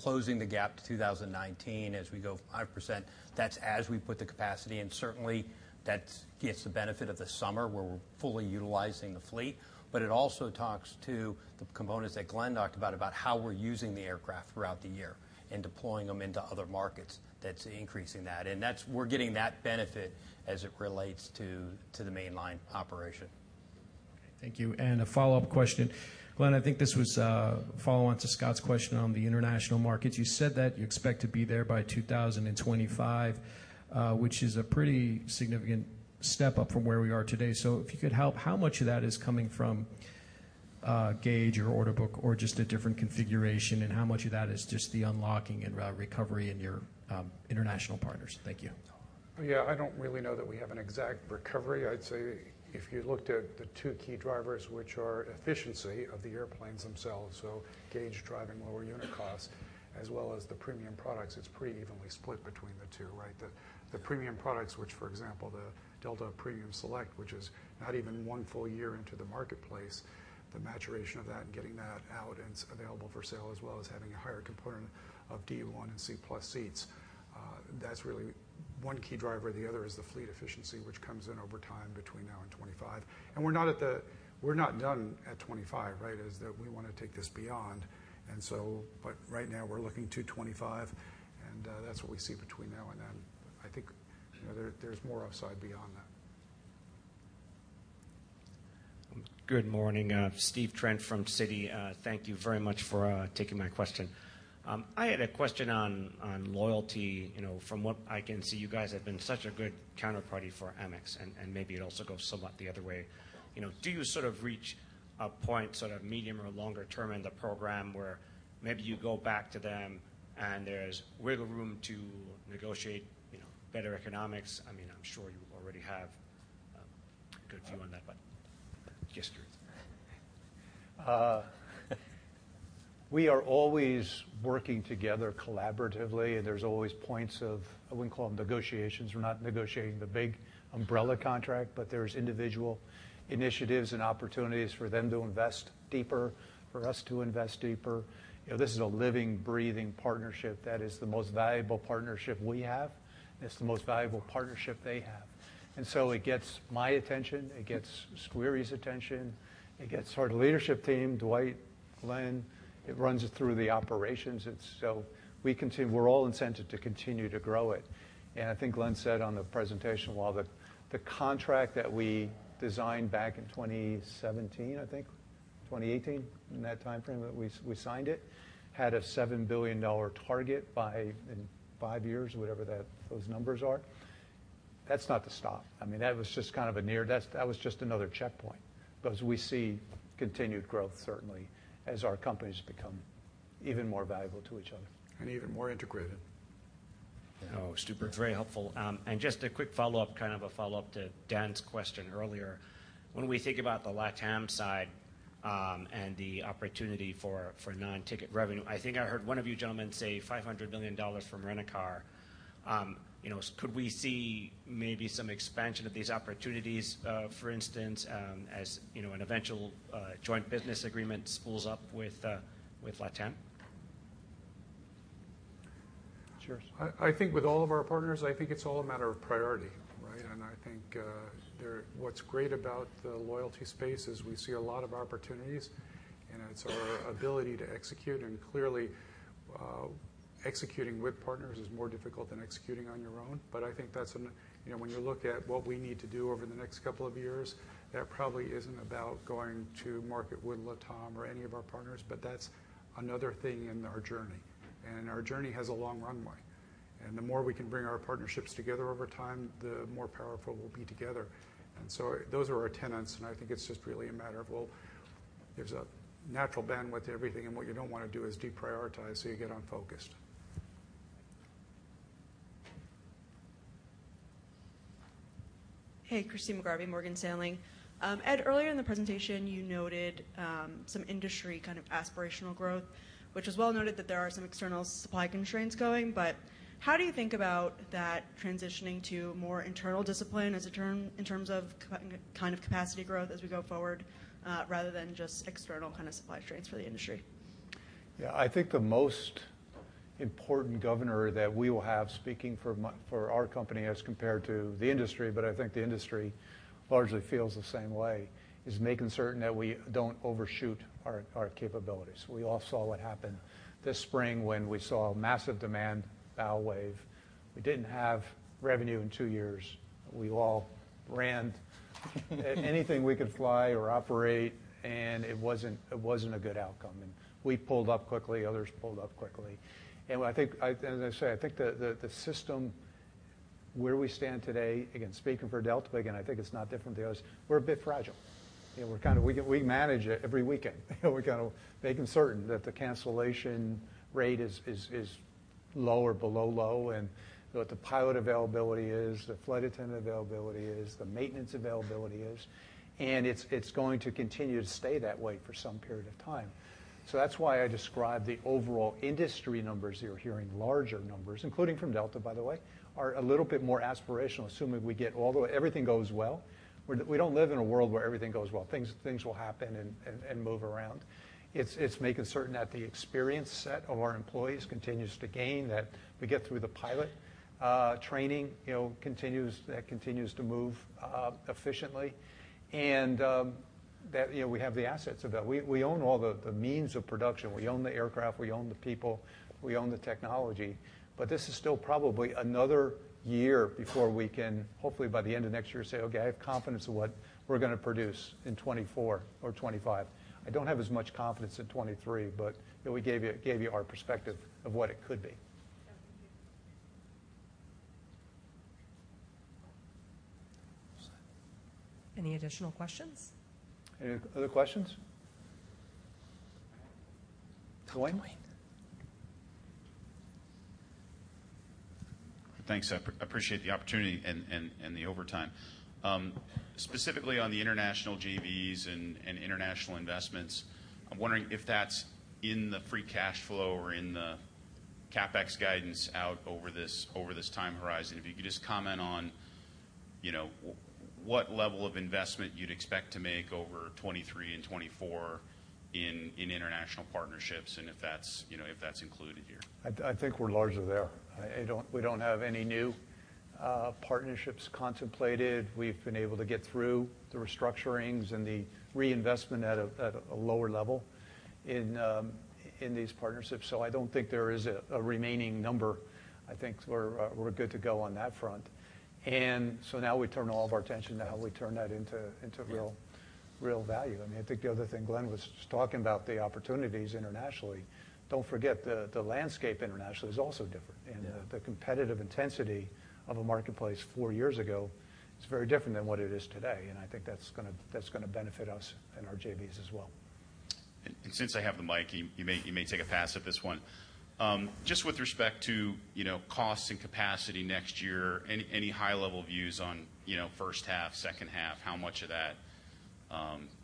Closing the gap to 2019 as we go 5%, that's as we put the capacity. Certainly that gets the benefit of the summer where we're fully utilizing the fleet. It also talks to the components that Glen talked about how we're using the aircraft throughout the year and deploying them into other markets that's increasing that. We're getting that benefit as it relates to the mainline operation. Thank you. A follow-up question. Glen, I think this was a follow-on to Scott's question on the international markets. You said that you expect to be there by 2025, which is a pretty significant step up from where we are today. If you could help, how much of that is coming from, gauge or order book or just a different configuration, and how much of that is just the unlocking and re-recovery in your international partners? Thank you. Yeah. I don't really know that we have an exact recovery. I'd say if you looked at the two key drivers, which are efficiency of the airplanes themselves, so gauge driving lower unit cost as well as the premium products, it's pretty evenly split between the two, right? The premium products which, for example, the Delta Premium Select, which is not even 1 full year into the marketplace. The maturation of that and getting that out and it's available for sale, as well as having a higher component of Delta One and Delta Comfort+ seats, that's really one key driver. The other is the fleet efficiency, which comes in over time between now and 25. We're not done at 25, right? Is that we wanna take this beyond. Right now we're looking to 25, and that's what we see between now and then. I think, you know, there's more upside beyond that. Good morning. Stephen Trent from Citi. Thank you very much for taking my question. I had a question on loyalty. You know, from what I can see, you guys have been such a good counterparty for Amex, and maybe it also goes somewhat the other way. You know, do you sort of reach a point, sort of medium or longer term in the program where maybe you go back to them and there's wiggle room to negotiate, you know, better economics? I mean, I'm sure you already have a good view on that, but just curious. We are always working together collaboratively, there's always points of, I wouldn't call them negotiations. We're not negotiating the big umbrella contract, but there's individual initiatives and opportunities for them to invest deeper, for us to invest deeper. You know, this is a living, breathing partnership that is the most valuable partnership we have. It's the most valuable partnership they have. It gets my attention. It gets Squeri's attention. It gets our leadership team, Dwight. Glen, it runs it through the operations. We're all incented to continue to grow it. I think Glen said on the presentation while the contract that we designed back in 2017, I think, 2018, in that timeframe that we signed it, had a $7 billion target in five years, whatever those numbers are. That's not the stop. I mean, that was just another checkpoint. We see continued growth, certainly, as our companies become even more valuable to each other. Even more integrated. Oh, super. Very helpful. Just a quick follow-up, kind of a follow-up to Dan's question earlier. When we think about the LATAM side, and the opportunity for non-ticket revenue, I think I heard one of you gentlemen say $500 million from Rent-A-Car. Could we see maybe some expansion of these opportunities, for instance, as an eventual joint business agreement spools up with LATAM? Sure. I think with all of our partners, I think it's all a matter of priority, right? I think what's great about the loyalty space is we see a lot of opportunities, and it's our ability to execute. Clearly, executing with partners is more difficult than executing on your own. I think, you know, when you look at what we need to do over the next couple of years, that probably isn't about going to market with LATAM or any of our partners, but that's another thing in our journey. Our journey has a long runway. The more we can bring our partnerships together over time, the more powerful we'll be together. Those are our tenets, and I think it's just really a matter of, well, there's a natural bandwidth to everything, and what you don't wanna do is deprioritize, so you get unfocused. Hey, Christine McGarvey, Morgan Stanley. Ed, earlier in the presentation, you noted some industry kind of aspirational growth, which is well noted that there are some external supply constraints going. How do you think about that transitioning to more internal discipline in terms of kind of capacity growth as we go forward, rather than just external kind of supply constraints for the industry? I think the most important governor that we will have, speaking for our company as compared to the industry, but I think the industry largely feels the same way, is making certain that we don't overshoot our capabilities. We all saw what happened this spring when we saw a massive demand bow wave. We didn't have revenue in two years. We all ran anything we could fly or operate, and it wasn't a good outcome. We pulled up quickly, others pulled up quickly. I think, as I say, I think the system where we stand today, again, speaking for Delta, again, I think it's not different to the others, we're a bit fragile. You know, We manage it every weekend. We're kinda making certain that the cancellation rate is low or below low, and what the pilot availability is, the flight attendant availability is, the maintenance availability is, and it's going to continue to stay that way for some period of time. That's why I describe the overall industry numbers you're hearing, larger numbers, including from Delta, by the way, are a little bit more aspirational, assuming everything goes well. We don't live in a world where everything goes well. Things will happen and move around. It's, it's making certain that the experience set of our employees continues to gain, that we get through the pilot training, you know, continues, that continues to move efficiently. That, you know, we have the assets of that. We own all the means of production. We own the aircraft, we own the people, we own the technology. This is still probably another year before we can, hopefully by the end of next year, say, "Okay, I have confidence in what we're gonna produce in 2024 or 2025." I don't have as much confidence in 2023, you know, we gave you our perspective of what it could be. Yeah. Thank you. Any additional questions? Any other questions? Glen, wait. Thanks. I appreciate the opportunity and the overtime. Specifically on the international JVs and international investments, I'm wondering if that's in the free cash flow or in the CapEx guidance out over this time horizon. If you could just comment on, you know, what level of investment you'd expect to make over 2023 and 2024 in international partnerships and if that's, you know, included here. I think we're largely there. We don't have any new partnerships contemplated. We've been able to get through the restructurings and the reinvestment at a lower level in these partnerships. I don't think there is a remaining number. I think we're good to go on that front. Now we turn all of our attention to how we turn that into real value. I mean, I think the other thing Glen was just talking about, the opportunities internationally. Don't forget the landscape internationally is also different. Yeah. The competitive intensity of a marketplace four years ago is very different than what it is today. I think that's gonna benefit us and our JVs as well. Since I have the mic, you may take a pass at this one. Just with respect to, you know, cost and capacity next year, any high level views on, you know, first half, second half, how much of that,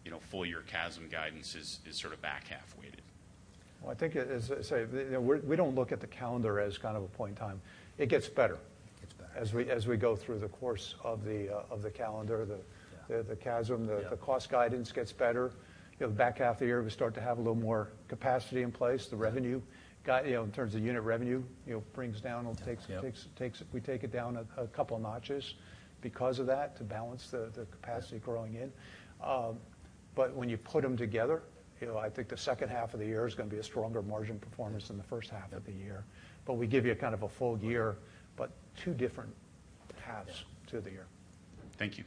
you know, full year CASM guidance is sort of back half weighted? Well, I think as I say, you know, we're, we don't look at the calendar as kind of a point in time. It gets better. It gets better. As we go through the course of the calendar, the CASM, the cost guidance gets better. You know, the back half of the year, we start to have a little more capacity in place. The revenue guide, you know, in terms of unit revenue, you know, brings down or takes, we take it down a couple notches because of that to balance the capacity growing in. When you put them together, you know, I think the second half of the year is gonna be a stronger margin performance than the first half of the year. We give you a kind of a full year, but two different halves to the year. Thank you.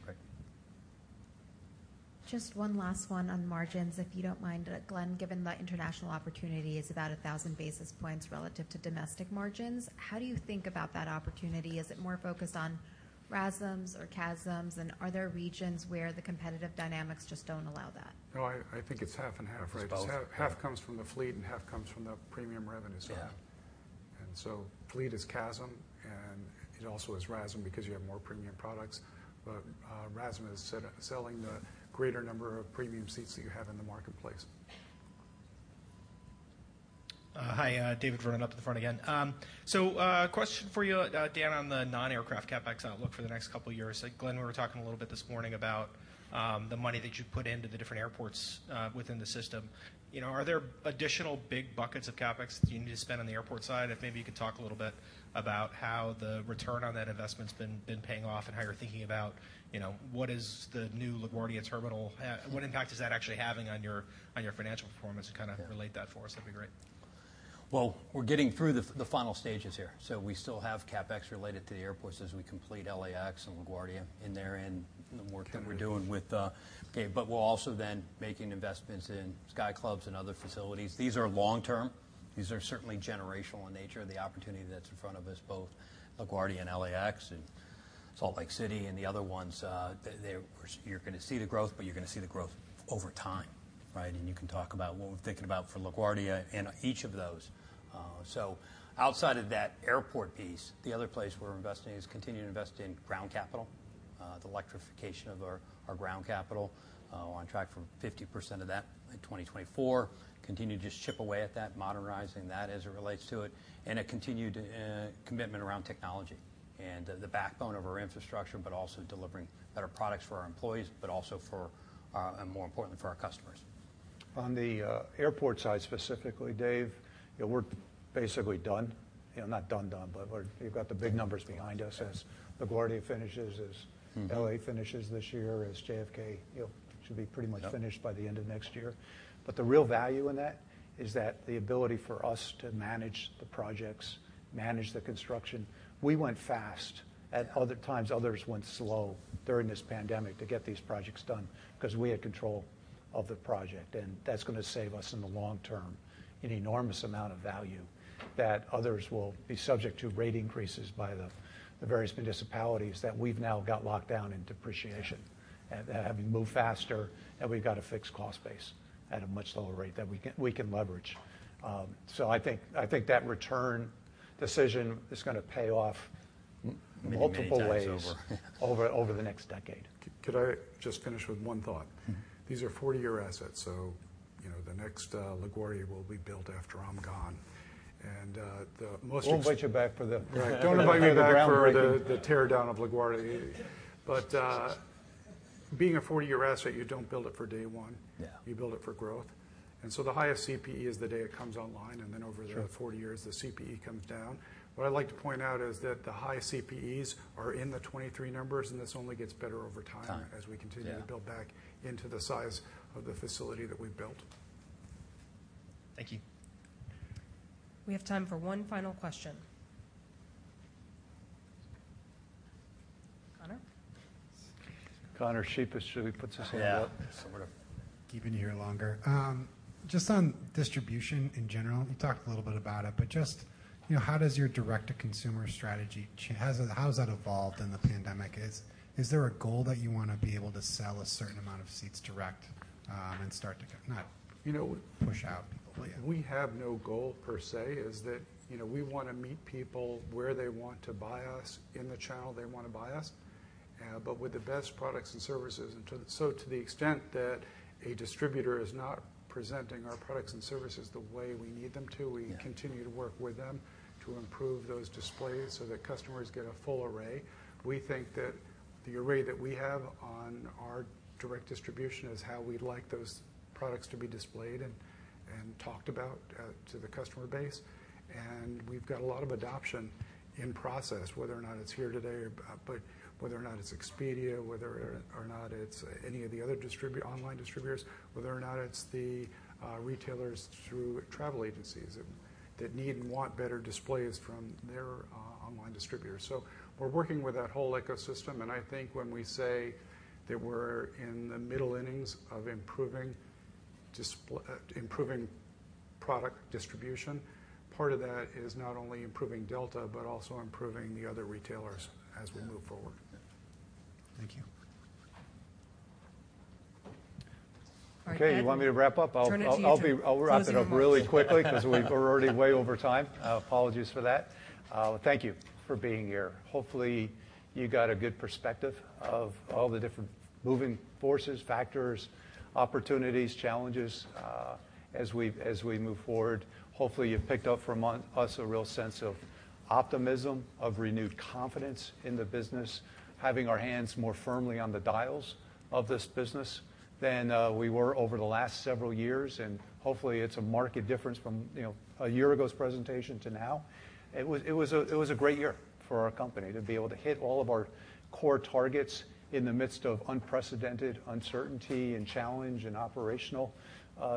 Great. Just one last one on margins, if you don't mind, Glen. Given the international opportunity is about 1,000 basis points relative to domestic margins, how do you think about that opportunity? Is it more focused on RASMs or CASMs, and are there regions where the competitive dynamics just don't allow that? No, I think it's half and half, right? It's both. Yeah. Half comes from the fleet, and half comes from the premium revenue side. Yeah. Fleet is CASM, and it also is RASM because you have more premium products. RASM is selling the greater number of premium seats that you have in the marketplace. Hi, David Vernon up at the front again. A question for you, Dan, on the non-aircraft CapEx outlook for the next two years. Glenn, we were talking a little bit this morning about the money that you put into the different airports within the system. You know, are there additional big buckets of CapEx that you need to spend on the airport side? If maybe you could talk a little bit about how the return on that investment's been paying off and how you're thinking about, you know, what is the new LaGuardia terminal? What impact is that actually having on your financial performance? To kind of relate that for us, that'd be great. Well, we're getting through the final stages here. We still have CapEx related to the airports as we complete LAX and LaGuardia in there and the work that we're doing with the. Okay, we're also then making investments in Sky Clubs and other facilities. These are long-term. These are certainly generational in nature. The opportunity that's in front of us, both LaGuardia and LAX and Salt Lake City and the other ones, you're gonna see the growth, but you're gonna see the growth over time, right? You can talk about what we're thinking about for LaGuardia and each of those. Outside of that airport piece, the other place we're investing is continuing to invest in ground capital. The electrification of our ground capital. We're on track for 50% of that in 2024. Continue to just chip away at that, modernizing that as it relates to it. A continued commitment around technology and the backbone of our infrastructure, but also delivering better products for our employees, but also for, and more importantly, for our customers. On the airport side, specifically, Dave, we're basically done. You know, not done, but we've got the big numbers behind us as LaGuardia finishes, as LA finishes this year, as JFK, you know, should be pretty much finished by the end of next year. The real value in that is that the ability for us to manage the projects, manage the construction. We went fast. At other times, others went slow during this pandemic to get these projects done because we had control of the project, and that's gonna save us in the long term an enormous amount of value that others will be subject to rate increases by the various municipalities that we've now got locked down in depreciation. Having moved faster, and we've got a fixed cost base at a much lower rate that we can leverage. I think that return decision is gonna pay off multiple ways over the next decade. Could I just finish with one thought? Mm-hmm. These are 40-year assets, so you know, the next LaGuardia will be built after I'm gone. We'll invite you back for the groundbreaking. Invite me back for the teardown of LaGuardia. Being a 40-year asset, you don't build it for day 1. Yeah. You build it for growth. The highest CPE is the day it comes online, and then over the 40 years, the CPE comes down. What I'd like to point out is that the highest CPEs are in the 23 numbers, and this only gets better over time. Time. as we continue to build back into the size of the facility that we built. Thank you. We have time for one final question. Conor. Conor, shape it so he puts this on the. Yeah. Somewhere. Keeping you here longer. Just on distribution in general. You talked a little bit about it, but just, you know, how has that evolved in the pandemic? Is there a goal that you wanna be able to sell a certain amount of seats direct, and start to now push out? We have no GOL per se. Is that, you know, we wanna meet people where they want to buy us in the channel they want to buy us, but with the best products and services. To the extent that a distributor is not presenting our products and services the way we need them to, we continue to work with them to improve those displays so that customers get a full array. We think that the array that we have on our direct distribution is how we'd like those products to be displayed and talked about, to the customer base. We've got a lot of adoption in process, whether or not it's here today, but whether or not it's Expedia, whether or not it's any of the other online distributors. Whether or not it's the retailers through travel agencies that need and want better displays from their online distributors. We're working with that whole ecosystem, and I think when we say that we're in the middle innings of improving product distribution, part of that is not only improving Delta but also improving the other retailers as we move forward. Thank you. All right, Okay, you want me to wrap up? I'll wrap it up really quickly because we're already way over time. Apologies for that. Thank you for being here. Hopefully, you got a good perspective of all the different moving forces, factors, opportunities, challenges, as we move forward. Hopefully, you've picked up from on us a real sense of optimism, of renewed confidence in the business. Having our hands more firmly on the dials of this business than we were over the last several years. Hopefully, it's a marked difference from, you know, a year ago's presentation to now. It was a great year for our company to be able to hit all of our core targets in the midst of unprecedented uncertainty and challenge and operational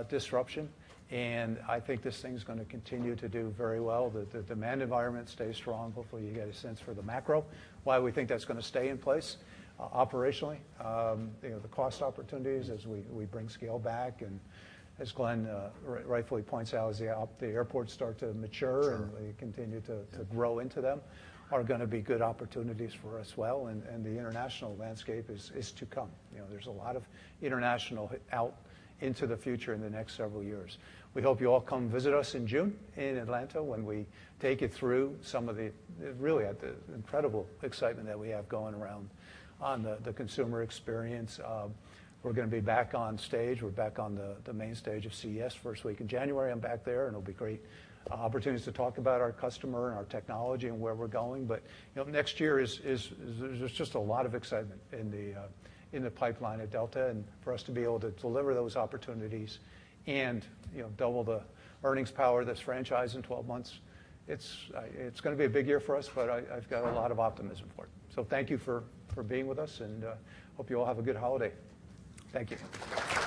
disruption. I think this thing's gonna continue to do very well. The demand environment stays strong. Hopefully, you get a sense for the macro, why we think that's gonna stay in place operationally. You know, the cost opportunities as we bring scale back. As Glen rightfully points out, as the airports start to mature, and we continue to grow into them, are gonna be good opportunities for us well. The international landscape is to come. You know, there's a lot of international out into the future in the next several years. We hope you all come visit us in June in Atlanta when we take you through some of the, really the incredible excitement that we have going around on the consumer experience. We're gonna be back on stage. We're back on the main stage of CES first week in January. I'm back there, and it'll be great opportunities to talk about our customer and our technology and where we're going. You know, next year is there's just a lot of excitement in the pipeline at Delta. For us to be able to deliver those opportunities and, you know, double the earnings power of this franchise in 12 months, it's gonna be a big year for us, but I've got a lot of optimism for it. Thank you for being with us, and hope you all have a good holiday. Thank you.